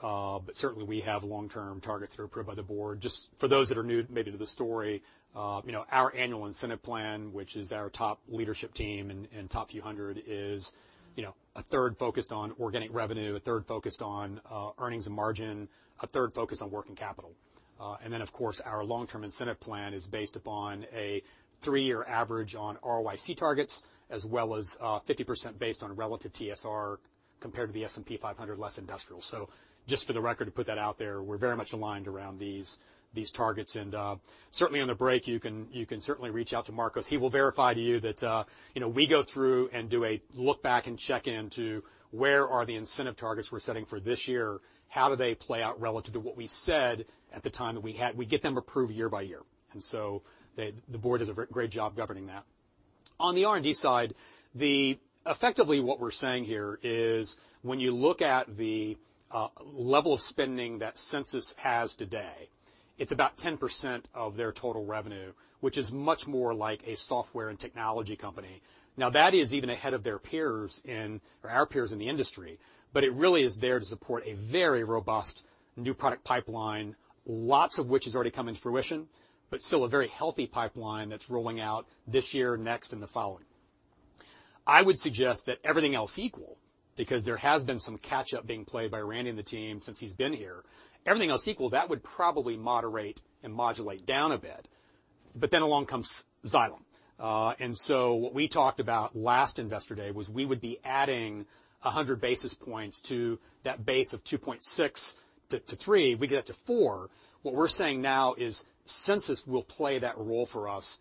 Certainly, we have long-term targets that are approved by the board. Just for those that are new maybe to the story, our annual incentive plan, which is our top leadership team and top few hundred, is a third focused on organic revenue, a third focused on earnings and margin, a third focused on working capital. Of course, our long-term incentive plan is based upon a three-year average on ROIC targets, as well as 50% based on relative TSR compared to the S&P 500 less industrial. Just for the record, to put that out there, we're very much aligned around these targets, and certainly on the break, you can certainly reach out to Marcos. He will verify to you that we go through and do a look back and check-in to where are the incentive targets we're setting for this year, how do they play out relative to what we said at the time that we get them approved year by year. The board does a great job governing that. On the R&D side, effectively what we're saying here is when you look at the level of spending that Sensus has today, it's about 10% of their total revenue, which is much more like a software and technology company. That is even ahead of our peers in the industry, but it really is there to support a very robust new product pipeline, lots of which has already come into fruition, but still a very healthy pipeline that's rolling out this year, next, and the following. I would suggest that everything else equal, because there has been some catch-up being played by Randy and the team since he's been here. Everything else equal, that would probably moderate and modulate down a bit Along comes Xylem. What we talked about last Investor Day was we would be adding 100 basis points to that base of 2.6-3, we get it to 4. What we're saying now is Sensus will play that role for us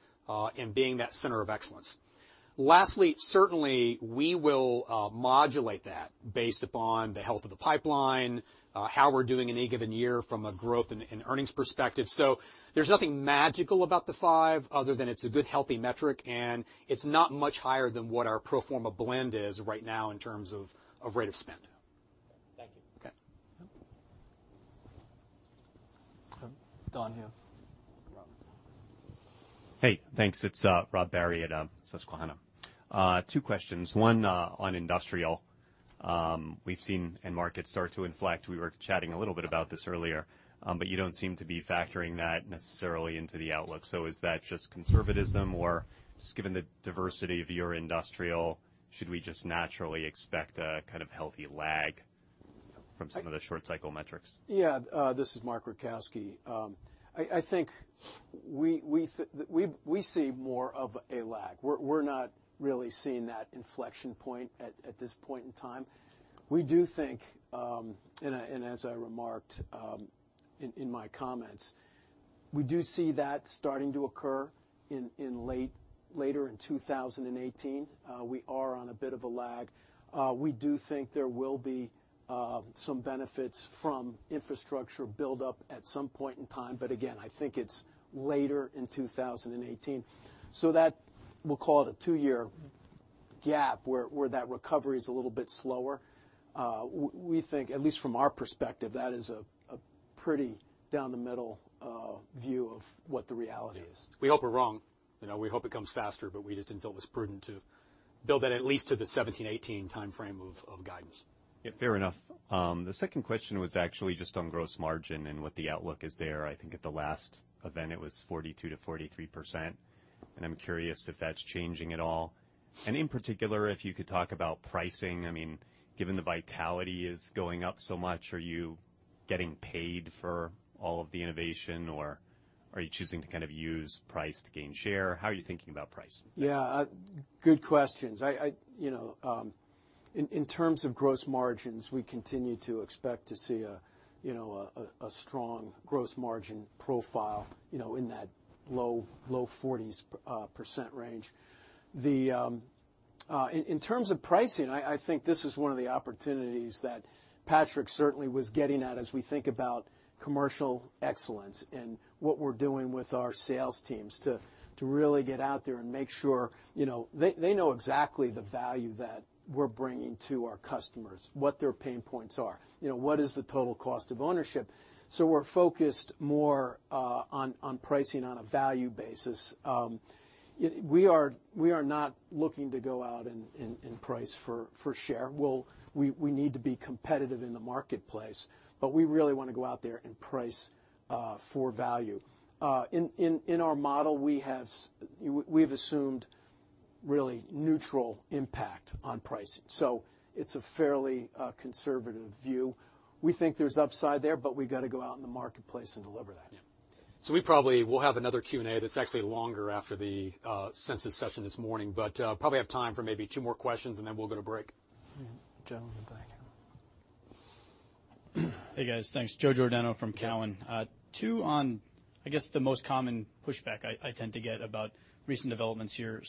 in being that Center of Excellence. Certainly, we will modulate that based upon the health of the pipeline, how we're doing in any given year from a growth and earnings perspective. There's nothing magical about the five other than it's a good, healthy metric, and it's not much higher than what our pro forma blend is right now in terms of rate of spend. Thank you. Okay. Don Hill. Hey, thanks. It's Robert Barry at Susquehanna. Two questions. One on industrial. We've seen end markets start to inflect. We were chatting a little bit about this earlier. You don't seem to be factoring that necessarily into the outlook. Is that just conservatism or just given the diversity of your industrial, should we just naturally expect a kind of healthy lag from some of the short cycle metrics? Yeah. This is Mark Rajkowski. I think we see more of a lag. We're not really seeing that inflection point at this point in time. We do think, and as I remarked in my comments, we do see that starting to occur later in 2018. We are on a bit of a lag. We do think there will be some benefits from infrastructure buildup at some point in time, again, I think it's later in 2018. That, we'll call it a two-year gap, where that recovery's a little bit slower. We think, at least from our perspective, that is a pretty down the middle view of what the reality is. We hope we're wrong. We hope it comes faster, we just didn't feel it was prudent to build that at least to the 2017-2018 timeframe of guidance. Yeah, fair enough. The second question was actually just on gross margin and what the outlook is there. I think at the last event, it was 42%-43%, I'm curious if that's changing at all. In particular, if you could talk about pricing. Given the vitality is going up so much, are you getting paid for all of the innovation, or are you choosing to kind of use price to gain share? How are you thinking about price? Yeah. Good questions. In terms of gross margins, we continue to expect to see a strong gross margin profile in that low 40s% range. In terms of pricing, I think this is one of the opportunities that Patrick certainly was getting at as we think about commercial excellence and what we're doing with our sales teams to really get out there and make sure they know exactly the value that we're bringing to our customers, what their pain points are. What is the total cost of ownership? We're focused more on pricing on a value basis. We are not looking to go out and price for share. We need to be competitive in the marketplace, but we really want to go out there and price for value. In our model, we've assumed really neutral impact on pricing. It's a fairly conservative view. We think there's upside there, but we've got to go out in the marketplace and deliver that. Yeah. We probably will have another Q&A that's actually longer after the Sensus session this morning, probably have time for maybe two more questions, and then we'll go to break. The gentleman at the back here. Hey, guys. Thanks. Joe Giordano from Cowen. Two on, I guess, the most common pushback I tend to get about recent developments here.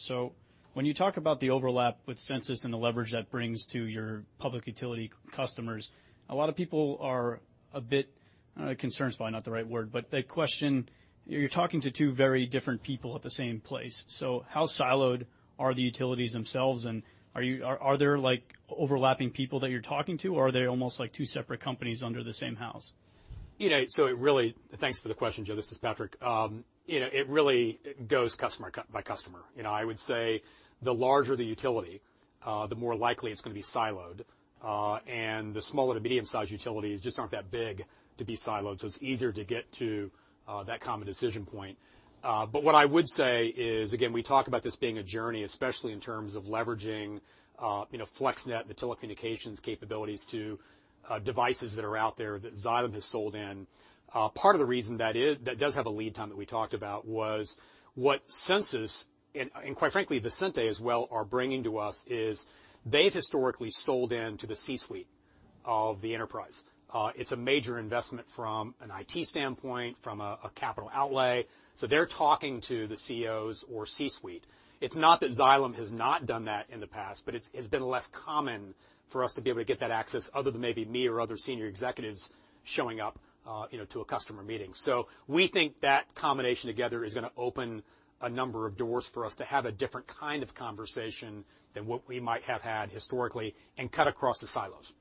When you talk about the overlap with Sensus and the leverage that brings to your public utility customers, a lot of people are a bit, concerned is probably not the right word, but they question you're talking to two very different people at the same place. How siloed are the utilities themselves, and are there overlapping people that you're talking to, or are they almost like two separate companies under the same house? Thanks for the question, Joe. This is Patrick. It really goes customer by customer. I would say the larger the utility, the more likely it's going to be siloed. The small to medium-sized utilities just aren't that big to be siloed, so it's easier to get to that common decision point. What I would say is, again, we talk about this being a journey, especially in terms of leveraging FlexNet, the telecommunications capabilities to devices that are out there that Xylem has sold in. Part of the reason that does have a lead time that we talked about was what Sensus, and quite frankly, Visenti as well, are bringing to us is they've historically sold in to the C-suite of the enterprise. It's a major investment from an IT standpoint, from a capital outlay, so they're talking to the COs or C-suite. It's not that Xylem has not done that in the past, but it's been less common for us to be able to get that access other than maybe me or other senior executives showing up to a customer meeting. We think that combination together is going to open a number of doors for us to have a different kind of conversation than what we might have had historically and cut across the silos.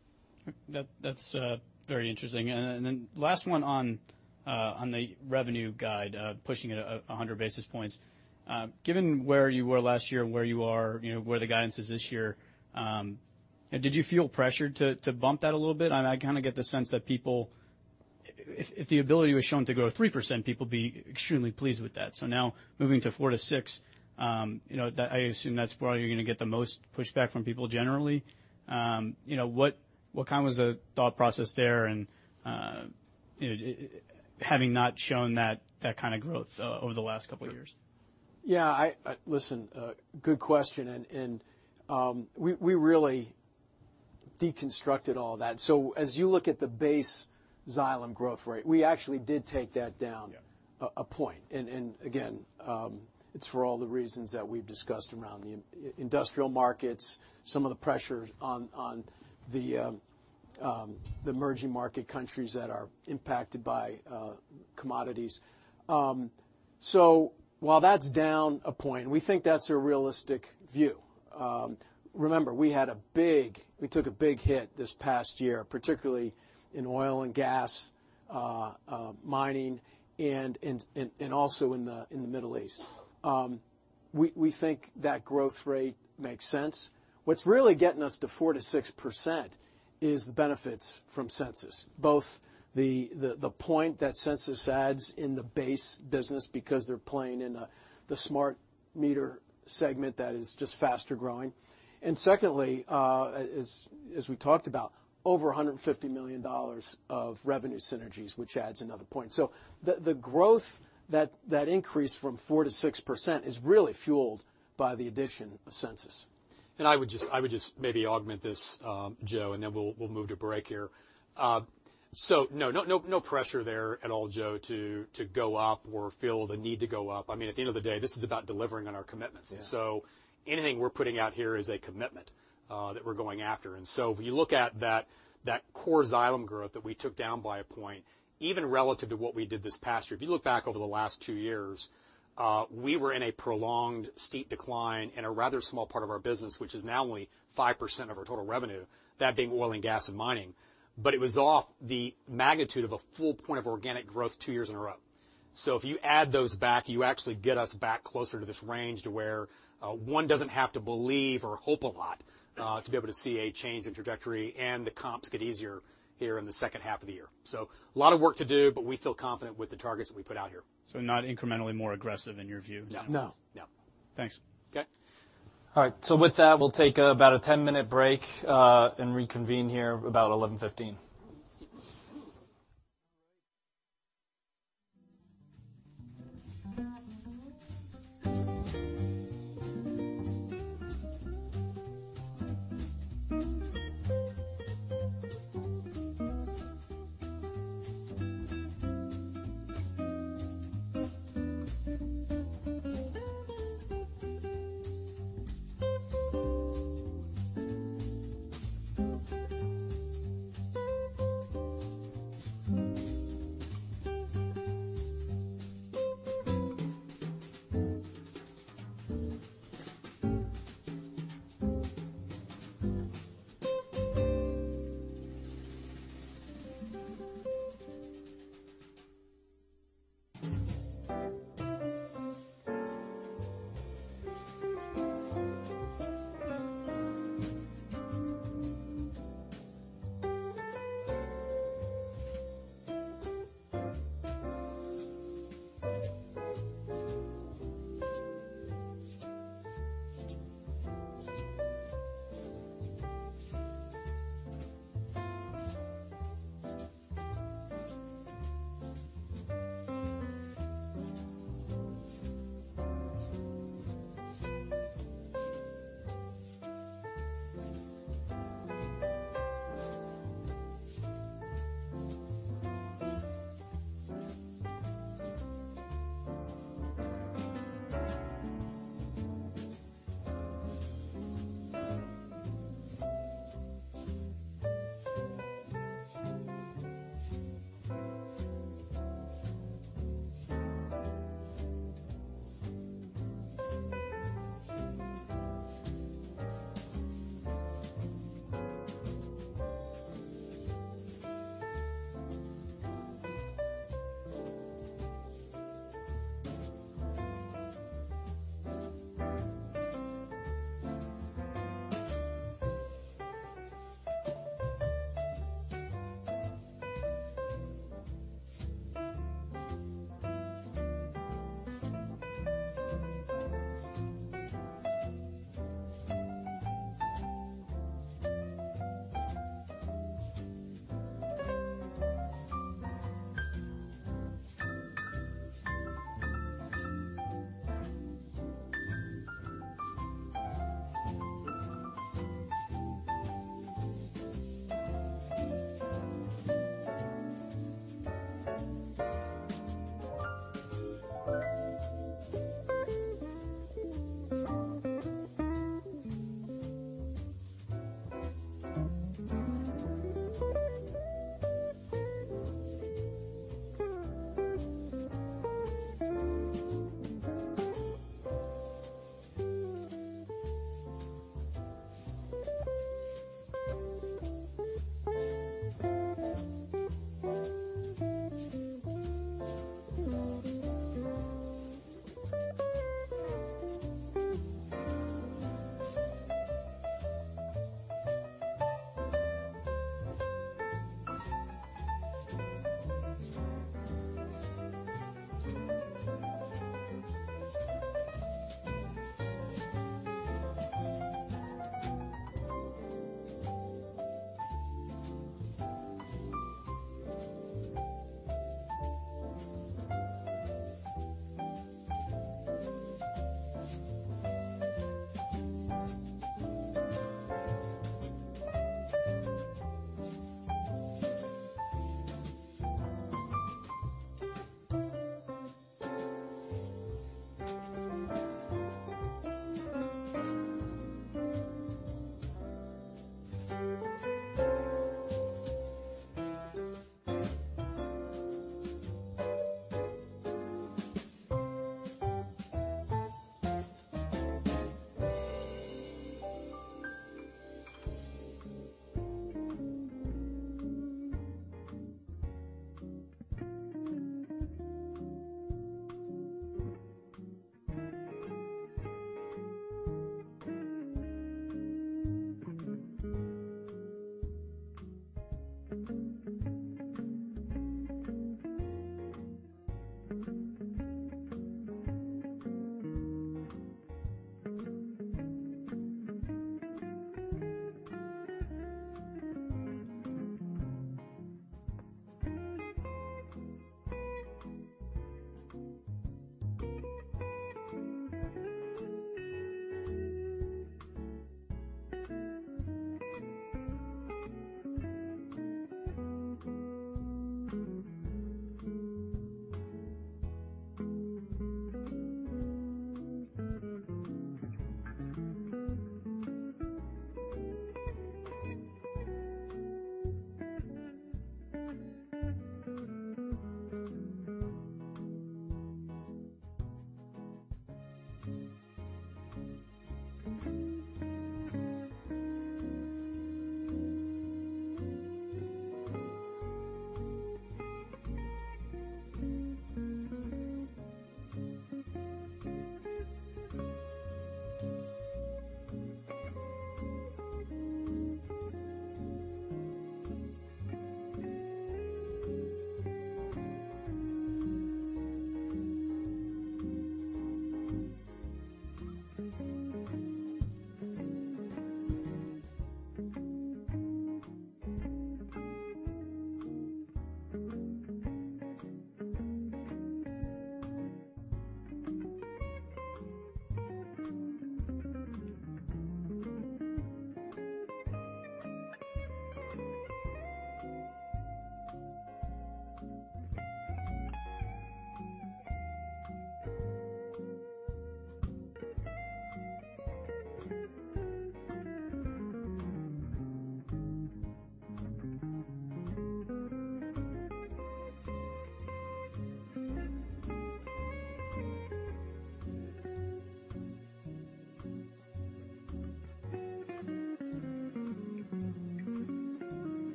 That's very interesting. Then last one on the revenue guide, pushing it 100 basis points. Given where you were last year and where the guidance is this year, did you feel pressured to bump that a little bit? I kind of get the sense that if the ability was shown to grow 3%, people'd be extremely pleased with that. Now moving to 4 to 6, I assume that's where you're going to get the most pushback from people generally. What was the thought process there and having not shown that kind of growth over the last couple of years? Yeah. Listen, good question. We really deconstructed all that. As you look at the base Xylem growth rate, we actually did take that down a point. Again, it's for all the reasons that we've discussed around the industrial markets, some of the pressures on the emerging market countries that are impacted by commodities. While that's down a point, we think that's a realistic view. Remember, we took a big hit this past year, particularly in oil and gas, mining, and also in the Middle East. We think that growth rate makes sense. What's really getting us to 4%-6% is the benefits from Sensus, both the point that Sensus adds in the base business because they're playing in the smart meter segment that is just faster-growing, and secondly, as we talked about, over $150 million of revenue synergies, which adds another point. The growth, that increase from 4%-6%, is really fueled by the addition of Sensus. I would just maybe augment this, Joe, then we'll move to break here. No pressure there at all, Joe, to go up or feel the need to go up. At the end of the day, this is about delivering on our commitments. Yeah. Anything we're putting out here is a commitment that we're going after. If you look at that core Xylem growth that we took down by a point, even relative to what we did this past year, if you look back over the last two years, we were in a prolonged steep decline in a rather small part of our business, which is now only 5% of our total revenue, that being oil and gas and mining. It was off the magnitude of a full point of organic growth two years in a row. If you add those back, you actually get us back closer to this range to where one doesn't have to believe or hope a lot to be able to see a change in trajectory and the comps get easier here in the second half of the year. a lot of work to do, but we feel confident with the targets that we put out here. Not incrementally more aggressive in your view? No. No. No. Thanks. Okay. All right. With that, we'll take about a 10-minute break, and reconvene here about 11:15.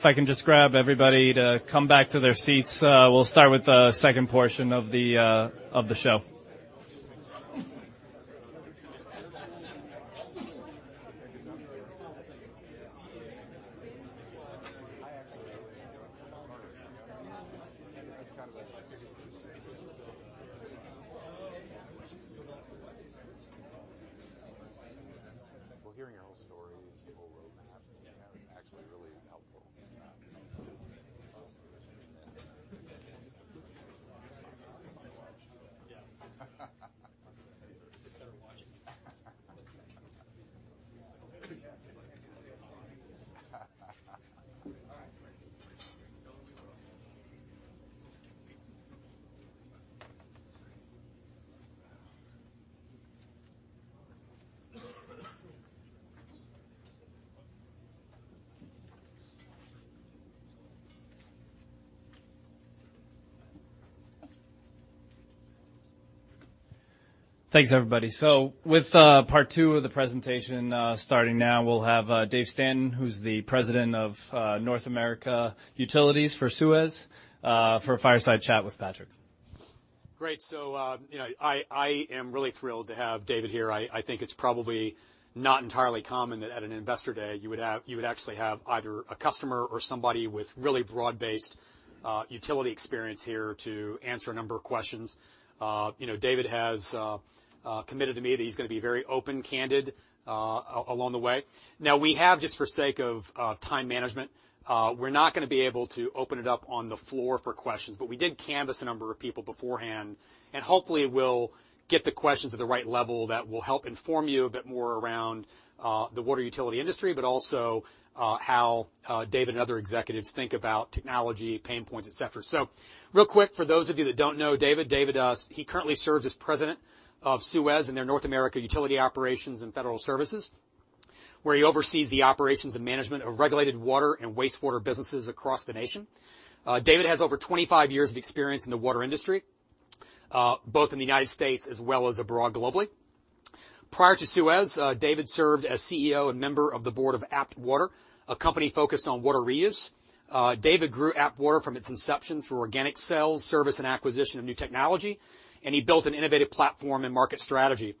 If I can just grab everybody to come back to their seats, we'll start with the second portion of the show. Well, hearing your whole story and the whole roadmap, that was actually really helpful. Thanks everybody. With part 2 of the presentation starting now, we'll have David Stanton, who's the President of North America Utilities for Suez, for a fireside chat with Patrick. Great. I am really thrilled to have David here. I think it's probably not entirely common that at an Investor Day you would actually have either a customer or somebody with really broad-based utility experience here to answer a number of questions. David has committed to me that he's going to be very open, candid along the way. Now we have, just for sake of time management, we're not going to be able to open it up on the floor for questions, but we did canvas a number of people beforehand, and hopefully we'll get the questions at the right level that will help inform you a bit more around the water utility industry, but also how David and other executives think about technology, pain points, et cetera. Real quick, for those of you that don't know David, he currently serves as President of Suez in their North America utility operations and federal services, where he oversees the operations and management of regulated water and wastewater businesses across the nation. David has over 25 years of experience in the water industry, both in the U.S. as well as abroad globally. Prior to Suez, David served as CEO and member of the board of APT Water, a company focused on water reuse. David grew APT Water from its inception through organic sales, service, and acquisition of new technology, and he built an innovative platform and market strategy.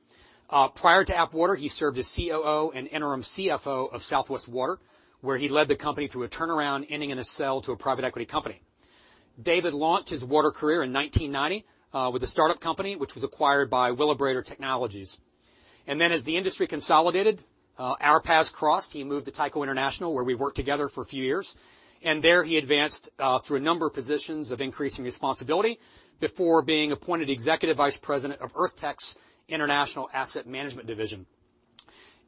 Prior to APT Water, he served as COO and interim CFO of SouthWest Water, where he led the company through a turnaround ending in a sale to a private equity company. David launched his water career in 1990 with a startup company, which was acquired by Wheelabrator Technologies. As the industry consolidated, our paths crossed. He moved to Tyco International, where we worked together for a few years, and there he advanced through a number of positions of increasing responsibility before being appointed Executive Vice President of Earth Tech's International Asset Management division.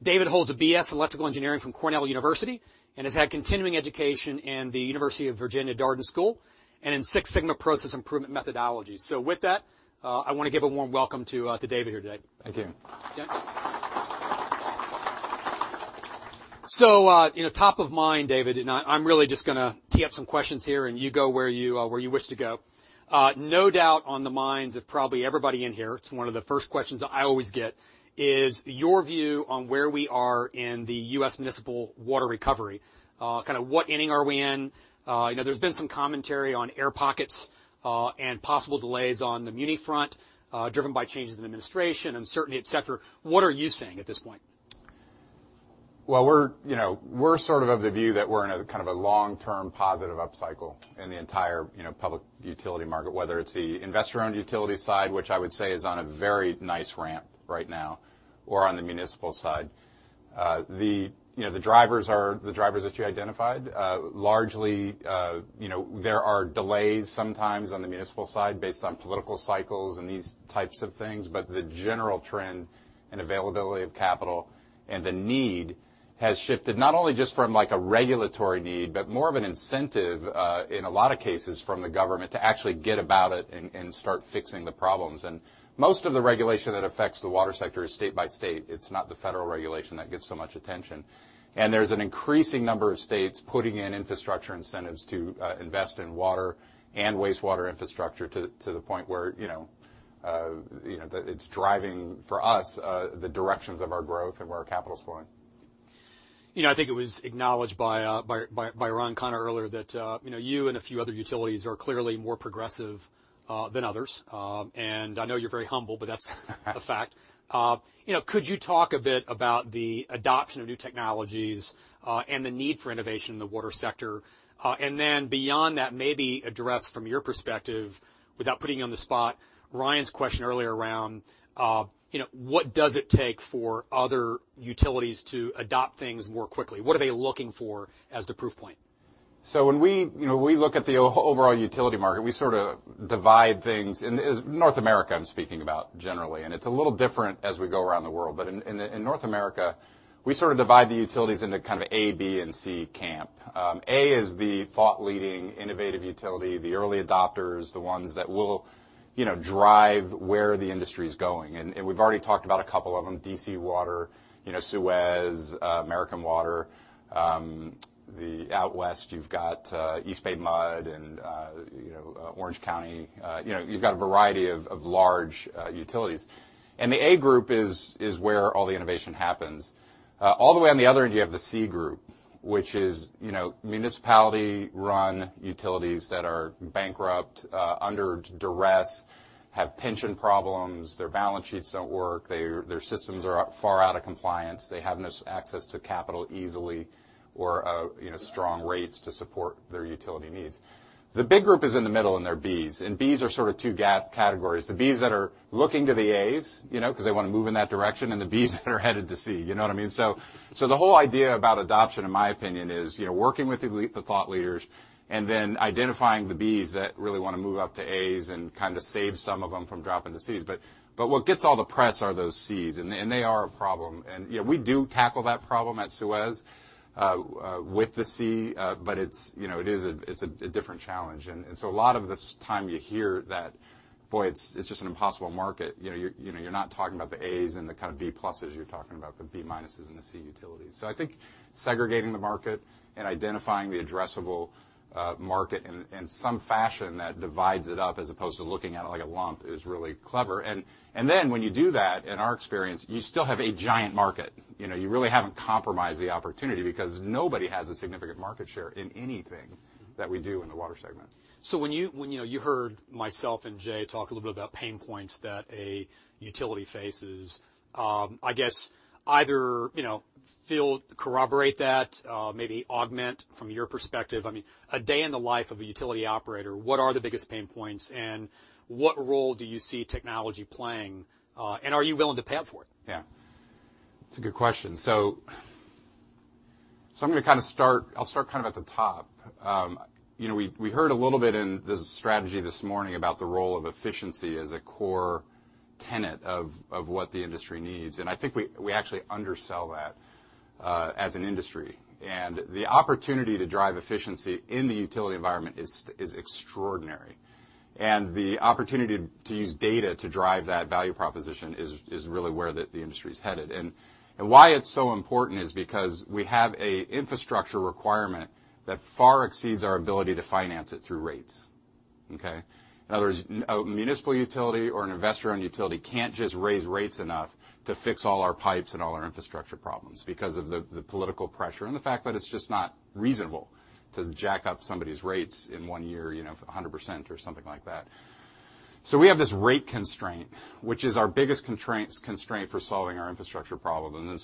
David holds a BS in electrical engineering from Cornell University and has had continuing education in the University of Virginia Darden School and in Six Sigma process improvement methodology. With that, I want to give a warm welcome to David here today. Thank you. Top of mind, David, and I'm really just going to tee up some questions here, and you go where you wish to go. No doubt on the minds of probably everybody in here, it's one of the first questions I always get, is your view on where we are in the U.S. municipal water recovery. What inning are we in? There's been some commentary on air pockets, and possible delays on the muni front, driven by changes in administration, uncertainty, et cetera. What are you seeing at this point? Well, we're sort of of the view that we're in a kind of a long-term positive upcycle in the entire public utility market, whether it's the investor-owned utility side, which I would say is on a very nice ramp right now, or on the municipal side. The drivers are the drivers that you identified. Largely, there are delays sometimes on the municipal side based on political cycles and these types of things, but the general trend and availability of capital and the need has shifted not only just from a regulatory need, but more of an incentive, in a lot of cases from the government to actually get about it and start fixing the problems. Most of the regulation that affects the water sector is state by state. It's not the federal regulation that gets so much attention. There's an increasing number of states putting in infrastructure incentives to invest in water and wastewater infrastructure to the point where it's driving, for us, the directions of our growth and where our capital's flowing. I think it was acknowledged by Ryan Connors earlier that you and a few other utilities are clearly more progressive than others. I know you're very humble, but that's a fact. Could you talk a bit about the adoption of new technologies and the need for innovation in the water sector? Then beyond that, maybe address from your perspective, without putting you on the spot, Ryan's question earlier around what does it take for other utilities to adopt things more quickly? What are they looking for as the proof point? When we look at the overall utility market, we sort of divide things, North America I'm speaking about generally, it's a little different as we go around the world. In North America, we sort of divide the utilities into kind of A, B, and C camp. A is the thought leading, innovative utility, the early adopters, the ones that will drive where the industry's going. We've already talked about a couple of them, DC Water, Suez, American Water. Out west you've got East Bay Mud and Orange County. You've got a variety of large utilities. The A group is where all the innovation happens. All the way on the other end, you have the C group, which is municipality-run utilities that are bankrupt, under duress, have pension problems, their balance sheets don't work, their systems are far out of compliance, they have no access to capital easily or strong rates to support their utility needs. The big group is in the middle, they're Bs. Bs are sort of two categories. The Bs that are looking to the As, because they want to move in that direction, the Bs that are headed to C. You know what I mean? The whole idea about adoption, in my opinion, is working with the thought leaders then identifying the Bs that really want to move up to As and kind of save some of them from dropping to Cs. What gets all the press are those Cs, and they are a problem. We do tackle that problem at Suez with the C, it's a different challenge. A lot of this time you hear that, boy, it's just an impossible market. You're not talking about the As and the kind of B pluses, you're talking about the B minuses and the C utilities. I think segregating the market and identifying the addressable market in some fashion that divides it up as opposed to looking at it like a lump is really clever. Then when you do that, in our experience, you still have a giant market. You really haven't compromised the opportunity because nobody has a significant market share in anything that we do in the water segment. When you heard myself and Jay Iyengar talk a little bit about pain points that a utility faces, I guess either corroborate that, maybe augment from your perspective. A day in the life of a utility operator, what are the biggest pain points and what role do you see technology playing? Are you willing to pay up for it? Yeah. It's a good question. I'll start at the top. We heard a little bit in the strategy this morning about the role of efficiency as a core tenet of what the industry needs, and I think we actually undersell that as an industry. The opportunity to drive efficiency in the utility environment is extraordinary. The opportunity to use data to drive that value proposition is really where the industry is headed. Why it's so important is because we have an infrastructure requirement that far exceeds our ability to finance it through rates. Okay? In other words, a municipal utility or an investor-owned utility can't just raise rates enough to fix all our pipes and all our infrastructure problems because of the political pressure and the fact that it's just not reasonable to jack up somebody's rates in one year 100% or something like that. We have this rate constraint, which is our biggest constraint for solving our infrastructure problem.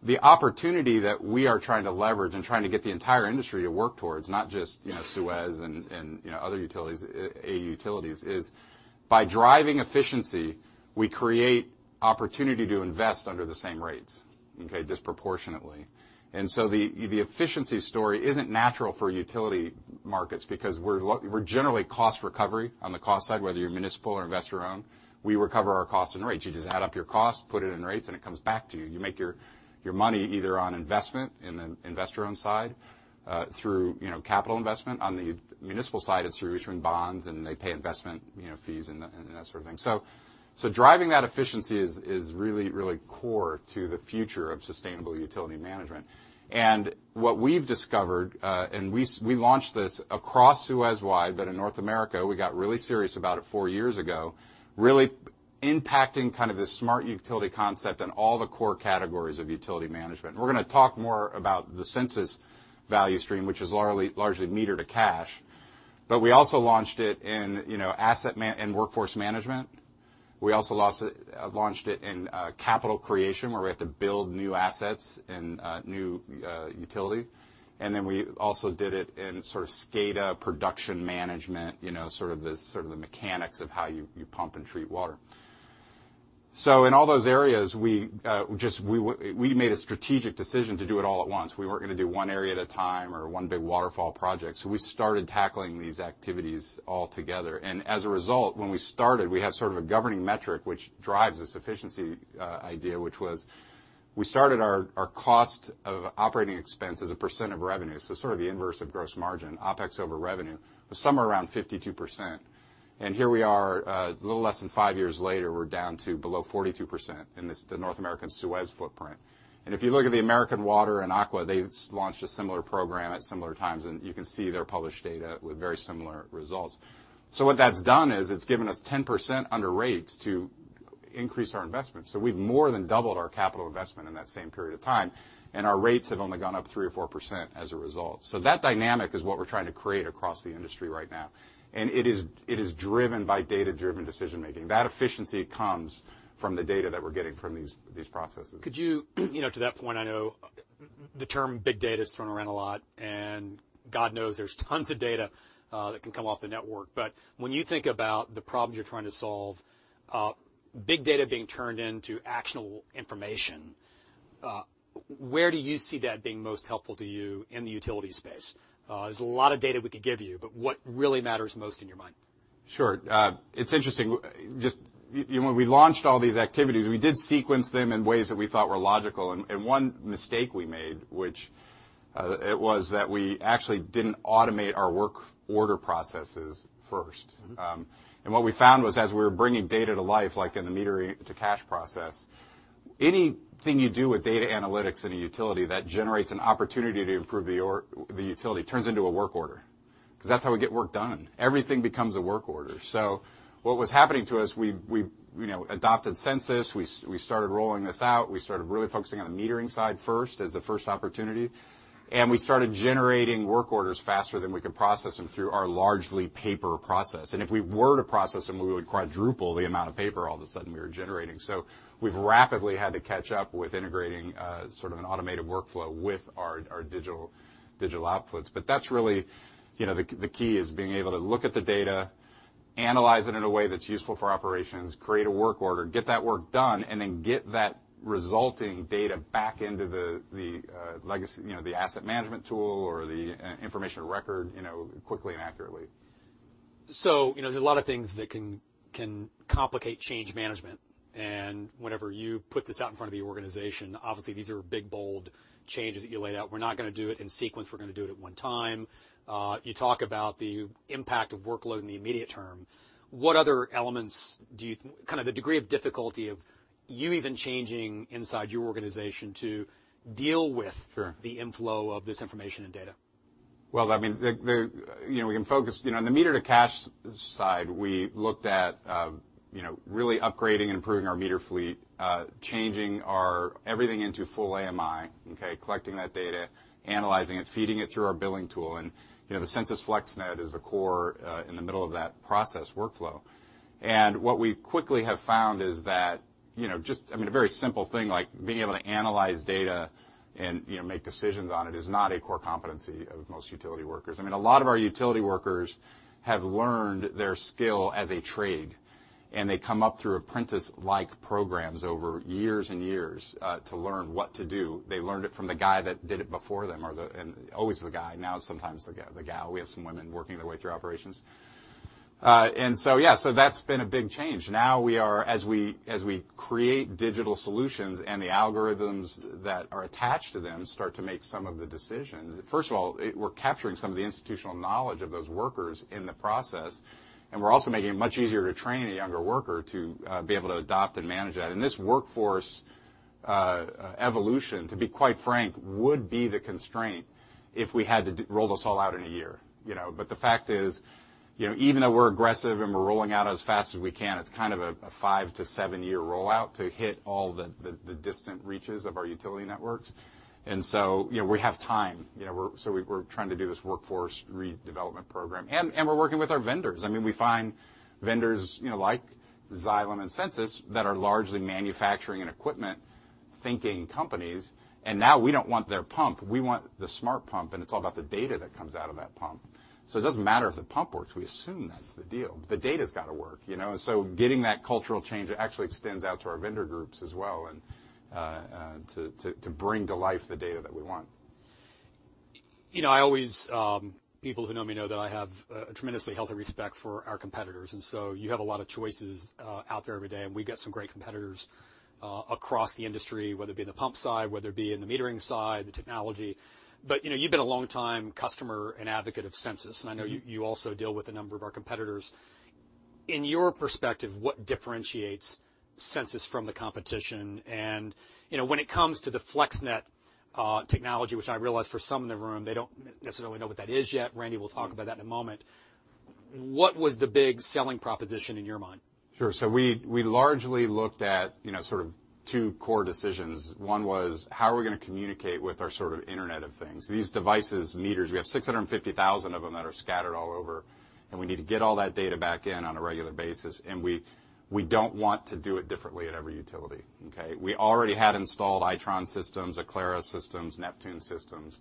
The opportunity that we are trying to leverage and trying to get the entire industry to work towards, not just Suez and other utilities, A utilities, is by driving efficiency, we create opportunity to invest under the same rates, okay, disproportionately. The efficiency story isn't natural for utility markets because we're generally cost recovery on the cost side, whether you're municipal or investor-owned. We recover our cost in rates. You just add up your costs, put it in rates, and it comes back to you. You make your money either on investment in the investor-owned side through capital investment. On the municipal side, it's through issuing bonds and they pay investment fees and that sort of thing. Driving that efficiency is really, really core to the future of sustainable utility management. What we've discovered, and we launched this across Suez-wide, but in North America, we got really serious about it four years ago, really impacting kind of this smart utility concept in all the core categories of utility management. We're going to talk more about the Sensus value stream, which is largely meter-to-cash. We also launched it in asset and workforce management. We also launched it in capital creation, where we have to build new assets and new utility. We also did it in sort of SCADA production management, sort of the mechanics of how you pump and treat water. In all those areas, we made a strategic decision to do it all at once. We weren't going to do one area at a time or one big waterfall project. We started tackling these activities all together. As a result, when we started, we had sort of a governing metric which drives this efficiency idea, which was we started our cost of operating expense as a % of revenue, so sort of the inverse of gross margin, OpEx over revenue, was somewhere around 52%. Here we are, a little less than five years later, we're down to below 42% in the North American Suez footprint. If you look at the American Water and Aqua, they've launched a similar program at similar times, and you can see their published data with very similar results. What that's done is it's given us 10% under rates to increase our investments. We've more than doubled our capital investment in that same period of time, and our rates have only gone up 3 or 4% as a result. That dynamic is what we're trying to create across the industry right now. It is driven by data-driven decision-making. That efficiency comes from the data that we're getting from these processes. Could you to that point, I know the term big data is thrown around a lot, and God knows there's tons of data that can come off the network, but when you think about the problems you're trying to solve, big data being turned into actionable information, where do you see that being most helpful to you in the utility space? There's a lot of data we could give you, but what really matters most in your mind? Sure. It's interesting. When we launched all these activities, we did sequence them in ways that we thought were logical, and one mistake we made, which It was that we actually didn't automate our work order processes first. What we found was as we were bringing data to life, like in the meter-to-cash process, anything you do with data analytics in a utility that generates an opportunity to improve the utility turns into a work order, because that's how we get work done. Everything becomes a work order. What was happening to us, we adopted Sensus. We started rolling this out. We started really focusing on the metering side first as the first opportunity, and we started generating work orders faster than we could process them through our largely paper process. If we were to process them, we would quadruple the amount of paper all of a sudden we were generating. We've rapidly had to catch up with integrating sort of an automated workflow with our digital outputs. That's really the key is being able to look at the data, analyze it in a way that's useful for operations, create a work order, get that work done, and then get that resulting data back into the asset management tool or the information record quickly and accurately. There's a lot of things that can complicate change management. Whenever you put this out in front of the organization, obviously these are big, bold changes that you laid out. We're not going to do it in sequence, we're going to do it at one time. You talk about the impact of workload in the immediate term. What other elements, kind of the degree of difficulty of you even changing inside your organization to deal with- Sure the inflow of this information and data? Well, we can focus on the meter-to-cash side, we looked at really upgrading and improving our meter fleet, changing everything into full AMI. Okay. Collecting that data, analyzing it, feeding it through our billing tool. The Sensus FlexNet is the core in the middle of that process workflow. What we quickly have found is that just a very simple thing like being able to analyze data and make decisions on it is not a core competency of most utility workers. A lot of our utility workers have learned their skill as a trade, and they come up through apprentice-like programs over years and years, to learn what to do. They learned it from the guy that did it before them or the and always the guy, now sometimes the gal. We have some women working their way through operations. Yeah, so that's been a big change. Now, as we create digital solutions and the algorithms that are attached to them start to make some of the decisions. First of all, we're capturing some of the institutional knowledge of those workers in the process, and we're also making it much easier to train a younger worker to be able to adopt and manage that. This workforce evolution, to be quite frank, would be the constraint if we had to roll this all out in a year. The fact is, even though we're aggressive and we're rolling out as fast as we can, it's kind of a 5- to 7-year rollout to hit all the distant reaches of our utility networks. We have time. We're trying to do this workforce redevelopment program, and we're working with our vendors. We find vendors, like Xylem and Sensus, that are largely manufacturing and equipment-thinking companies. Now we don't want their pump. We want the smart pump, and it's all about the data that comes out of that pump. It doesn't matter if the pump works, we assume that's the deal. The data's got to work. Getting that cultural change, it actually extends out to our vendor groups as well, to bring to life the data that we want. People who know me know that I have a tremendously healthy respect for our competitors. You have a lot of choices out there every day, and we've got some great competitors across the industry, whether it be in the pump side, whether it be in the metering side, the technology. You've been a long-time customer and advocate of Sensus, and I know you also deal with a number of our competitors. In your perspective, what differentiates Sensus from the competition? When it comes to the FlexNet technology, which I realize for some in the room, they don't necessarily know what that is yet. Randy will talk about that in a moment. What was the big selling proposition in your mind? Sure. We largely looked at sort of two core decisions. One was, how are we going to communicate with our sort of Internet of Things? These devices, meters, we have 650,000 of them that are scattered all over, and we don't want to do it differently at every utility, okay? We already had installed Itron systems, Aclara systems, Neptune Systems.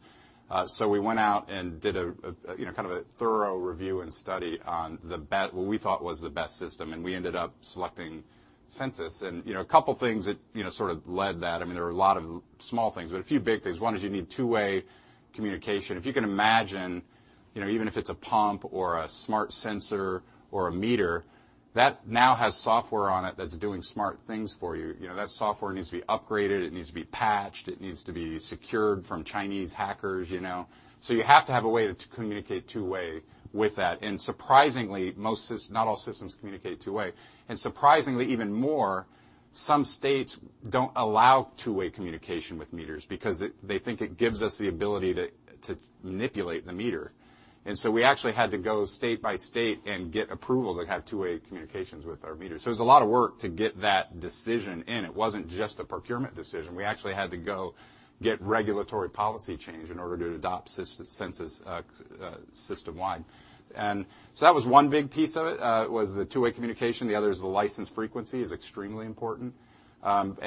We went out and did a kind of a thorough review and study on what we thought was the best system, and we ended up selecting Sensus. A couple of things that sort of led that, there were a lot of small things, but a few big things. One is you need two-way communication. If you can imagine, even if it's a pump or a smart sensor or a meter, that now has software on it that's doing smart things for you. That software needs to be upgraded, it needs to be patched, it needs to be secured from Chinese hackers. You have to have a way to communicate two-way with that. Surprisingly, not all systems communicate two-way. Surprisingly even more, some states don't allow two-way communication with meters because they think it gives us the ability to manipulate the meter. We actually had to go state by state and get approval to have two-way communications with our meters. It was a lot of work to get that decision in. It wasn't just a procurement decision. We actually had to go get regulatory policy change in order to adopt Sensus system-wide. That was one big piece of it, was the two-way communication. The other is the license frequency is extremely important. The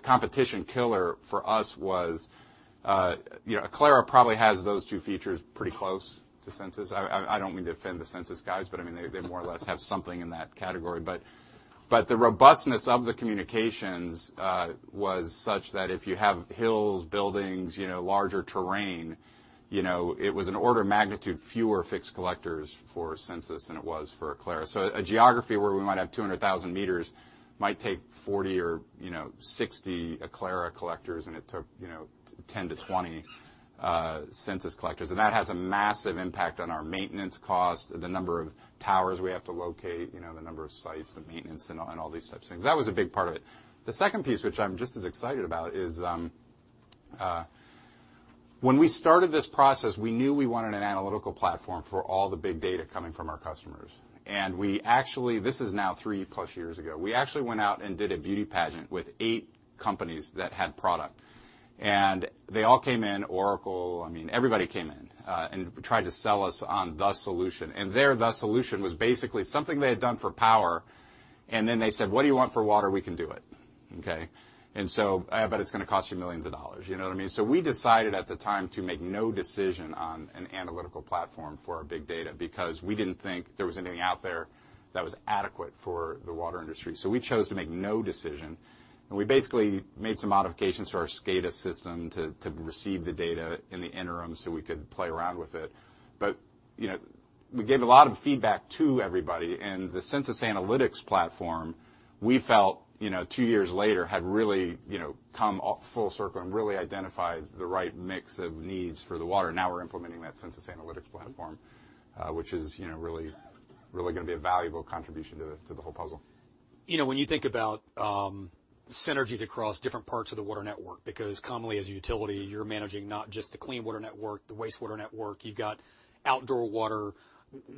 competition killer for us was, Aclara probably has those two features pretty close to Sensus. I don't mean to offend the Sensus guys, but they more or less have something in that category. The robustness of the communications, was such that if you have hills, buildings, larger terrain, it was an order of magnitude fewer fixed collectors for Sensus than it was for Aclara. A geography where we might have 200,000 meters might take 40 or 60 Aclara collectors and it took 10 to 20 Sensus collectors. That has a massive impact on our maintenance cost, the number of towers we have to locate, the number of sites, the maintenance, and all these types of things. That was a big part of it. The second piece, which I'm just as excited about, is when we started this process, we knew we wanted an analytical platform for all the big data coming from our customers. This is now three-plus years ago. We actually went out and did a beauty pageant with eight companies that had product. They all came in, Oracle, everybody came in and tried to sell us on the solution. Their solution was basically something they had done for power, and then they said, "What do you want for water? We can do it." Okay. It's going to cost you millions of dollars. You know what I mean? We decided at the time to make no decision on an analytical platform for our big data because we didn't think there was anything out there that was adequate for the water industry. We chose to make no decision, we basically made some modifications to our SCADA system to receive the data in the interim so we could play around with it. We gave a lot of feedback to everybody, and the Sensus Analytics platform, we felt two years later had really come full circle and really identified the right mix of needs for the water. We're implementing that Sensus Analytics platform which is really going to be a valuable contribution to the whole puzzle. When you think about synergies across different parts of the water network because commonly as a utility, you're managing not just the clean water network, the wastewater network, you've got outdoor water.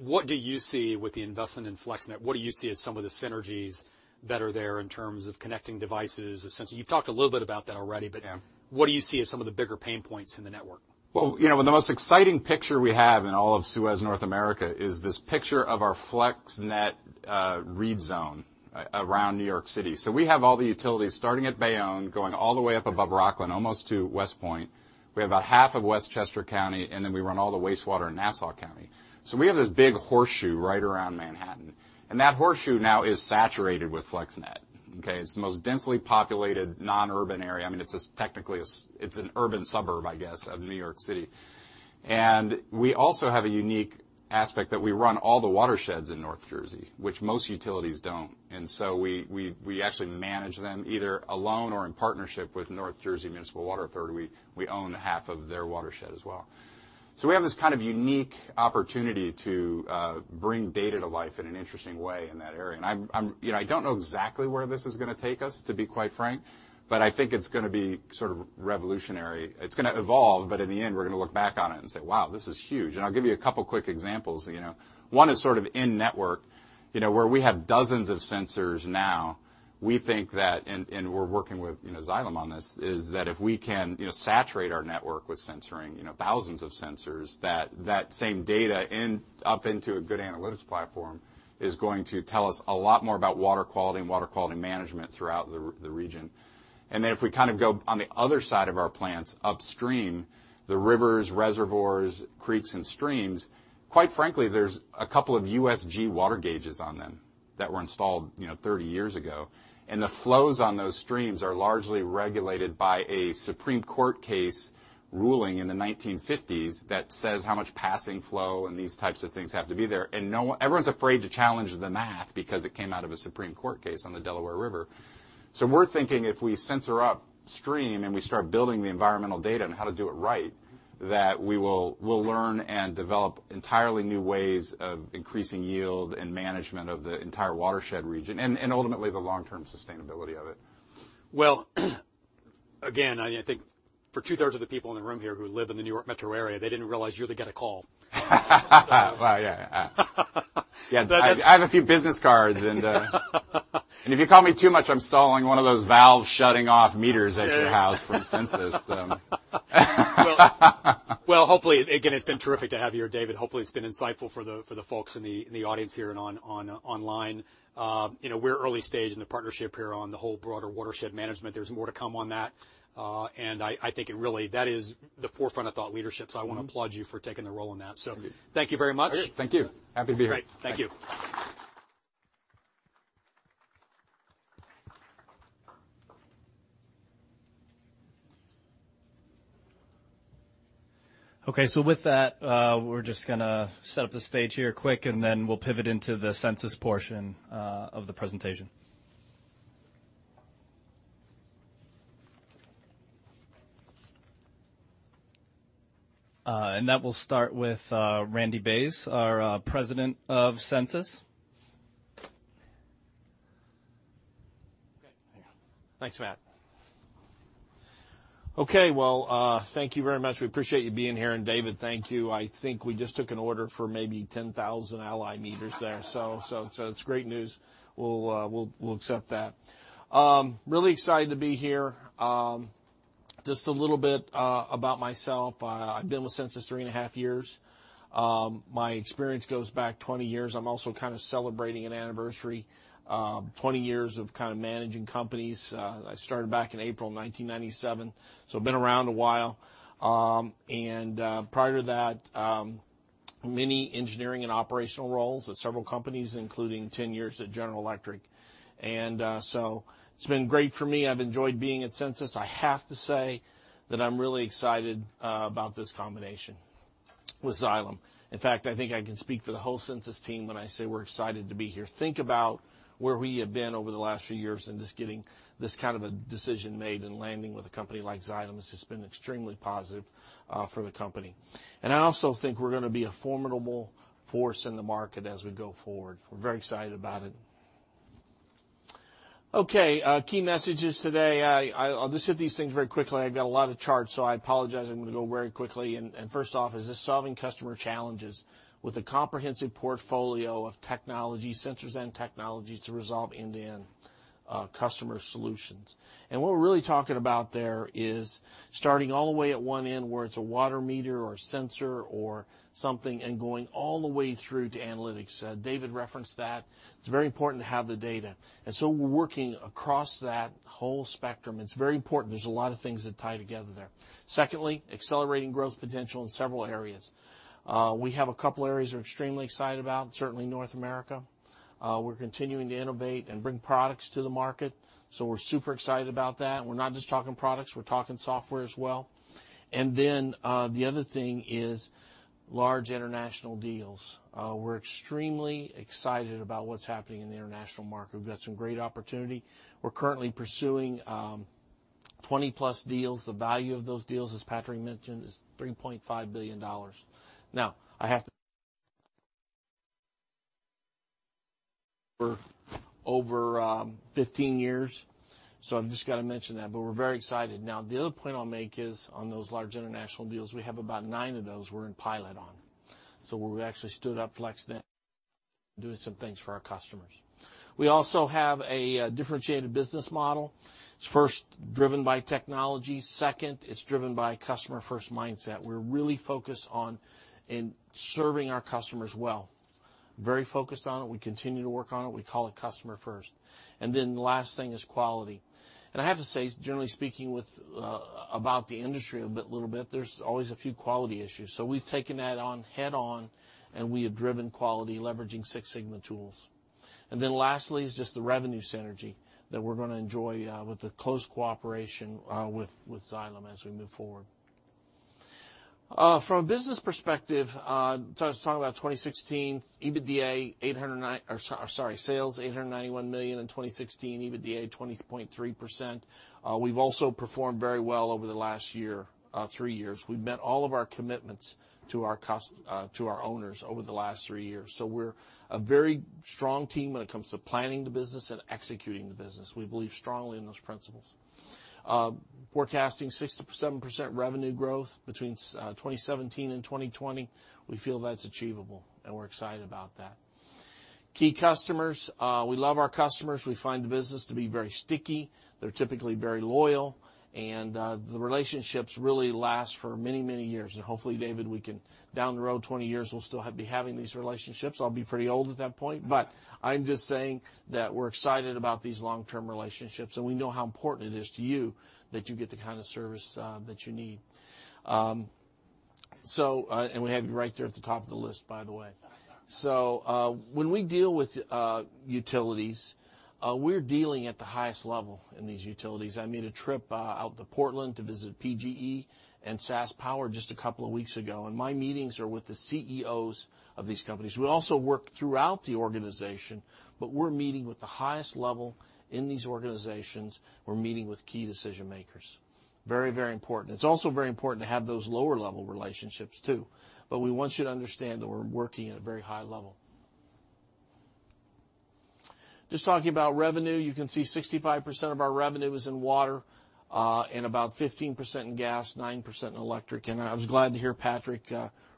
What do you see with the investment in FlexNet? What do you see as some of the synergies that are there in terms of connecting devices, et cetera? You've talked a little bit about that already. Yeah What do you see as some of the bigger pain points in the network? The most exciting picture we have in all of Suez North America is this picture of our FlexNet read zone around New York City. We have all the utilities starting at Bayonne going all the way up above Rockland, almost to West Point. We have about half of Westchester County, then we run all the wastewater in Nassau County. We have this big horseshoe right around Manhattan, and that horseshoe now is saturated with FlexNet. Okay? It's the most densely populated non-urban area. It's an urban suburb, I guess, of New York City. We also have a unique aspect that we run all the watersheds in North Jersey, which most utilities don't. We actually manage them either alone or in partnership with North Jersey District Water Supply Commission. We own half of their watershed as well. We have this kind of unique opportunity to bring data to life in an interesting way in that area. I don't know exactly where this is going to take us, to be quite frank, but I think it's going to be sort of revolutionary. It's going to evolve, but in the end, we're going to look back on it and say, "Wow, this is huge." I'll give you a couple quick examples. One is sort of in-network, where we have dozens of sensors now. We think that, and we're working with Xylem on this, is that if we can saturate our network with sensoring thousands of sensors, that that same data up into a good analytics platform is going to tell us a lot more about water quality and water quality management throughout the region. If we kind of go on the other side of our plants upstream, the rivers, reservoirs, creeks, and streams, quite frankly, there's a couple of USGS water gauges on them that were installed 30 years ago. The flows on those streams are largely regulated by a Supreme Court case ruling in the 1950s that says how much passing flow and these types of things have to be there. Everyone's afraid to challenge the math because it came out of a Supreme Court case on the Delaware River. We're thinking if we sensor upstream and we start building the environmental data on how to do it right, that we'll learn and develop entirely new ways of increasing yield and management of the entire watershed region and ultimately the long-term sustainability of it. Well, again, I think for two-thirds of the people in the room here who live in the New York metro area, they didn't realize you're the guy to call. Well, yeah. That's- Yeah. I have a few business cards and if you call me too much, I'm installing one of those valves shutting off meters at your house for Sensus. Well, hopefully, again, it's been terrific to have you here, David. Hopefully, it's been insightful for the folks in the audience here and online. We're early stage in the partnership here on the whole broader watershed management. There's more to come on that. I think really that is the forefront of thought leadership, so I want to applaud you for taking the role in that. Thank you very much. Great. Thank you. Happy to be here. Great. Thank you. Okay, with that, we're just going to set up the stage here quick, then we'll pivot into the Sensus portion of the presentation. That will start with Randy Bays, our President of Sensus. Okay. Thanks, Matt. Okay, thank you very much. We appreciate you being here. David, thank you. I think we just took an order for maybe 10,000 ally meters there. It's great news. We'll accept that. Really excited to be here. Just a little bit about myself. I've been with Sensus three and a half years. My experience goes back 20 years. I'm also kind of celebrating an anniversary, 20 years of kind of managing companies. I started back in April 1997, been around a while. Prior to that, many engineering and operational roles at several companies, including 10 years at General Electric. It's been great for me. I've enjoyed being at Sensus. I have to say that I'm really excited about this combination with Xylem. In fact, I think I can speak for the whole Sensus team when I say we're excited to be here. Think about where we have been over the last few years and just getting this kind of a decision made and landing with a company like Xylem has just been extremely positive for the company. I also think we're going to be a formidable force in the market as we go forward. We're very excited about it. Okay, key messages today. I'll just hit these things very quickly. I've got a lot of charts, I apologize. I'm going to go very quickly, first off is just solving customer challenges with a comprehensive portfolio of technology, Sensus and technologies to resolve end-to-end customer solutions. What we're really talking about there is starting all the way at one end, where it's a water meter or a sensor or something, going all the way through to analytics. David referenced that. It's very important to have the data, we're working across that whole spectrum. It's very important. There's a lot of things that tie together there. Secondly, accelerating growth potential in several areas. We have a couple areas we're extremely excited about, certainly North America. We're continuing to innovate and bring products to the market, we're super excited about that. We're not just talking products, we're talking software as well. The other thing is large international deals. We're extremely excited about what's happening in the international market. We've got some great opportunity. We're currently pursuing 20-plus deals. The value of those deals, as Patrick mentioned, is $3.5 billion. I have for over 15 years, I've just got to mention that, but we're very excited. The other point I'll make is, on those large international deals, we have about nine of those we're in pilot on. We've actually stood up FlexNet, doing some things for our customers. We also have a differentiated business model. It's first driven by technology. Second, it's driven by a customer-first mindset. We're really focused on serving our customers well. Very focused on it. We continue to work on it. We call it customer first. The last thing is quality. I have to say, generally speaking about the industry a little bit, there's always a few quality issues. We've taken that on head-on, and we have driven quality leveraging Six Sigma tools. Lastly is just the revenue synergy that we're going to enjoy with the close cooperation with Xylem as we move forward. From a business perspective, let's talk about 2016 EBITDA, $809, or sorry, sales $891 million in 2016, EBITDA 20.3%. We've also performed very well over the last three years. We've met all of our commitments to our owners over the last three years, we're a very strong team when it comes to planning the business and executing the business. We believe strongly in those principles. Forecasting 6%-7% revenue growth between 2017 and 2020. We feel that's achievable, we're excited about that. Key customers, we love our customers. We find the business to be very sticky. They're typically very loyal, the relationships really last for many, many years. Hopefully, David, we can, down the road 20 years, we'll still be having these relationships. I'll be pretty old at that point, I'm just saying that we're excited about these long-term relationships, we know how important it is to you that you get the kind of service that you need. We have you right there at the top of the list, by the way. When we deal with utilities, we're dealing at the highest level in these utilities. I made a trip out to Portland to visit PGE and SaskPower just a couple of weeks ago, my meetings are with the CEOs of these companies. We also work throughout the organization, we're meeting with the highest level in these organizations. We're meeting with key decision-makers. Very, very important. It's also very important to have those lower-level relationships, too, we want you to understand that we're working at a very high level. Just talking about revenue, you can see 65% of our revenue is in water, about 15% in gas, 9% in electric, I was glad to hear Patrick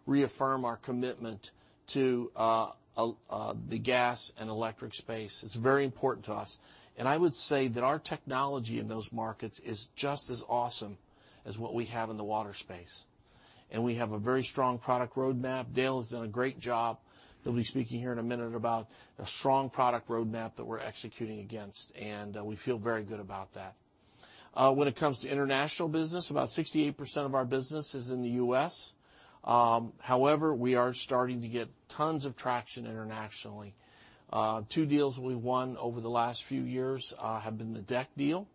reaffirm our commitment to the gas and electric space. It's very important to us, I would say that our technology in those markets is just as awesome as what we have in the water space, we have a very strong product roadmap. Dale has done a great job. He'll be speaking here in a minute about a strong product roadmap that we're executing against, we feel very good about that. When it comes to international business, about 68% of our business is in the U.S. However, we are starting to get tons of traction internationally. Two deals we won over the last few years have been the DEK deal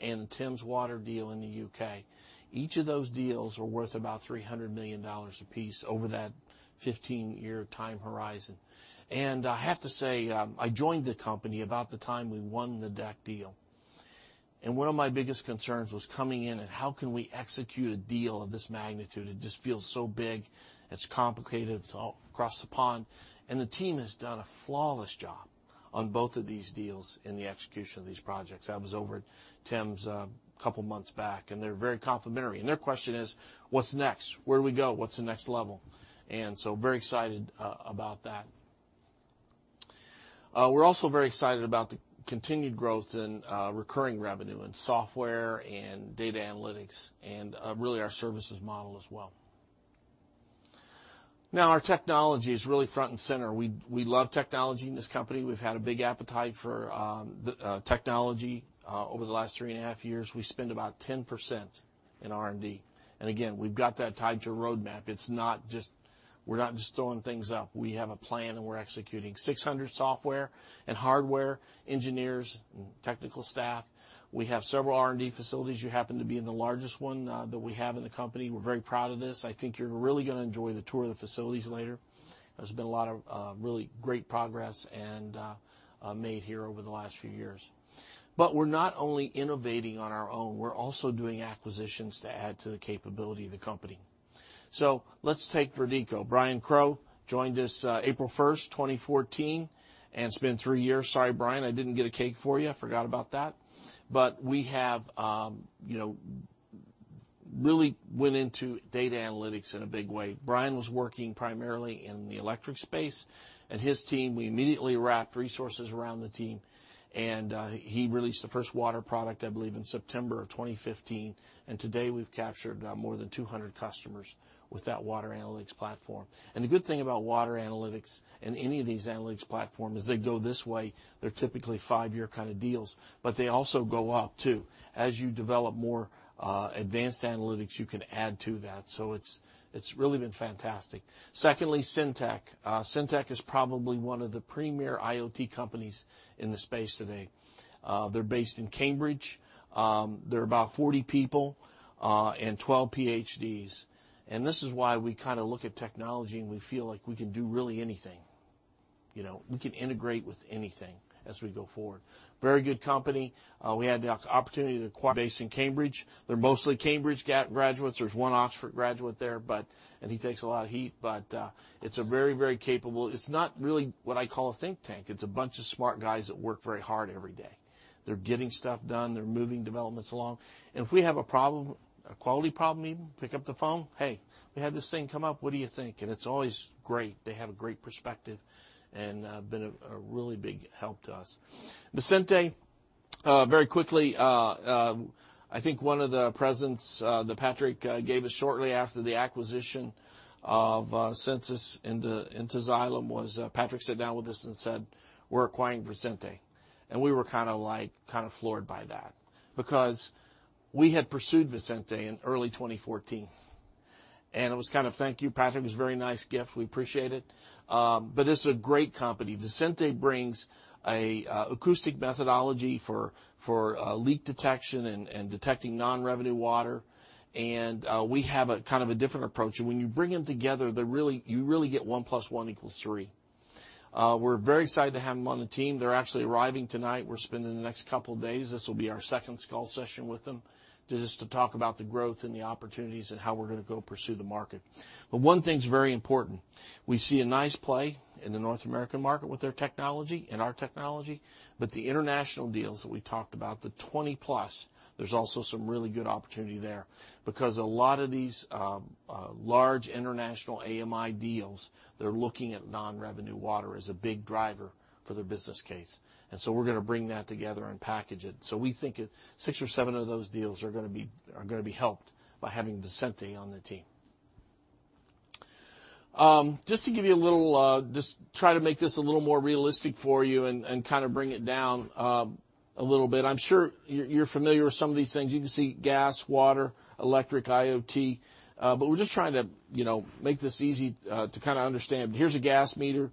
and Thames Water deal in the U.K. Each of those deals are worth about $300 million a piece over that 15-year time horizon. I have to say, I joined the company about the time we won the DEK deal, and one of my biggest concerns was coming in and how can we execute a deal of this magnitude? It just feels so big. It is complicated. It is all across the pond. The team has done a flawless job on both of these deals in the execution of these projects. I was over at Thames Water a couple months back, and they are very complimentary, and their question is: What is next? Where do we go? What is the next level? Very excited about that. We are also very excited about the continued growth in recurring revenue and software and data analytics and really our services model as well. Our technology is really front and center. We love technology in this company. We have had a big appetite for technology over the last three and a half years. We spend about 10% in R&D, and again, we have got that tied to a roadmap. We are not just throwing things up. We have a plan, and we are executing 600 software and hardware engineers and technical staff. We have several R&D facilities. You happen to be in the largest one that we have in the company. We are very proud of this. I think you are really going to enjoy the tour of the facilities later. There has been a lot of really great progress made here over the last few years. We are not only innovating on our own, we are also doing acquisitions to add to the capability of the company. Let us take Verdeeco. Brian Crow joined us April 1st, 2014, and it has been three years. Sorry, Brian, I did not get a cake for you. I forgot about that. We have really went into data analytics in a big way. Brian was working primarily in the electric space and his team, we immediately wrapped resources around the team, and he released the first water product, I believe, in September of 2015, and today we have captured more than 200 customers with that water analytics platform. The good thing about water analytics and any of these analytics platform is they go this way. They are typically five-year kind of deals, but they also go up, too. As you develop more advanced analytics, you can add to that. It has really been fantastic. Secondly, CyanTech. CINTEG is probably one of the premier IoT companies in the space today. They are based in Cambridge. They are about 40 people, and 12 PhDs. This is why we look at technology, and we feel like we can do really anything. We can integrate with anything as we go forward. Very good company. We had the opportunity to— based in Cambridge. They are mostly Cambridge graduates. There is one Oxford graduate there, and he takes a lot of heat, but it is a very, very capable It is not really what I call a think tank. It is a bunch of smart guys that work very hard every day. They are getting stuff done. They are moving developments along. If we have a problem, a quality problem even, pick up the phone, "Hey, we had this thing come up, what do you think?" It is always great. They have a great perspective and have been a really big help to us. Visenti, very quickly, I think one of the presents that Patrick gave us shortly after the acquisition of Sensus into Xylem was Patrick sat down with us and said, "We're acquiring Visenti." We were kind of floored by that because we had pursued Visenti in early 2014, it was kind of thank you, Patrick. It was a very nice gift. We appreciate it. This is a great company. Visenti brings acoustic methodology for leak detection and detecting non-revenue water, we have a different approach. When you bring them together, you really get one plus one equals three. We're very excited to have them on the team. They're actually arriving tonight. We're spending the next couple of days, this will be our second call session with them, just to talk about the growth and the opportunities and how we're going to go pursue the market. One thing's very important. We see a nice play in the North American market with their technology and our technology, the international deals that we talked about, the 20-plus, there's also some really good opportunity there because a lot of these large international AMI deals, they're looking at non-revenue water as a big driver for their business case. We're going to bring that together and package it. We think six or seven of those deals are going to be helped by having Visenti on the team. Just to give you a little, try to make this a little more realistic for you and kind of bring it down a little bit. I'm sure you're familiar with some of these things. You can see gas, water, electric, IoT, we're just trying to make this easy to understand. Here's a gas meter.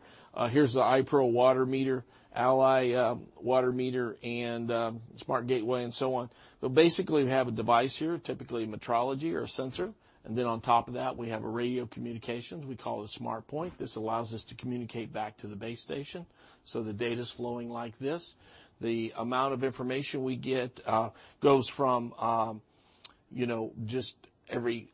Here's the iPERL water meter, ally water meter, and Smart Gateway, so on. Basically, we have a device here, typically metrology or a sensor. Then on top of that, we have a radio communications. We call it a SmartPoint. This allows us to communicate back to the base station, so the data's flowing like this. The amount of information we get, goes from just every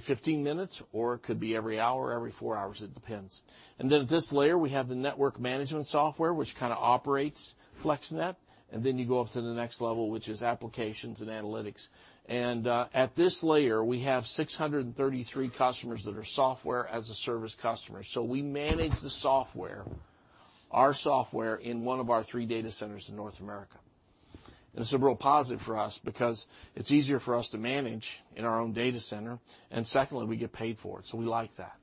15 minutes or it could be every hour, every four hours. It depends. At this layer, we have the network management software, which kind of operates FlexNet. Then you go up to the next level, which is applications and analytics. At this layer, we have 633 customers that are software as a service customer. We manage the software, our software, in one of our three data centers in North America. It's a real positive for us because it's easier for us to manage in our own data center. Secondly, we get paid for it. We like that.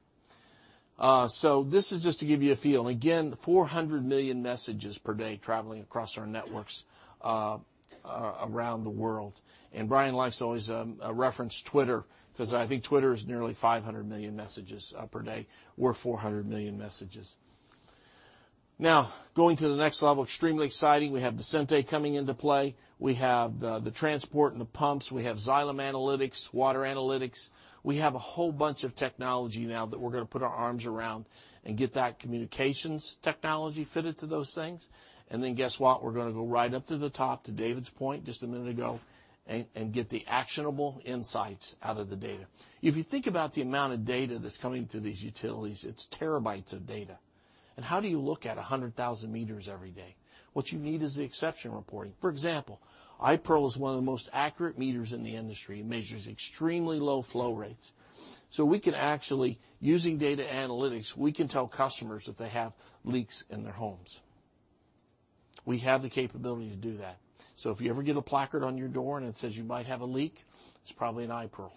This is just to give you a feel. Again, 400 million messages per day traveling across our networks around the world. Brian likes to always reference Twitter because I think Twitter is nearly 500 million messages per day. We're 400 million messages. Going to the next level, extremely exciting. We have Visenti coming into play. We have the transport and the pumps. We have Xylem Analytics, water analytics. We have a whole bunch of technology now that we're going to put our arms around and get that communications technology fitted to those things. Guess what? We're going to go right up to the top to David's point just a minute ago and get the actionable insights out of the data. If you think about the amount of data that's coming to these utilities, it's terabytes of data, and how do you look at 100,000 meters every day? What you need is the exception reporting. For example, iPERL is one of the most accurate meters in the industry. It measures extremely low flow rates. We can actually, using data analytics, we can tell customers if they have leaks in their homes. We have the capability to do that. If you ever get a placard on your door and it says you might have a leak, it's probably an iPERL.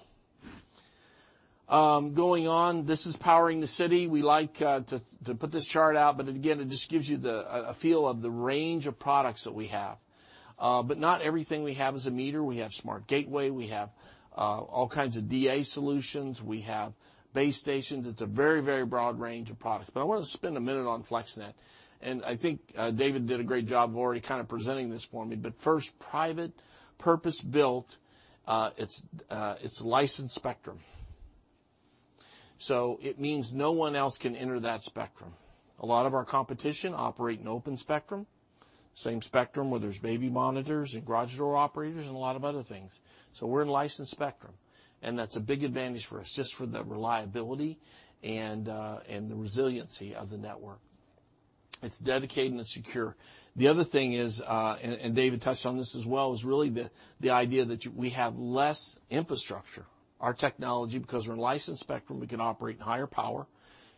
Going on, this is powering the city. We like to put this chart out, but again, it just gives you a feel of the range of products that we have. Not everything we have is a meter. We have Smart Gateway, we have All kinds of DA solutions. We have base stations. It's a very broad range of products. I want to spend a minute on FlexNet, and I think David did a great job already kind of presenting this for me. First, private purpose-built, it's licensed spectrum. It means no one else can enter that spectrum. A lot of our competition operate in open spectrum, same spectrum where there's baby monitors and garage door operators, and a lot of other things. We're in licensed spectrum, and that's a big advantage for us, just for the reliability and the resiliency of the network. It's dedicated and secure. The other thing is, and David touched on this as well, is really the idea that we have less infrastructure. Our technology, because we're in licensed spectrum, we can operate in higher power,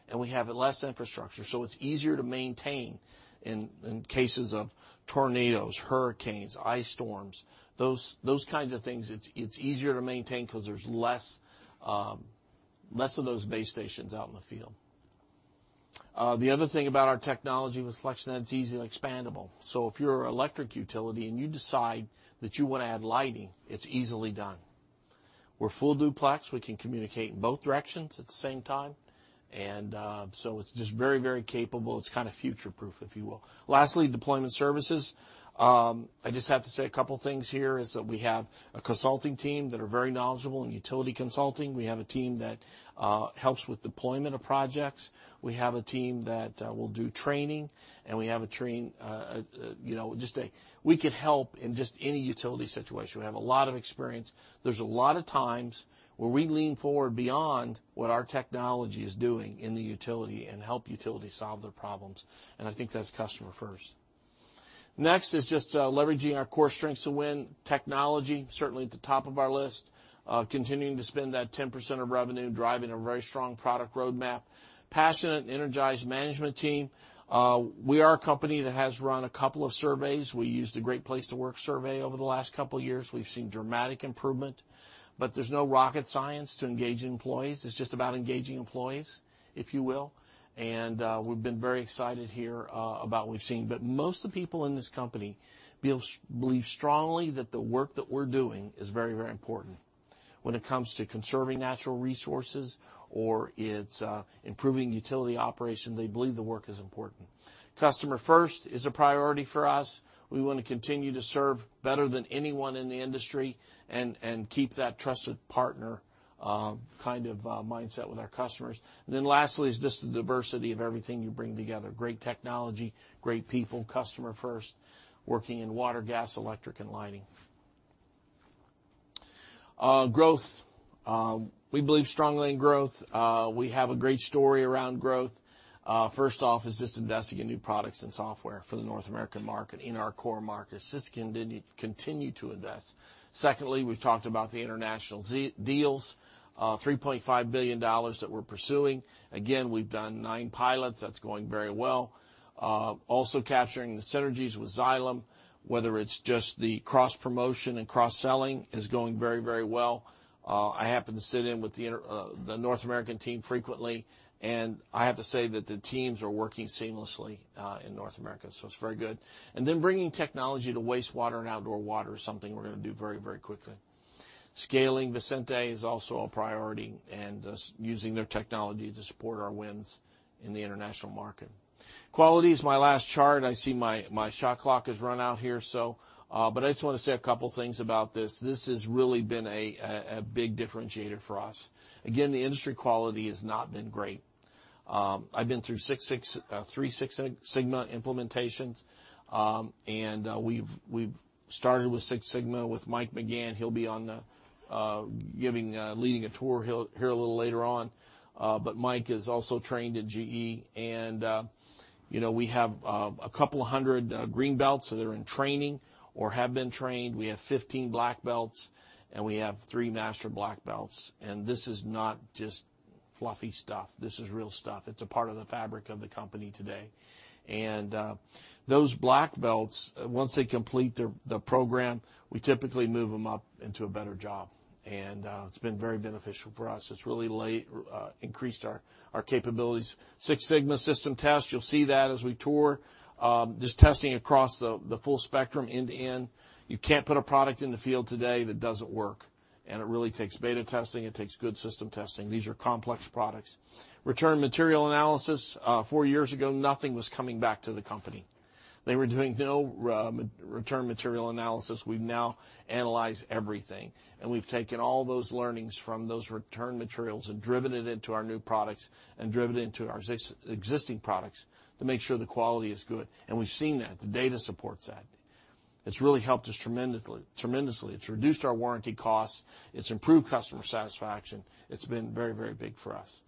and we have less infrastructure, so it's easier to maintain in cases of tornadoes, hurricanes, ice storms. Those kinds of things, it's easier to maintain because there's less of those base stations out in the field. The other thing about our technology with FlexNet, it's easily expandable. If you're an electric utility and you decide that you want to add lighting, it's easily done. We're full duplex, we can communicate in both directions at the same time, it's just very capable. It's kind of future-proof, if you will. Lastly, deployment services. I just have to say a couple things here, is that we have a consulting team that are very knowledgeable in utility consulting. We have a team that helps with deployment of projects. We have a team that will do training, and We could help in just any utility situation. We have a lot of experience. There's a lot of times where we lean forward beyond what our technology is doing in the utility and help utilities solve their problems, and I think that's customer first. Next is just leveraging our core strengths to win. Technology, certainly at the top of our list. Continuing to spend that 10% of revenue driving a very strong product roadmap. Passionate and energized management team. We are a company that has run a couple of surveys. We used a great place to work survey over the last couple of years. We've seen dramatic improvement. There's no rocket science to engaging employees. It's just about engaging employees, if you will. We've been very excited here about we've seen. Most of the people in this company believe strongly that the work that we're doing is very important when it comes to conserving natural resources or it's improving utility operation, they believe the work is important. Customer first is a priority for us. We want to continue to serve better than anyone in the industry and keep that trusted partner kind of mindset with our customers. Lastly is just the diversity of everything you bring together. Great technology, great people, customer first, working in water, gas, electric, and lighting. Growth. We believe strongly in growth. We have a great story around growth. First off is just investing in new products and software for the North American market, in our core markets. It's continued to invest. Secondly, we've talked about the international deals, $3.5 billion that we're pursuing. Again, we've done nine pilots. That's going very well. Also capturing the synergies with Xylem, whether it's just the cross-promotion and cross-selling, is going very well. I happen to sit in with the North American team frequently, I have to say that the teams are working seamlessly in North America, it's very good. Bringing technology to wastewater and outdoor water is something we're going to do very quickly. Scaling Visenti is also a priority, just using their technology to support our wins in the international market. Quality is my last chart. I see my shot clock has run out here. I just want to say a couple things about this. This has really been a big differentiator for us. Again, the industry quality has not been great. I've been through three Six Sigma implementations. We've started with Six Sigma with Mike McGann. He'll be leading a tour here a little later on. Mike is also trained at GE, we have a couple of hundred green belts that are in training or have been trained. We have 15 black belts, we have three master black belts. This is not just fluffy stuff. This is real stuff. It's a part of the fabric of the company today. Those black belts, once they complete the program, we typically move them up into a better job. It's been very beneficial for us. It's really increased our capabilities. Six Sigma system test, you'll see that as we tour. Just testing across the full spectrum end to end. You can't put a product in the field today that doesn't work, and it really takes beta testing. It takes good system testing. These are complex products. Return material analysis. Four years ago, nothing was coming back to the company. They were doing no return material analysis. We now analyze everything, we've taken all those learnings from those return materials and driven it into our new products and driven it into our existing products to make sure the quality is good. We've seen that. The data supports that. It's really helped us tremendously. It's reduced our warranty costs. It's improved customer satisfaction. It's been very big for us.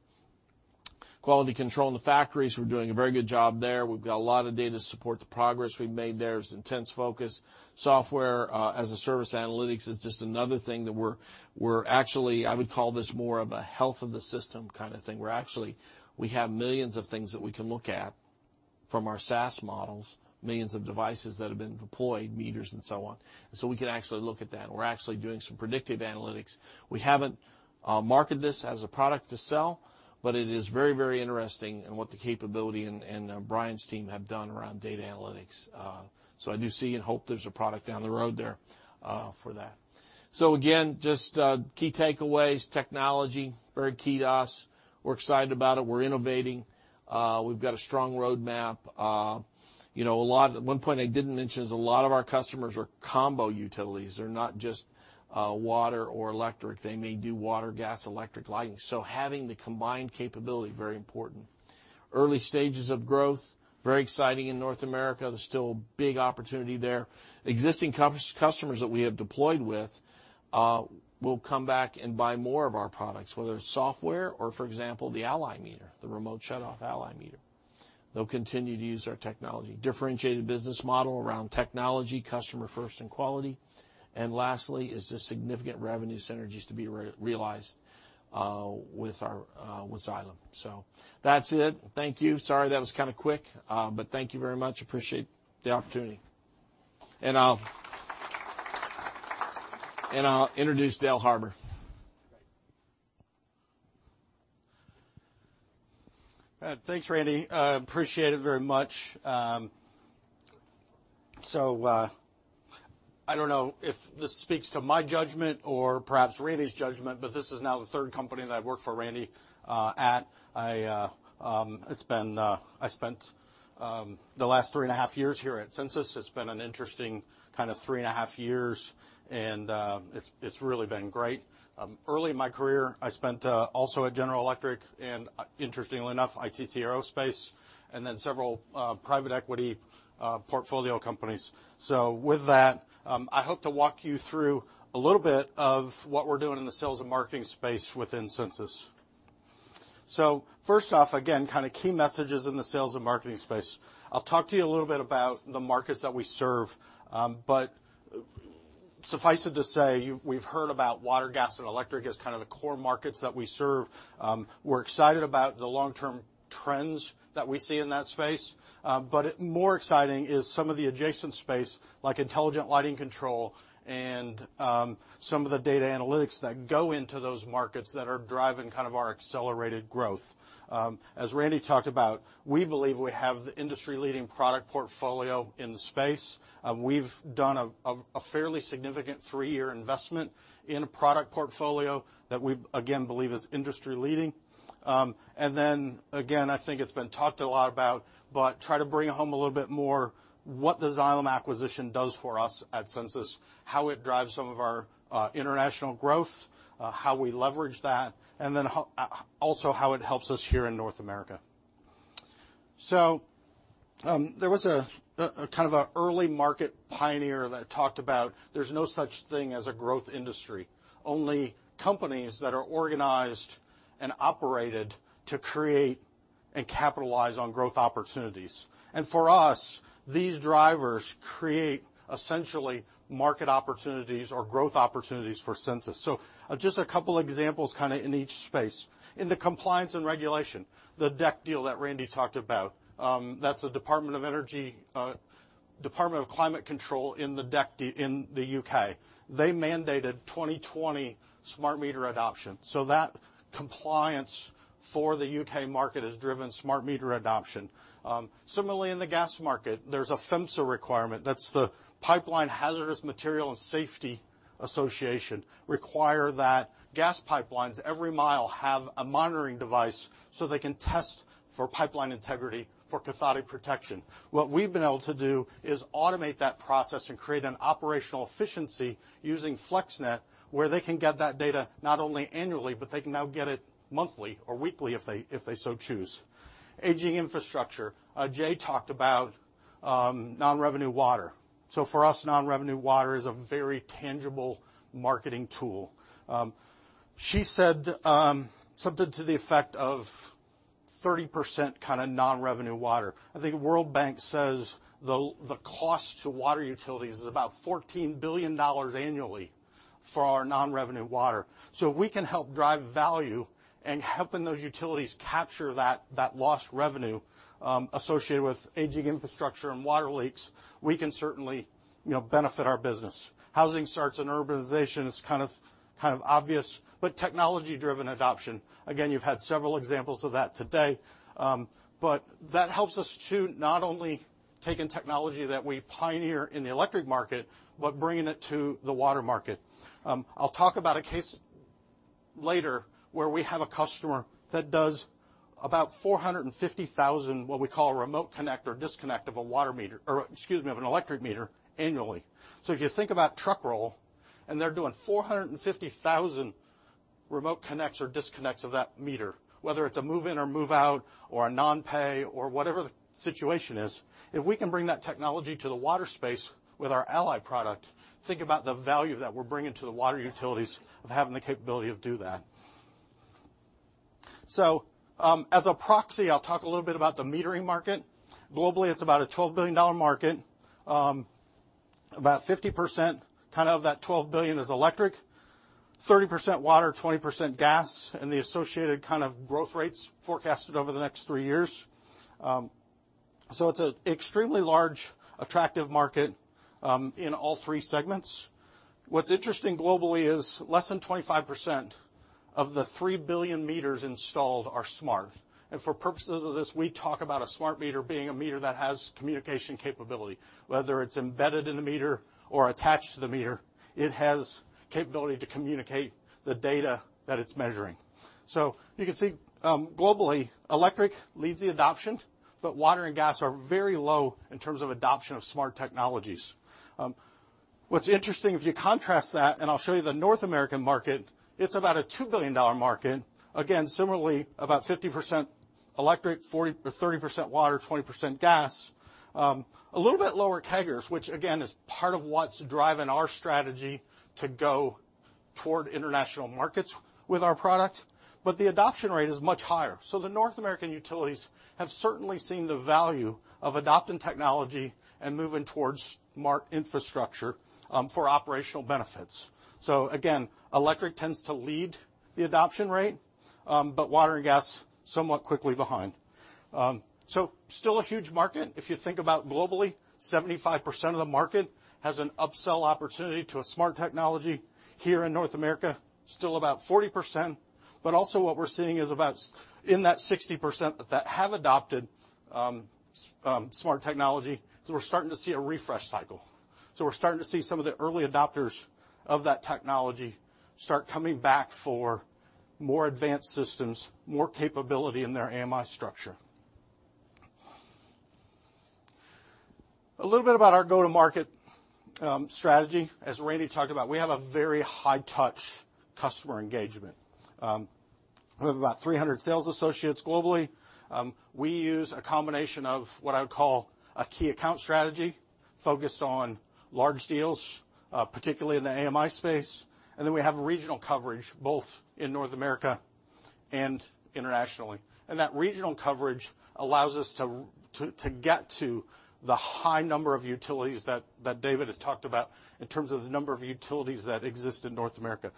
Quality control in the factories, we're doing a very good job there. We've got a lot of data to support the progress we've made there. There's intense focus. Software as a service analytics is just another thing that we're actually, I would call this more of a health of the system kind of thing. We're actually, we have millions of things that we can look at from our SaaS models, millions of devices that have been deployed, meters and so on. We can actually look at that, and we're actually doing some predictive analytics. We haven't marketed this as a product to sell, but it is very interesting in what the capability and Brian's team have done around data analytics. I do see and hope there's a product down the road there for that. Again, just key takeaways, technology, very key to us. We're excited about it. We're innovating. We've got a strong roadmap. One point I didn't mention is a lot of our customers are combo utilities. They're not just water or electric. They may do water, gas, electric lighting. Having the combined capability, very important. Early stages of growth, very exciting in North America. There's still a big opportunity there. Existing customers that we have deployed with will come back and buy more of our products, whether it's software or, for example, the ally meter, the remote shutoff ally meter. They'll continue to use our technology. Differentiated business model around technology, customer first and quality. Lastly is the significant revenue synergies to be realized with Xylem. That's it. Thank you. Sorry, that was kind of quick, but thank you very much. Appreciate the opportunity. I'll introduce Dale Harbour. Thanks, Randy. Appreciate it very much. I don't know if this speaks to my judgment or perhaps Randy's judgment, but this is now the third company that I've worked for Randy at. I spent the last three and a half years here at Sensus. It's been an interesting kind of three and a half years, and it's really been great. Early in my career, I spent also at General Electric and interestingly enough, ITT Aerospace and then several private equity portfolio companies. With that, I hope to walk you through a little bit of what we're doing in the sales and marketing space within Sensus. First off, again, kind of key messages in the sales and marketing space. I'll talk to you a little bit about the markets that we serve. Suffice it to say, we've heard about water, gas, and electric as kind of the core markets that we serve. We're excited about the long-term trends that we see in that space. More exciting is some of the adjacent space, like intelligent lighting control and some of the data analytics that go into those markets that are driving kind of our accelerated growth. As Randy Bays talked about, we believe we have the industry-leading product portfolio in the space. We've done a fairly significant three-year investment in a product portfolio that we, again, believe is industry-leading. Then, again, I think it's been talked a lot about, but try to bring home a little bit more what the Xylem acquisition does for us at Sensus, how it drives some of our international growth, how we leverage that, and also how it helps us here in North America. There was a kind of an early market pioneer that talked about there's no such thing as a growth industry, only companies that are organized and operated to create and capitalize on growth opportunities. For us, these drivers create essentially market opportunities or growth opportunities for Sensus. Just a couple examples kind of in each space. In the compliance and regulation, the DECC deal that Randy Bays talked about, that's the Department of Energy & Climate Change in the DECC deal in the U.K. They mandated 2020 smart meter adoption. That compliance for the U.K. market has driven smart meter adoption. Similarly, in the gas market, there's a PHMSA requirement. That's the Pipeline and Hazardous Materials Safety Administration require that gas pipelines every mile have a monitoring device so they can test for pipeline integrity for cathodic protection. What we've been able to do is automate that process and create an operational efficiency using FlexNet, where they can get that data not only annually, but they can now get it monthly or weekly if they so choose. Aging infrastructure. Jay talked about non-revenue water. For us, non-revenue water is a very tangible marketing tool. She said something to the effect of 30% kind of non-revenue water. I think World Bank says the cost to water utilities is about $14 billion annually for our non-revenue water. We can help drive value and helping those utilities capture that loss revenue associated with aging infrastructure and water leaks, we can certainly benefit our business. Housing starts and urbanization is kind of obvious, technology-driven adoption, again, you've had several examples of that today. That helps us to not only take in technology that we pioneer in the electric market, but bringing it to the water market. I'll talk about a case later where we have a customer that does about 450,000, what we call a remote connect or disconnect of a water meter, or excuse me, of an electric meter annually. If you think about truck roll, and they're doing 450,000 remote connects or disconnects of that meter, whether it's a move-in or move-out, or a non-pay, or whatever the situation is, if we can bring that technology to the water space with our ally product, think about the value that we're bringing to the water utilities of having the capability to do that. As a proxy, I'll talk a little bit about the metering market. Globally, it's about a $12 billion market. About 50% kind of that $12 billion is electric, 30% water, 20% gas, and the associated kind of growth rates forecasted over the next three years. It's an extremely large, attractive market in all three segments. What's interesting globally is less than 25% of the 3 billion meters installed are smart. For purposes of this, we talk about a smart meter being a meter that has communication capability, whether it's embedded in the meter or attached to the meter, it has capability to communicate the data that it's measuring. You can see, globally, electric leads the adoption, but water and gas are very low in terms of adoption of smart technologies. What's interesting, if you contrast that, and I'll show you the North American market, it's about a $2 billion market. Again, similarly, about 50% electric, 30% water, 20% gas. A little bit lower CAGRs, which again, is part of what's driving our strategy to go toward international markets with our product. The adoption rate is much higher. The North American utilities have certainly seen the value of adopting technology and moving towards smart infrastructure for operational benefits. Again, electric tends to lead the adoption rate, but water and gas, somewhat quickly behind. Still a huge market. If you think about globally, 75% of the market has an upsell opportunity to a smart technology. Here in North America, still about 40%. Also what we're seeing is about, in that 60% that have adopted smart technology, is we're starting to see a refresh cycle. We're starting to see some of the early adopters of that technology start coming back for more advanced systems, more capability in their AMI structure. A little bit about our go-to-market strategy. As Randy talked about, we have a very high-touch customer engagement. We have about 300 sales associates globally. We use a combination of what I would call a key account strategy focused on large deals, particularly in the AMI space. We have regional coverage, both in North America and internationally. That regional coverage allows us to get to the high number of utilities that David had talked about in terms of the number of utilities that exist in North America.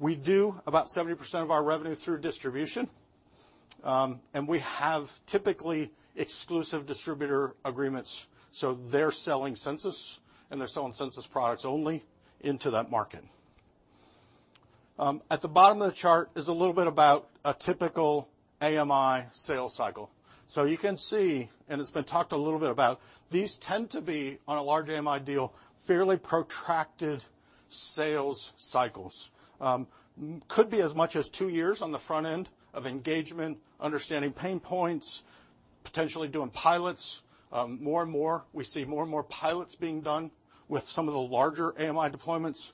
We do about 70% of our revenue through distribution. We have typically exclusive distributor agreements, so they're selling Sensus and they're selling Sensus products only into that market. At the bottom of the chart is a little bit about a typical AMI sales cycle. You can see, and it's been talked a little bit about, these tend to be, on a large AMI deal, fairly protracted sales cycles. Could be as much as two years on the front end of engagement, understanding pain points, potentially doing pilots. More and more, we see more and more pilots being done with some of the larger AMI deployments.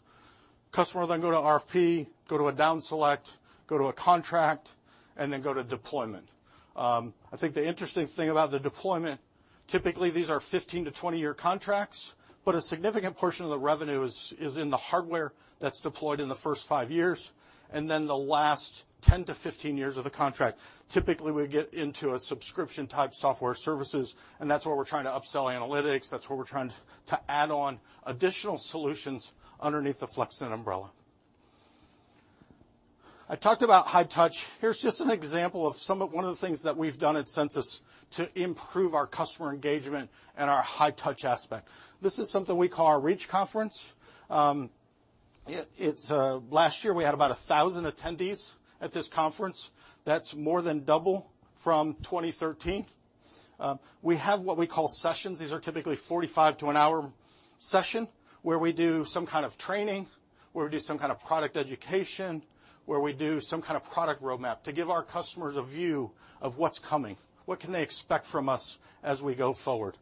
Customer then go to RFP, go to a down select, go to a contract, and then go to deployment. I think the interesting thing about the deployment, typically these are 15 to 20 year contracts, but a significant portion of the revenue is in the hardware that's deployed in the first five years, and then the last 10-15 years of the contract, typically we get into a subscription-type software services, and that's where we're trying to upsell analytics. That's where we're trying to add on additional solutions underneath the FlexNet umbrella. I talked about high touch. Here's just an example of one of the things that we've done at Sensus to improve our customer engagement and our high touch aspect. This is something we call our Xylem Reach Conference. Last year, we had about 1,000 attendees at this conference. That's more than double from 2013. We have what we call sessions. These are typically 45 to a 1-hour session where we do some kind of training, where we do some kind of product education, where we do some kind of product roadmap to give our customers a view of what's coming, what can they expect from us as we go forward.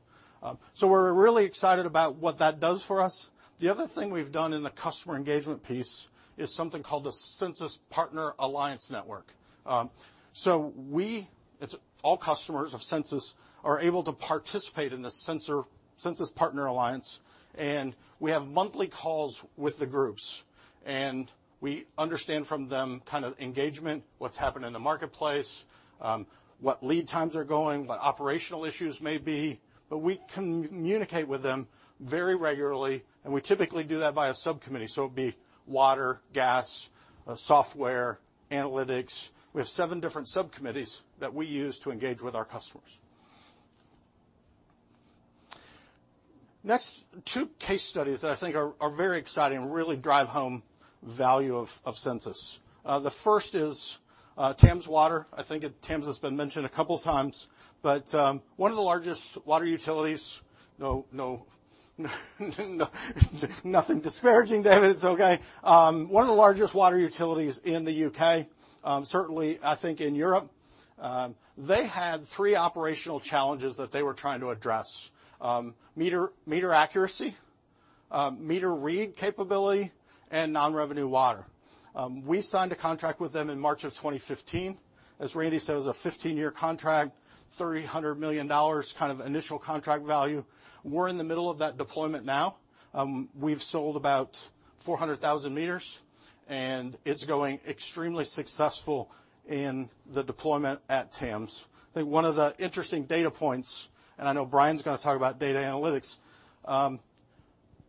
We're really excited about what that does for us. The other thing we've done in the customer engagement piece is something called the Sensus Partner Alliance Network. All customers of Sensus are able to participate in the Sensus Partner Alliance, and we have monthly calls with the groups. We understand from them kind of engagement, what's happening in the marketplace, what lead times are going, what operational issues may be, but we communicate with them very regularly, and we typically do that by a subcommittee. It'd be water, gas, software, analytics. We have seven different subcommittees that we use to engage with our customers. Next, two case studies that I think are very exciting and really drive home value of Sensus. The first is Thames Water. I think Thames has been mentioned a couple times, but one of the largest water utilities. Nothing disparaging, David. It's okay. One of the largest water utilities in the U.K., certainly, I think in Europe. They had three operational challenges that they were trying to address: meter accuracy, meter read capability, and non-revenue water. We signed a contract with them in March of 2015. As Randy said, it was a 15-year contract, $300 million kind of initial contract value. We're in the middle of that deployment now. We've sold about 400,000 meters, and it's going extremely successful in the deployment at Thames. I think one of the interesting data points, and I know Brian's going to talk about data analytics,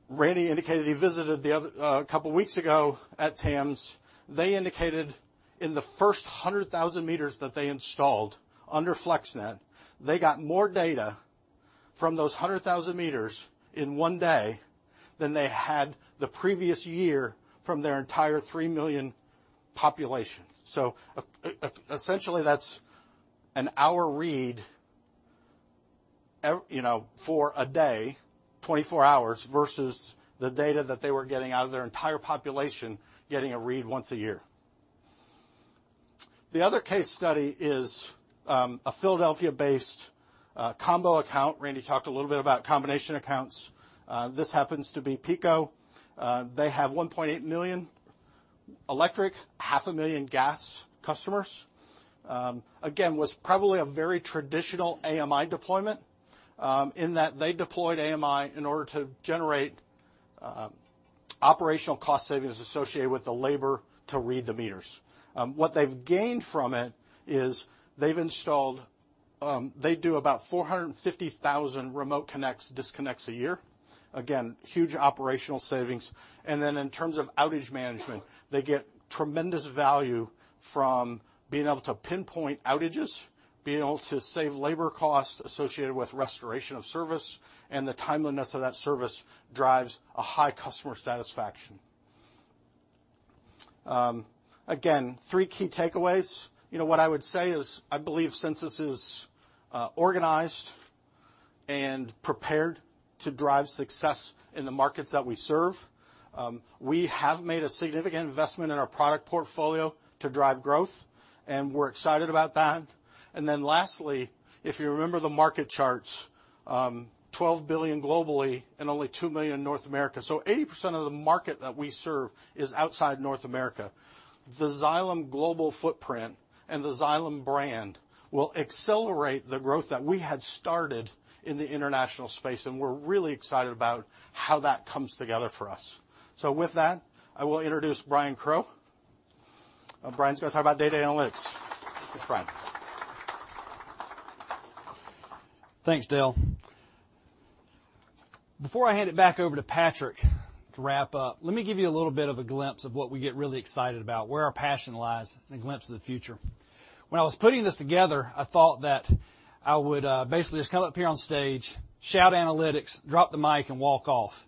Randy indicated he visited a couple weeks ago at Thames. They indicated in the first 100,000 meters that they installed under FlexNet, they got more data from those 100,000 meters in one day than they had the previous year from their entire 3 million population. Essentially, that's a 1-hour read for a day, 24 hours, versus the data that they were getting out of their entire population getting a read once a year. The other case study is a Philadelphia-based combo account. Randy talked a little bit about combination accounts. This happens to be PECO. They have 1.8 million electric, half a million gas customers. Again, was probably a very traditional AMI deployment in that they deployed AMI in order to generate operational cost savings associated with the labor to read the meters. What they've gained from it is they've installed. They do about 450,000 remote connects, disconnects a year. Again, huge operational savings. Then in terms of outage management, they get tremendous value from being able to pinpoint outages, being able to save labor costs associated with restoration of service, and the timeliness of that service drives a high customer satisfaction. Again, three key takeaways. What I would say is, I believe Sensus is organized and prepared to drive success in the markets that we serve. We have made a significant investment in our product portfolio to drive growth. We're excited about that. Lastly, if you remember the market charts, $12 billion globally and only $2 million in North America. 80% of the market that we serve is outside North America. The Xylem global footprint and the Xylem brand will accelerate the growth that we had started in the international space. We're really excited about how that comes together for us. With that, I will introduce Brian Crow. Brian's going to talk about data analytics. Thanks, Brian. Thanks, Dale Harbour. Before I hand it back over to Patrick to wrap up, let me give you a little bit of a glimpse of what we get really excited about, where our passion lies, and a glimpse of the future. When I was putting this together, I thought that I would basically just come up here on stage, shout analytics, drop the mic, and walk off.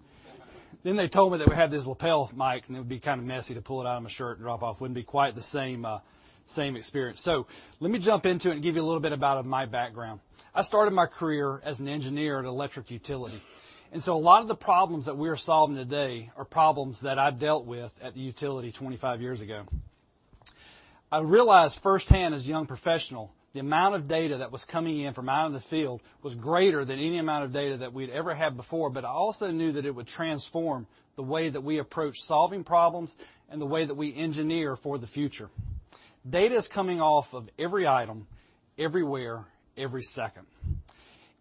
They told me that we have this lapel mic, and it would be kind of messy to pull it out of my shirt and drop off. Wouldn't be quite the same experience. Let me jump into it and give you a little bit about my background. I started my career as an engineer at an electric utility. A lot of the problems that we are solving today are problems that I've dealt with at the utility 25 years ago. I realized firsthand as a young professional, the amount of data that was coming in from out in the field was greater than any amount of data that we'd ever had before. I also knew that it would transform the way that we approach solving problems and the way that we engineer for the future. Data is coming off of every item, everywhere, every second.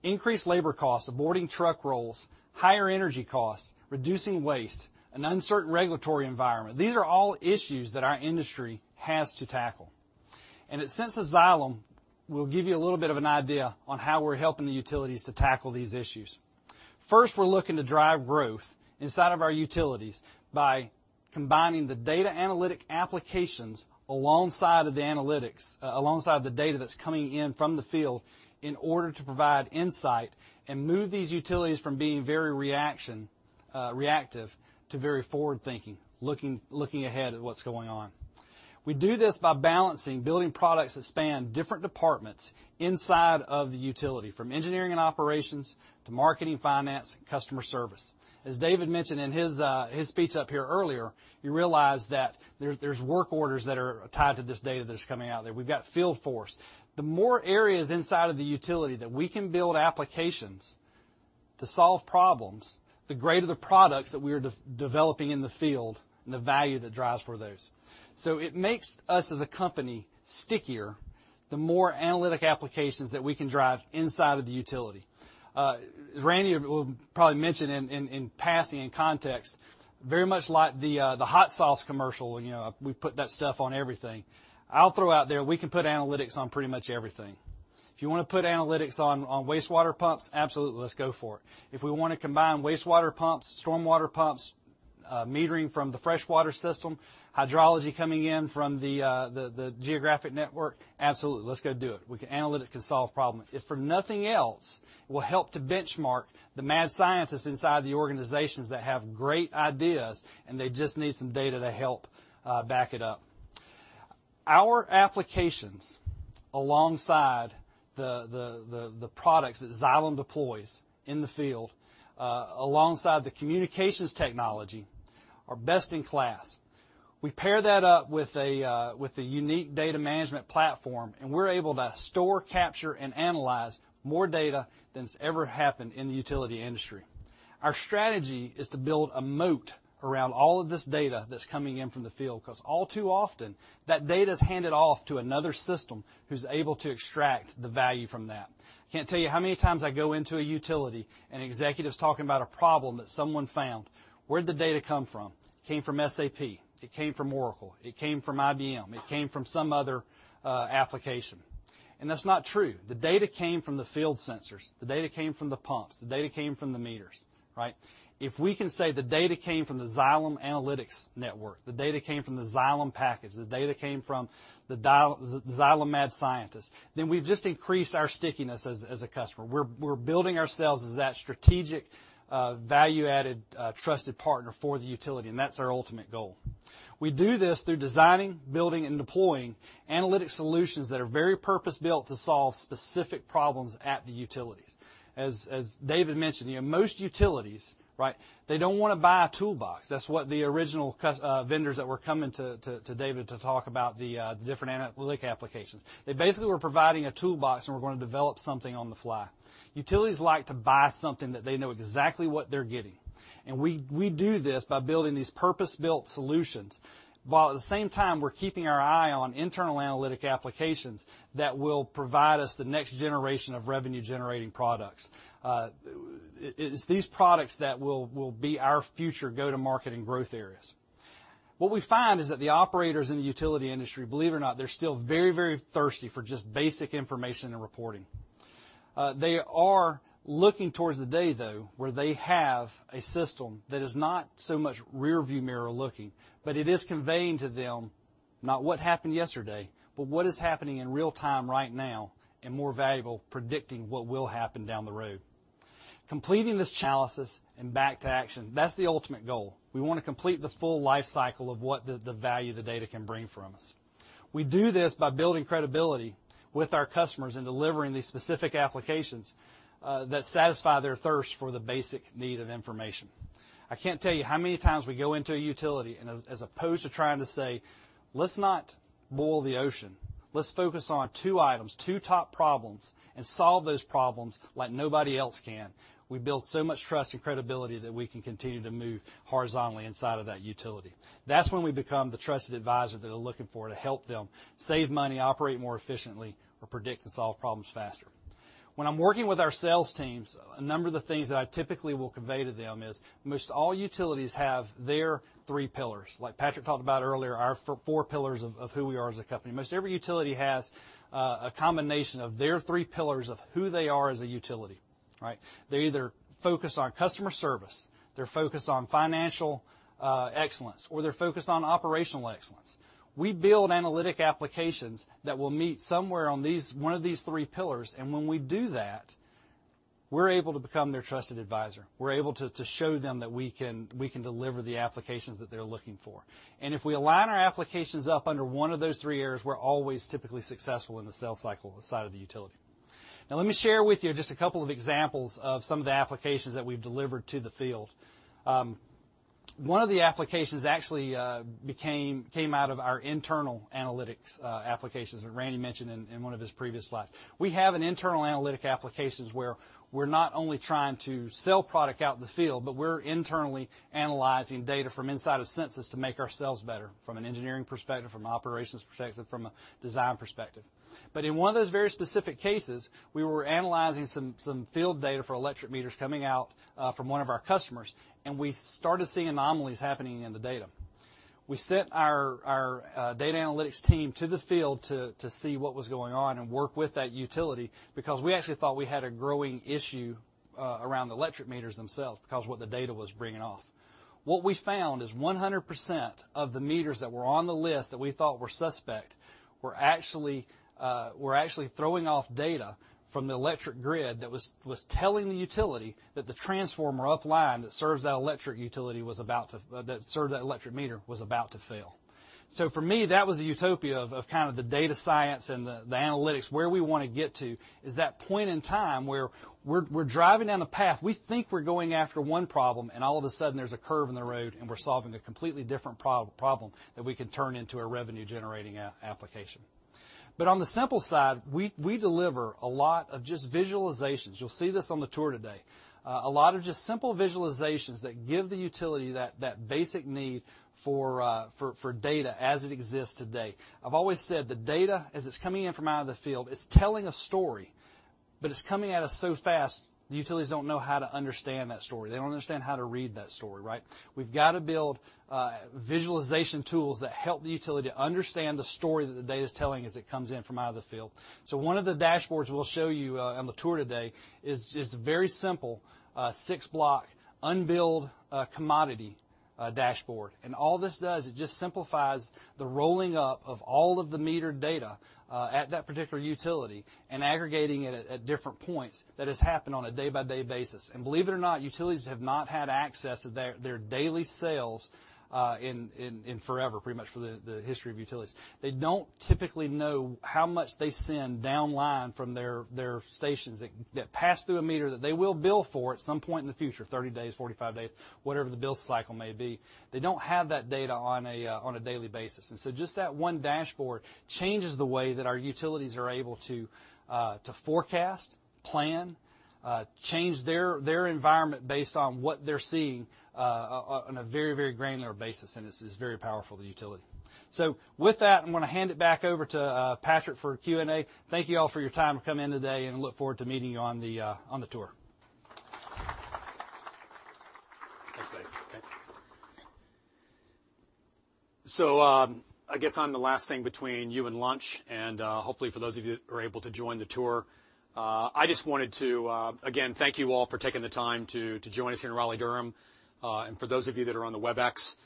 Increased labor costs, aborting truck rolls, higher energy costs, reducing waste, an uncertain regulatory environment. These are all issues that our industry has to tackle. At Sensus Xylem, we'll give you a little bit of an idea on how we're helping the utilities to tackle these issues. First, we're looking to drive growth inside of our utilities by combining the data analytic applications alongside of the analytics, alongside the data that's coming in from the field in order to provide insight and move these utilities from being very reactive to very forward-thinking, looking ahead at what's going on. We do this by balancing building products that span different departments inside of the utility, from engineering and operations to marketing, finance, and customer service. As David mentioned in his speech up here earlier, you realize that there's work orders that are tied to this data that's coming out there. We've got field force. The more areas inside of the utility that we can build applications to solve problems, the greater the products that we are developing in the field and the value that drives for those. It makes us as a company stickier, the more analytic applications that we can drive inside of the utility. Randy Bays will probably mention in passing in context, very much like the hot sauce commercial, we put that stuff on everything. I'll throw out there we can put analytics on pretty much everything. If you want to put analytics on wastewater pumps, absolutely, let's go for it. If we want to combine wastewater pumps, stormwater pumps, metering from the freshwater system, hydrology coming in from the geographic network, absolutely. Let's go do it. Analytics can solve problems. If for nothing else, we'll help to benchmark the mad scientists inside the organizations that have great ideas, and they just need some data to help back it up. Our applications, alongside the products that Xylem deploys in the field, alongside the communications technology, are best-in-class. We pair that up with a unique data management platform, and we're able to store, capture, and analyze more data than's ever happened in the utility industry. Our strategy is to build a moat around all of this data that's coming in from the field, because all too often, that data's handed off to another system who's able to extract the value from that. I can't tell you how many times I go into a utility and executive's talking about a problem that someone found. Where'd the data come from? Came from SAP. It came from Oracle. It came from IBM. It came from some other application. That's not true. The data came from the field sensors. The data came from the pumps. The data came from the meters. If we can say the data came from the Xylem Analytics Network, the data came from the Xylem package, the data came from the Xylem mad scientists, then we've just increased our stickiness as a customer. We're building ourselves as that strategic, value-added, trusted partner for the utility, and that's our ultimate goal. We do this through designing, building, and deploying analytic solutions that are very purpose-built to solve specific problems at the utilities. As David mentioned, most utilities, they don't want to buy a toolbox. That's what the original vendors that were coming to David to talk about the different analytic applications. They basically were providing a toolbox and were going to develop something on the fly. Utilities like to buy something that they know exactly what they're getting. We do this by building these purpose-built solutions, while at the same time, we're keeping our eye on internal analytic applications that will provide us the next generation of revenue-generating products. It's these products that will be our future go-to-market and growth areas. What we find is that the operators in the utility industry, believe it or not, they're still very thirsty for just basic information and reporting. They are looking towards the day, though, where they have a system that is not so much rear view mirror looking, but it is conveying to them not what happened yesterday, but what is happening in real time right now, and more valuable, predicting what will happen down the road. Completing this chalasis and back to action, that's the ultimate goal. We want to complete the full life cycle of what the value the data can bring from us. We do this by building credibility with our customers in delivering these specific applications that satisfy their thirst for the basic need of information. I can't tell you how many times we go into a utility. As opposed to trying to say, "Let's not boil the ocean. Let's focus on two items, two top problems, and solve those problems like nobody else can." We build so much trust and credibility that we can continue to move horizontally inside of that utility. That's when we become the trusted advisor that they're looking for to help them save money, operate more efficiently, or predict and solve problems faster. When I'm working with our sales teams, a number of the things that I typically will convey to them is most all utilities have their three pillars. Like Patrick talked about earlier, our four pillars of who we are as a company. Most every utility has a combination of their three pillars of who they are as a utility. They either focus on customer service, they're focused on financial excellence, or they're focused on operational excellence. We build analytic applications that will meet somewhere on one of these three pillars, and when we do that, we're able to become their trusted advisor. We're able to show them that we can deliver the applications that they're looking for. If we align our applications up under one of those three areas, we're always typically successful in the sales cycle side of the utility. Now let me share with you just a couple of examples of some of the applications that we've delivered to the field. One of the applications actually came out of our internal analytics applications that Randy mentioned in one of his previous slides. We have an internal analytic applications where we're not only trying to sell product out in the field, but we're internally analyzing data from inside of Sensus to make ourselves better from an engineering perspective, from an operations perspective, from a design perspective. In one of those very specific cases, we were analyzing some field data for electric meters coming out from one of our customers, and we started seeing anomalies happening in the data. We sent our data analytics team to the field to see what was going on and work with that utility because we actually thought we had a growing issue around the electric meters themselves because of what the data was bringing off. What we found is 100% of the meters that were on the list that we thought were suspect were actually throwing off data from the electric grid that was telling the utility that the transformer upline that served that electric meter was about to fail. For me, that was a utopia of kind of the data science and the analytics. Where we want to get to is that point in time where we're driving down a path, we think we're going after one problem, and all of a sudden there's a curve in the road and we're solving a completely different problem that we can turn into a revenue-generating application. On the simple side, we deliver a lot of just visualizations. You'll see this on the tour today. A lot of just simple visualizations that give the utility that basic need for data as it exists today. I've always said the data, as it's coming in from out of the field, it's telling a story, but it's coming at us so fast, the utilities don't know how to understand that story. They don't understand how to read that story. We've got to build visualization tools that help the utility understand the story that the data's telling as it comes in from out of the field. One of the dashboards we'll show you on the tour today is very simple, a six-block unbilled commodity dashboard. All this does is just simplifies the rolling up of all of the metered data at that particular utility and aggregating it at different points that has happened on a day-by-day basis. Believe it or not, utilities have not had access to their daily sales in forever, pretty much, for the history of utilities. They don't typically know how much they send downline from their stations that pass through a meter that they will bill for at some point in the future, 30 days, 45 days, whatever the bill cycle may be. They don't have that data on a daily basis. Just that one dashboard changes the way that our utilities are able to forecast, plan, change their environment based on what they're seeing on a very, very granular basis, and it's very powerful to utility. With that, I'm going to hand it back over to Patrick for Q&A. Thank you all for your time to come in today, and look forward to meeting you on the tour. I guess I'm the last thing between you and lunch, and hopefully for those of you who are able to join the tour, I just wanted to, again, thank you all for taking the time to join us here in Raleigh-Durham. For those of you that are on the Webex,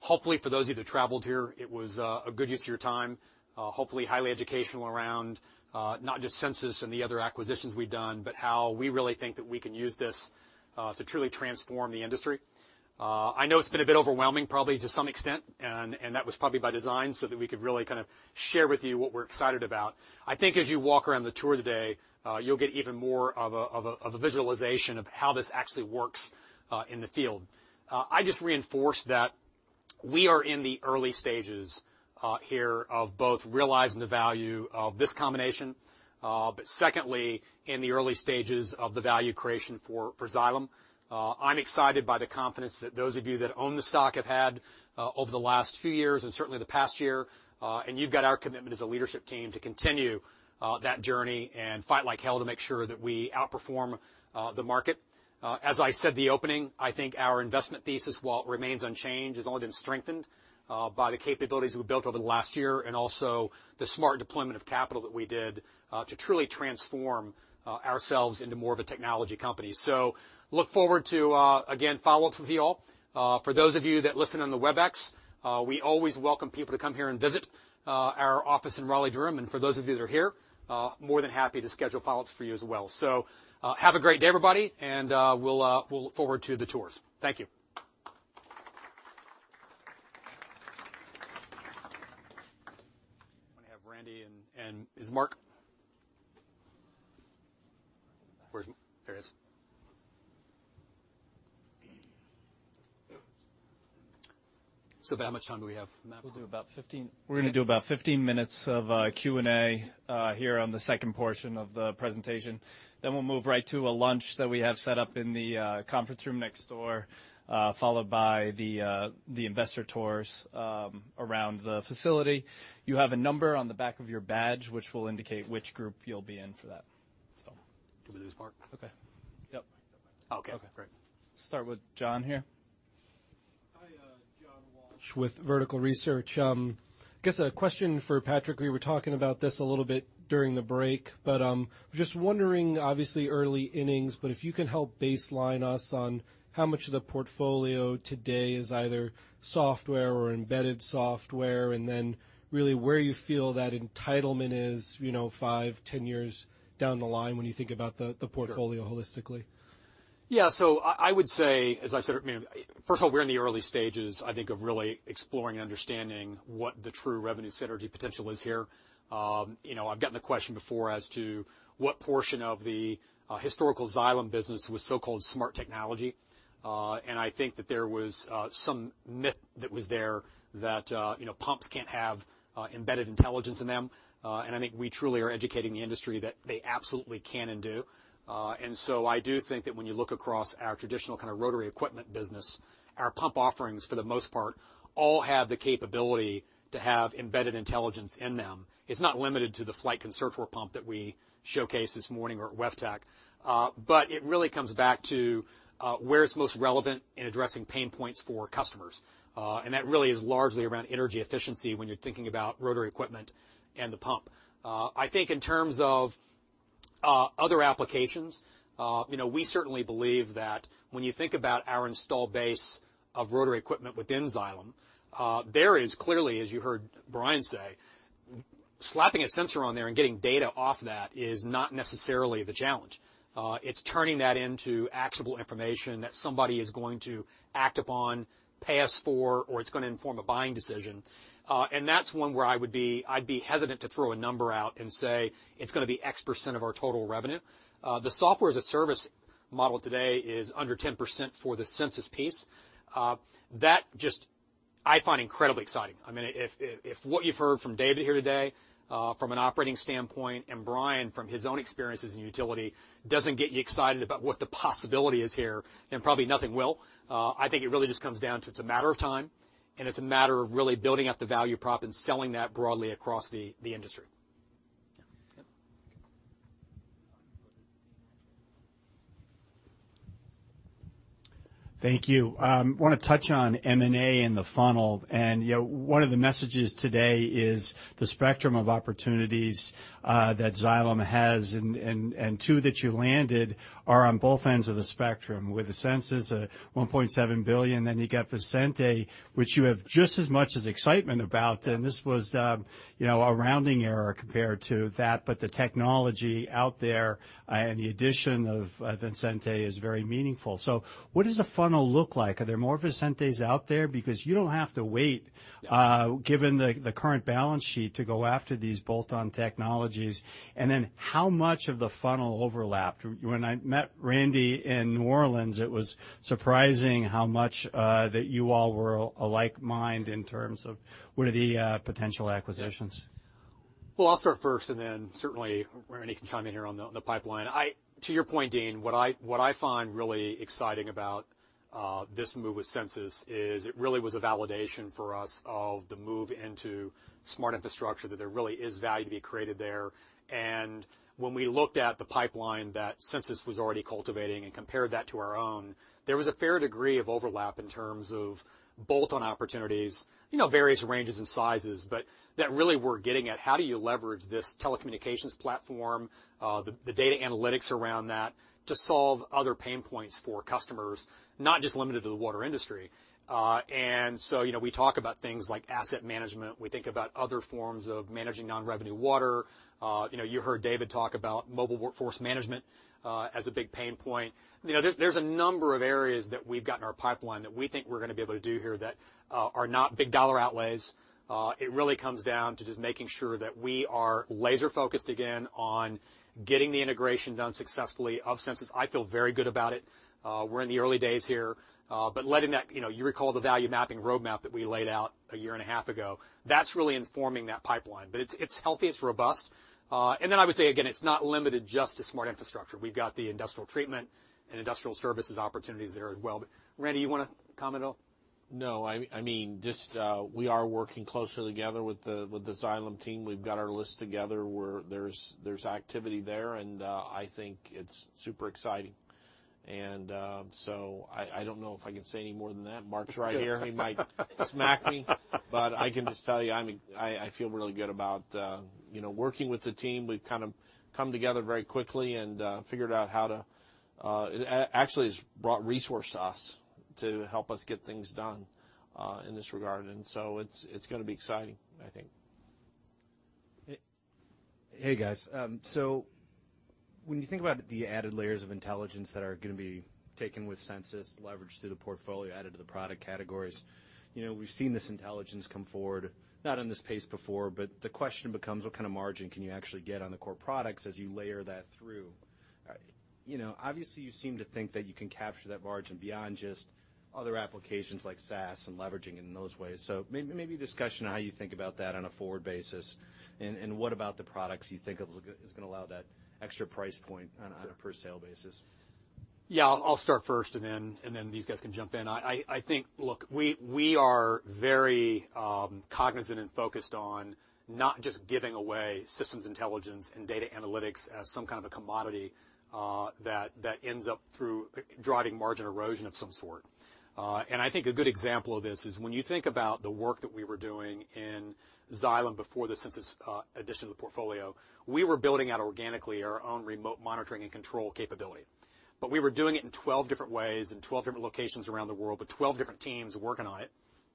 hopefully for those of you that traveled here, it was a good use of your time, hopefully highly educational around not just Sensus and the other acquisitions we've done, but how we really think that we can use this to truly transform the industry. I know it's been a bit overwhelming, probably to some extent, and that was probably by design so that we could really share with you what we're excited about. I think as you walk around the tour today, you'll get even more of a visualization of how this actually works in the field. I just reinforce that we are in the early stages here of both realizing the value of this combination, but secondly, in the early stages of the value creation for Xylem. I'm excited by the confidence that those of you that own the stock have had over the last few years and certainly the past year. You've got our commitment as a leadership team to continue that journey and fight like hell to make sure that we outperform the market. As I said at the opening, I think our investment thesis, while it remains unchanged, has only been strengthened by the capabilities we've built over the last year, and also the smart deployment of capital that we did to truly transform ourselves into more of a technology company. Look forward to, again, follow-ups with you all. For those of you that listen on the Webex, we always welcome people to come here and visit our office in Raleigh, Durham, for those of you that are here, more than happy to schedule follow-ups for you as well. Have a great day, everybody, we'll look forward to the tours. Thank you. I'm going to have Randy. Is Mark? There he is. How much time do we have, Matt? We're going to do about 15 minutes of Q&A here on the second portion of the presentation. We'll move right to a lunch that we have set up in the conference room next door, followed by the investor tours around the facility. You have a number on the back of your badge, which will indicate which group you'll be in for that. Can we lose Mark? Okay. Yep. Okay. Okay, great. Start with John here. Hi, John Walsh with Vertical Research. I guess a question for Patrick. We were talking about this a little bit during the break, but I'm just wondering, obviously early innings, but if you can help baseline us on how much of the portfolio today is either software or embedded software, and then really where you feel that entitlement is, 5, 10 years down the line when you think about the portfolio holistically. I would say, as I said, first of all, we're in the early stages, I think, of really exploring and understanding what the true revenue synergy potential is here. I've gotten the question before as to what portion of the historical Xylem business was so-called smart technology. I think that there was some myth that was there that pumps can't have embedded intelligence in them. I think we truly are educating the industry that they absolutely can and do. I do think that when you look across our traditional kind of rotary equipment business, our pump offerings, for the most part, all have the capability to have embedded intelligence in them. It's not limited to the Flygt Concertor pump that we showcased this morning or at WEFTEC. It really comes back to where it's most relevant in addressing pain points for customers. That really is largely around energy efficiency when you're thinking about rotary equipment and the pump. I think in terms of other applications, we certainly believe that when you think about our install base of rotary equipment within Xylem, there is clearly, as you heard Brian Crow say, slapping a sensor on there and getting data off that is not necessarily the challenge. It's turning that into actionable information that somebody is going to act upon, pay us for, or it's going to inform a buying decision. That's one where I'd be hesitant to throw a number out and say it's going to be X% of our total revenue. The software-as-a-service model today is under 10% for the Sensus piece. That just, I find incredibly exciting. If what you've heard from David here today, from an operating standpoint, and Brian from his own experiences in utility, doesn't get you excited about what the possibility is here, then probably nothing will. I think it really just comes down to, it's a matter of time, and it's a matter of really building up the value prop and selling that broadly across the industry. Yeah. Yeah. Thank you. I want to touch on M&A and the funnel. One of the messages today is the spectrum of opportunities that Xylem has, and two that you landed are on both ends of the spectrum with the Sensus, $1.7 billion, then you got Visenti, which you have just as much as excitement about, and this was a rounding error compared to that, but the technology out there and the addition of Visenti is very meaningful. What does the funnel look like? Are there more Visentis out there? Because you don't have to wait, given the current balance sheet to go after these bolt-on technologies. How much of the funnel overlapped? When I met Randy in New Orleans, it was surprising how much that you all were like-minded in terms of one of the potential acquisitions. Well, I'll start first, and then certainly Randy can chime in here on the pipeline. To your point, Deane, what I find really exciting about this move with Sensus is it really was a validation for us of the move into smart infrastructure, that there really is value to be created there. When we looked at the pipeline that Sensus was already cultivating and compared that to our own, there was a fair degree of overlap in terms of bolt-on opportunities, various ranges and sizes, but that really we're getting at how do you leverage this telecommunications platform, the data analytics around that to solve other pain points for customers, not just limited to the water industry. We talk about things like asset management. We think about other forms of managing non-revenue water. You heard David talk about mobile workforce management, as a big pain point. There's a number of areas that we've got in our pipeline that we think we're going to be able to do here that are not big dollar outlays. It really comes down to just making sure that we are laser-focused again on getting the integration done successfully of Sensus. I feel very good about it. We're in the early days here, but letting that, you recall the value mapping roadmap that we laid out a year and a half ago. That's really informing that pipeline. It's healthy, it's robust. I would say again, it's not limited just to smart infrastructure. We've got the industrial treatment and industrial services opportunities there as well. Randy, you want to comment at all? No, just we are working closely together with the Xylem team. We've got our list together. There's activity there, and I think it's super exciting. I don't know if I can say any more than that. Mark's right here. He might smack me, but I can just tell you, I feel really good about working with the team. We've kind of come together very quickly and figured out how to Actually, it's brought resource to us to help us get things done in this regard. It's going to be exciting, I think. Hey, guys. When you think about the added layers of intelligence that are going to be taken with Sensus, leveraged through the portfolio, added to the product categories, we've seen this intelligence come forward, not in this pace before, but the question becomes, what kind of margin can you actually get on the core products as you layer that through? Obviously, you seem to think that you can capture that margin beyond just other applications like SaaS and leveraging in those ways. Maybe a discussion on how you think about that on a forward basis, and what about the products you think is going to allow that extra price point on a per sale basis? Yeah, I'll start first, and then these guys can jump in. I think, look, we are very cognizant and focused on not just giving away systems intelligence and data analytics as some kind of a commodity, that ends up through driving margin erosion of some sort. I think a good example of this is when you think about the work that we were doing in Xylem before the Sensus addition to the portfolio, we were building out organically our own remote monitoring and control capability. We were doing it in 12 different ways, in 12 different locations around the world, with 12 different teams working on it.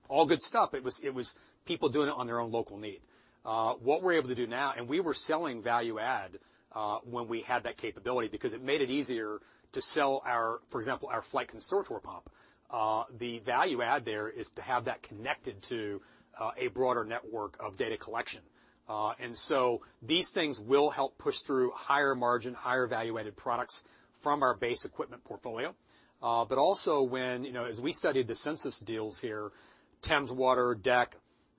All good stuff. It was people doing it on their own local need. What we're able to do now, and we were selling value add, when we had that capability, because it made it easier to sell, for example, our Flygt Concertor pump. The value add there is to have that connected to a broader network of data collection. These things will help push through higher margin, higher valuated products from our base equipment portfolio. Also when, as we studied the Sensus deals here, Thames Water, DECC,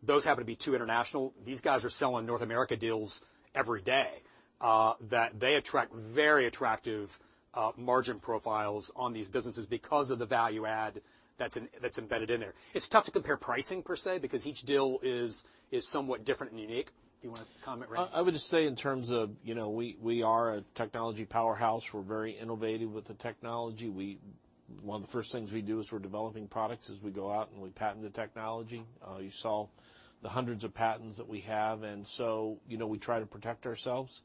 those happen to be two international. These guys are selling North America deals every day, that they attract very attractive margin profiles on these businesses because of the value add that's embedded in there. It's tough to compare pricing per se, because each deal is somewhat different and unique. You want to comment, Randy? I would just say we are a technology powerhouse. We're very innovative with the technology. One of the first things we do as we're developing products is we go out and we patent the technology. You saw the hundreds of patents that we have. We try to protect ourselves.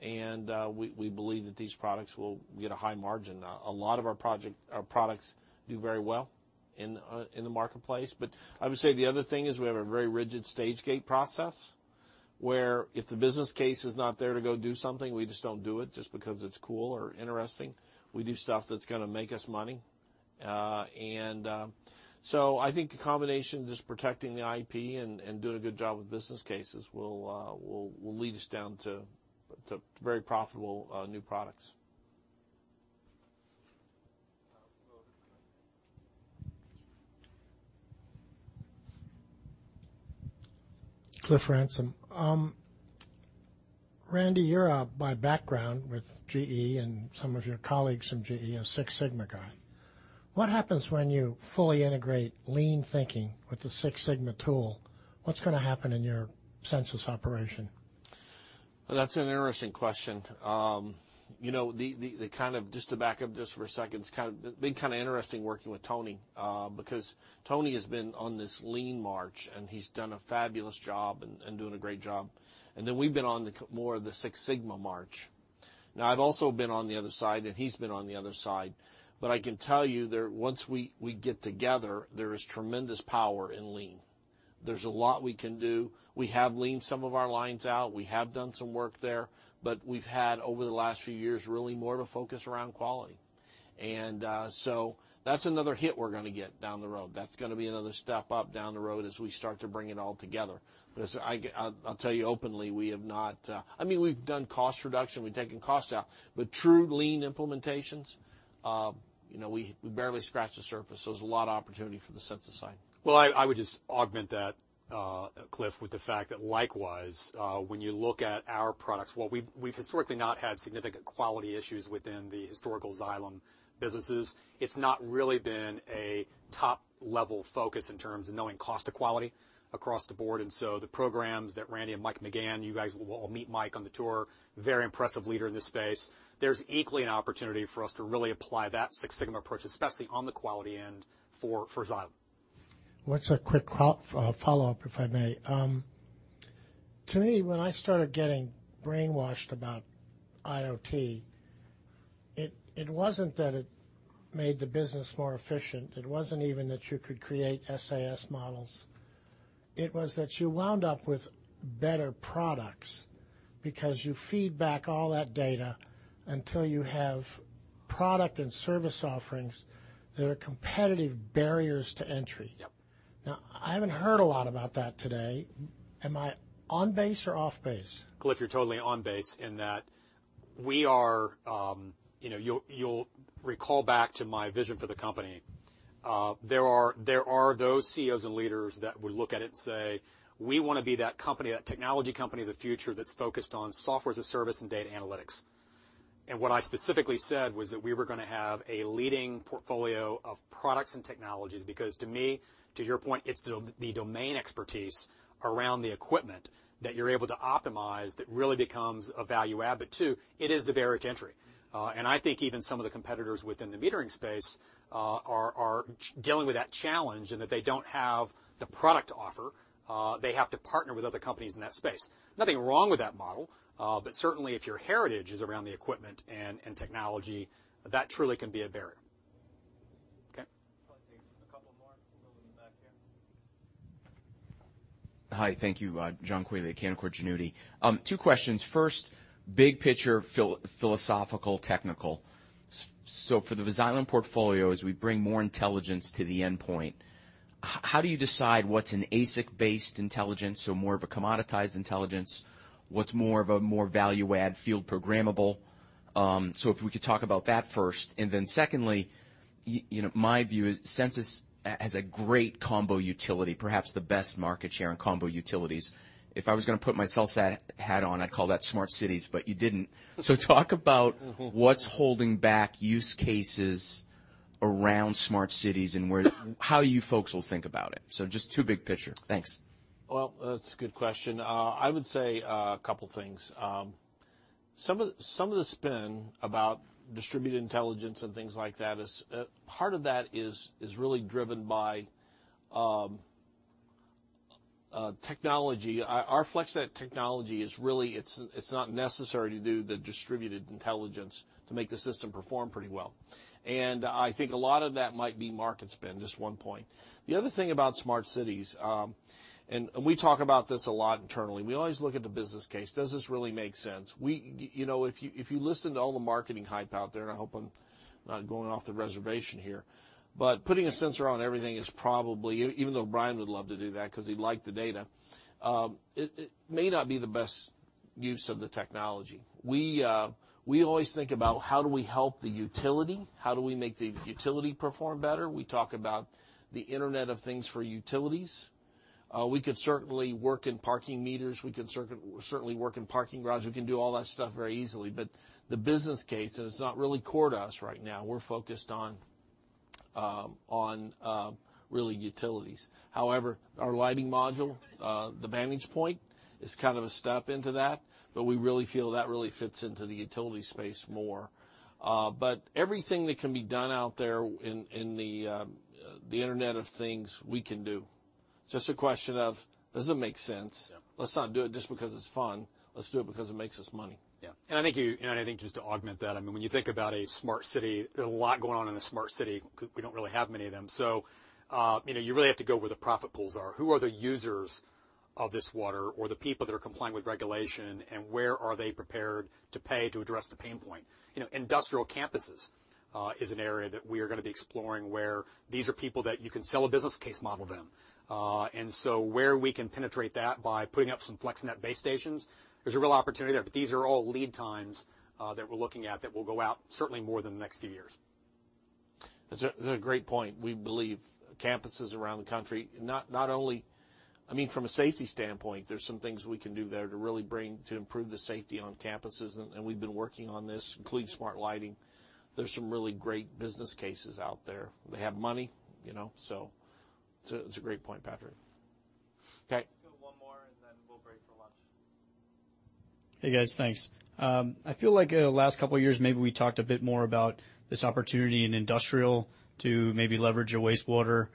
We believe that these products will get a high margin. A lot of our products do very well in the marketplace. I would say the other thing is we have a very rigid stage gate process, where if the business case is not there to go do something, we just don't do it just because it's cool or interesting. We do stuff that's going to make us money. I think a combination of just protecting the IP and doing a good job with business cases will lead us down to very profitable new products. Cliff Ransom. Randy, you're by background with GE and some of your colleagues from GE, a Six Sigma guy. What happens when you fully integrate lean thinking with the Six Sigma tool? What's going to happen in your Sensus operation? That's an interesting question. Just to back up just for a second, it's been kind of interesting working with Tony, because Tony has been on this lean march. He's done a fabulous job and doing a great job. We've been on more of the Six Sigma march. I've also been on the other side, and he's been on the other side. I can tell you that once we get together, there is tremendous power in lean. There's a lot we can do. We have leaned some of our lines out. We have done some work there. We've had, over the last few years, really more of a focus around quality. That's another hit we're going to get down the road. That's going to be another step up down the road as we start to bring it all together. I'll tell you openly, We've done cost reduction. We've taken costs out, true Lean implementations, we barely scratched the surface. There's a lot of opportunity for the Sensus side. I would just augment that, Cliff, with the fact that likewise, when you look at our products, while we've historically not had significant quality issues within the historical Xylem businesses, it's not really been a Top-level focus in terms of knowing cost to quality across the board. The programs that Randy and Mike McGann, you guys will all meet Mike on the tour, very impressive leader in this space. There's equally an opportunity for us to really apply that Six Sigma approach, especially on the quality end for Xylem. What's a quick follow-up, if I may? To me, when I started getting brainwashed about IoT, it wasn't that it made the business more efficient. It wasn't even that you could create SaaS models. It was that you wound up with better products because you feed back all that data until you have product and service offerings that are competitive barriers to entry. Yep. I haven't heard a lot about that today. Am I on base or off base? Cliff, you're totally on base in that You'll recall back to my vision for the company. There are those CEOs and leaders that would look at it and say, "We want to be that company, that technology company of the future that's focused on software as a service and data analytics." What I specifically said was that we were going to have a leading portfolio of products and technologies, because to me, to your point, it's the domain expertise around the equipment that you're able to optimize that really becomes a value add, but two, it is the barrier to entry. I think even some of the competitors within the metering space are dealing with that challenge in that they don't have the product to offer. They have to partner with other companies in that space. Nothing wrong with that model. Certainly if your heritage is around the equipment and technology, that truly can be a barrier. Okay? We'll take a couple more from over in the back here. Hi, thank you. John Quealy at Canaccord Genuity. Two questions. First, big picture, philosophical, technical. For the Xylem portfolio, as we bring more intelligence to the endpoint, how do you decide what's an ASIC-based intelligence, so more of a value add field programmable? If we could talk about that first, and then secondly, my view is Sensus has a great combo utility, perhaps the best market share in combo utilities. If I was going to put my cell hat on, I'd call that smart cities, but you didn't. Talk about what's holding back use cases around smart cities and how you folks will think about it. Just two big picture. Thanks. Well, that's a good question. I would say a couple things. Some of the spin about distributed intelligence and things like that is, part of that is really driven by technology. Our FlexNet technology is really, it's not necessary to do the distributed intelligence to make the system perform pretty well. I think a lot of that might be market spin, just one point. The other thing about smart cities, and we talk about this a lot internally. We always look at the business case. Does this really make sense? If you listen to all the marketing hype out there, and I hope I'm not going off the reservation here, but putting a sensor on everything is probably, even though Brian would love to do that because he liked the data, it may not be the best use of the technology. We always think about how do we help the utility? How do we make the utility perform better? We talk about the Internet of Things for utilities. We could certainly work in parking meters. We can certainly work in parking garages. We can do all that stuff very easily. The business case is not really core to us right now. We're focused on really utilities. However, our lighting module, the VantagePoint is kind of a step into that, but we really feel that really fits into the utility space more. Everything that can be done out there in the Internet of Things, we can do. It's just a question of does it make sense? Yeah. Let's not do it just because it's fun. Let's do it because it makes us money. Yeah. I think just to augment that, when you think about a smart city, there's a lot going on in a smart city. We don't really have many of them. You really have to go where the profit pools are. Who are the users of this water or the people that are complying with regulation, and where are they prepared to pay to address the pain point? Industrial campuses is an area that we are going to be exploring where these are people that you can sell a business case model to them. Where we can penetrate that by putting up some FlexNet base stations, there's a real opportunity there. These are all lead times that we're looking at that will go out certainly more than the next few years. That's a great point. We believe campuses around the country, not only from a safety standpoint, there's some things we can do there to really improve the safety on campuses, and we've been working on this, including smart lighting. There's some really great business cases out there. They have money, so it's a great point, Patrick. Okay. Let's go one more, and then we'll break for lunch. Hey, guys. Thanks. I feel like the last couple of years, maybe we talked a bit more about this opportunity in industrial to maybe leverage a wastewater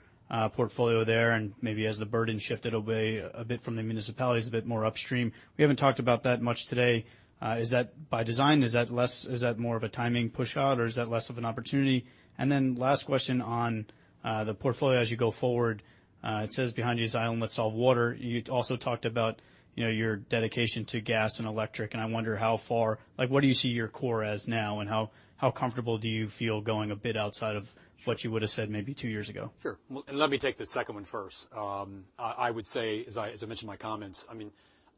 portfolio there and maybe as the burden shifted away a bit from the municipalities a bit more upstream. We haven't talked about that much today. Is that by design? Is that more of a timing pushout, or is that less of an opportunity? Last question on the portfolio as you go forward, it says behind you, "Xylem, let's solve water." You also talked about your dedication to gas and electric, and I wonder how far, like what do you see your core as now, and how comfortable do you feel going a bit outside of what you would've said maybe two years ago? Sure. Well, let me take the second one first. I would say, as I mentioned in my comments,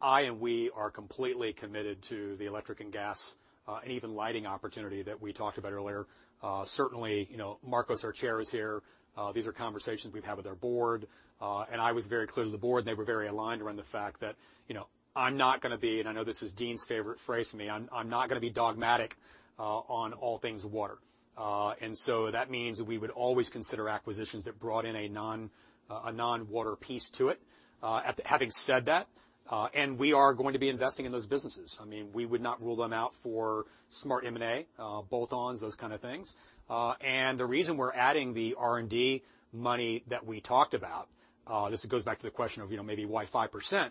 I and we are completely committed to the electric and gas, and even lighting opportunity that we talked about earlier. Certainly, Markos, our chair, is here. These are conversations we've had with our board. I was very clear to the board, and they were very aligned around the fact that, I'm not going to be, and I know this is Deane's favorite phrase for me, I'm not going to be dogmatic on all things water. That means we would always consider acquisitions that brought in a non-water piece to it. Having said that, we are going to be investing in those businesses. We would not rule them out for smart M&A, bolt-ons, those kind of things. The reason we're adding the R&D money that we talked about, this goes back to the question of maybe why 5%,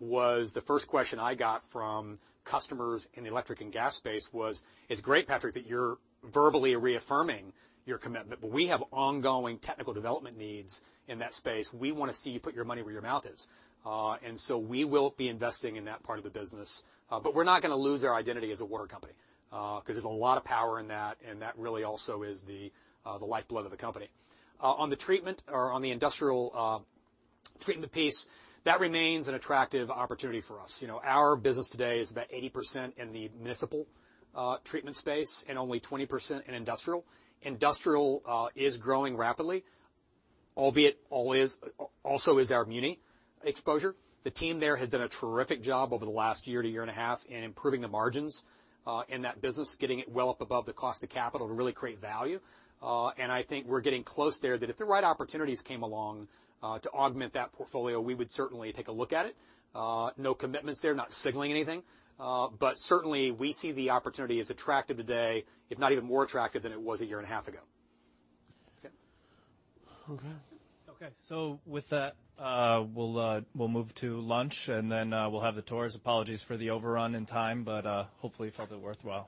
was the first question I got from customers in the electric and gas space was, "It's great, Patrick, that you're verbally reaffirming your commitment, but we have ongoing technical development needs in that space. We want to see you put your money where your mouth is." We will be investing in that part of the business. We're not going to lose our identity as a water company, because there's a lot of power in that, and that really also is the lifeblood of the company. On the treatment or on the industrial treatment piece, that remains an attractive opportunity for us. Our business today is about 80% in the municipal treatment space and only 20% in industrial. Industrial is growing rapidly, albeit also is our muni exposure. The team there has done a terrific job over the last year to year and a half in improving the margins in that business, getting it well up above the cost of capital to really create value. I think we're getting close there that if the right opportunities came along to augment that portfolio, we would certainly take a look at it. No commitments there, not signaling anything. Certainly we see the opportunity as attractive today, if not even more attractive than it was a year and a half ago. Okay. Okay. With that, we'll move to lunch, and then we'll have the tours. Apologies for the overrun in time, but hopefully you felt it worthwhile.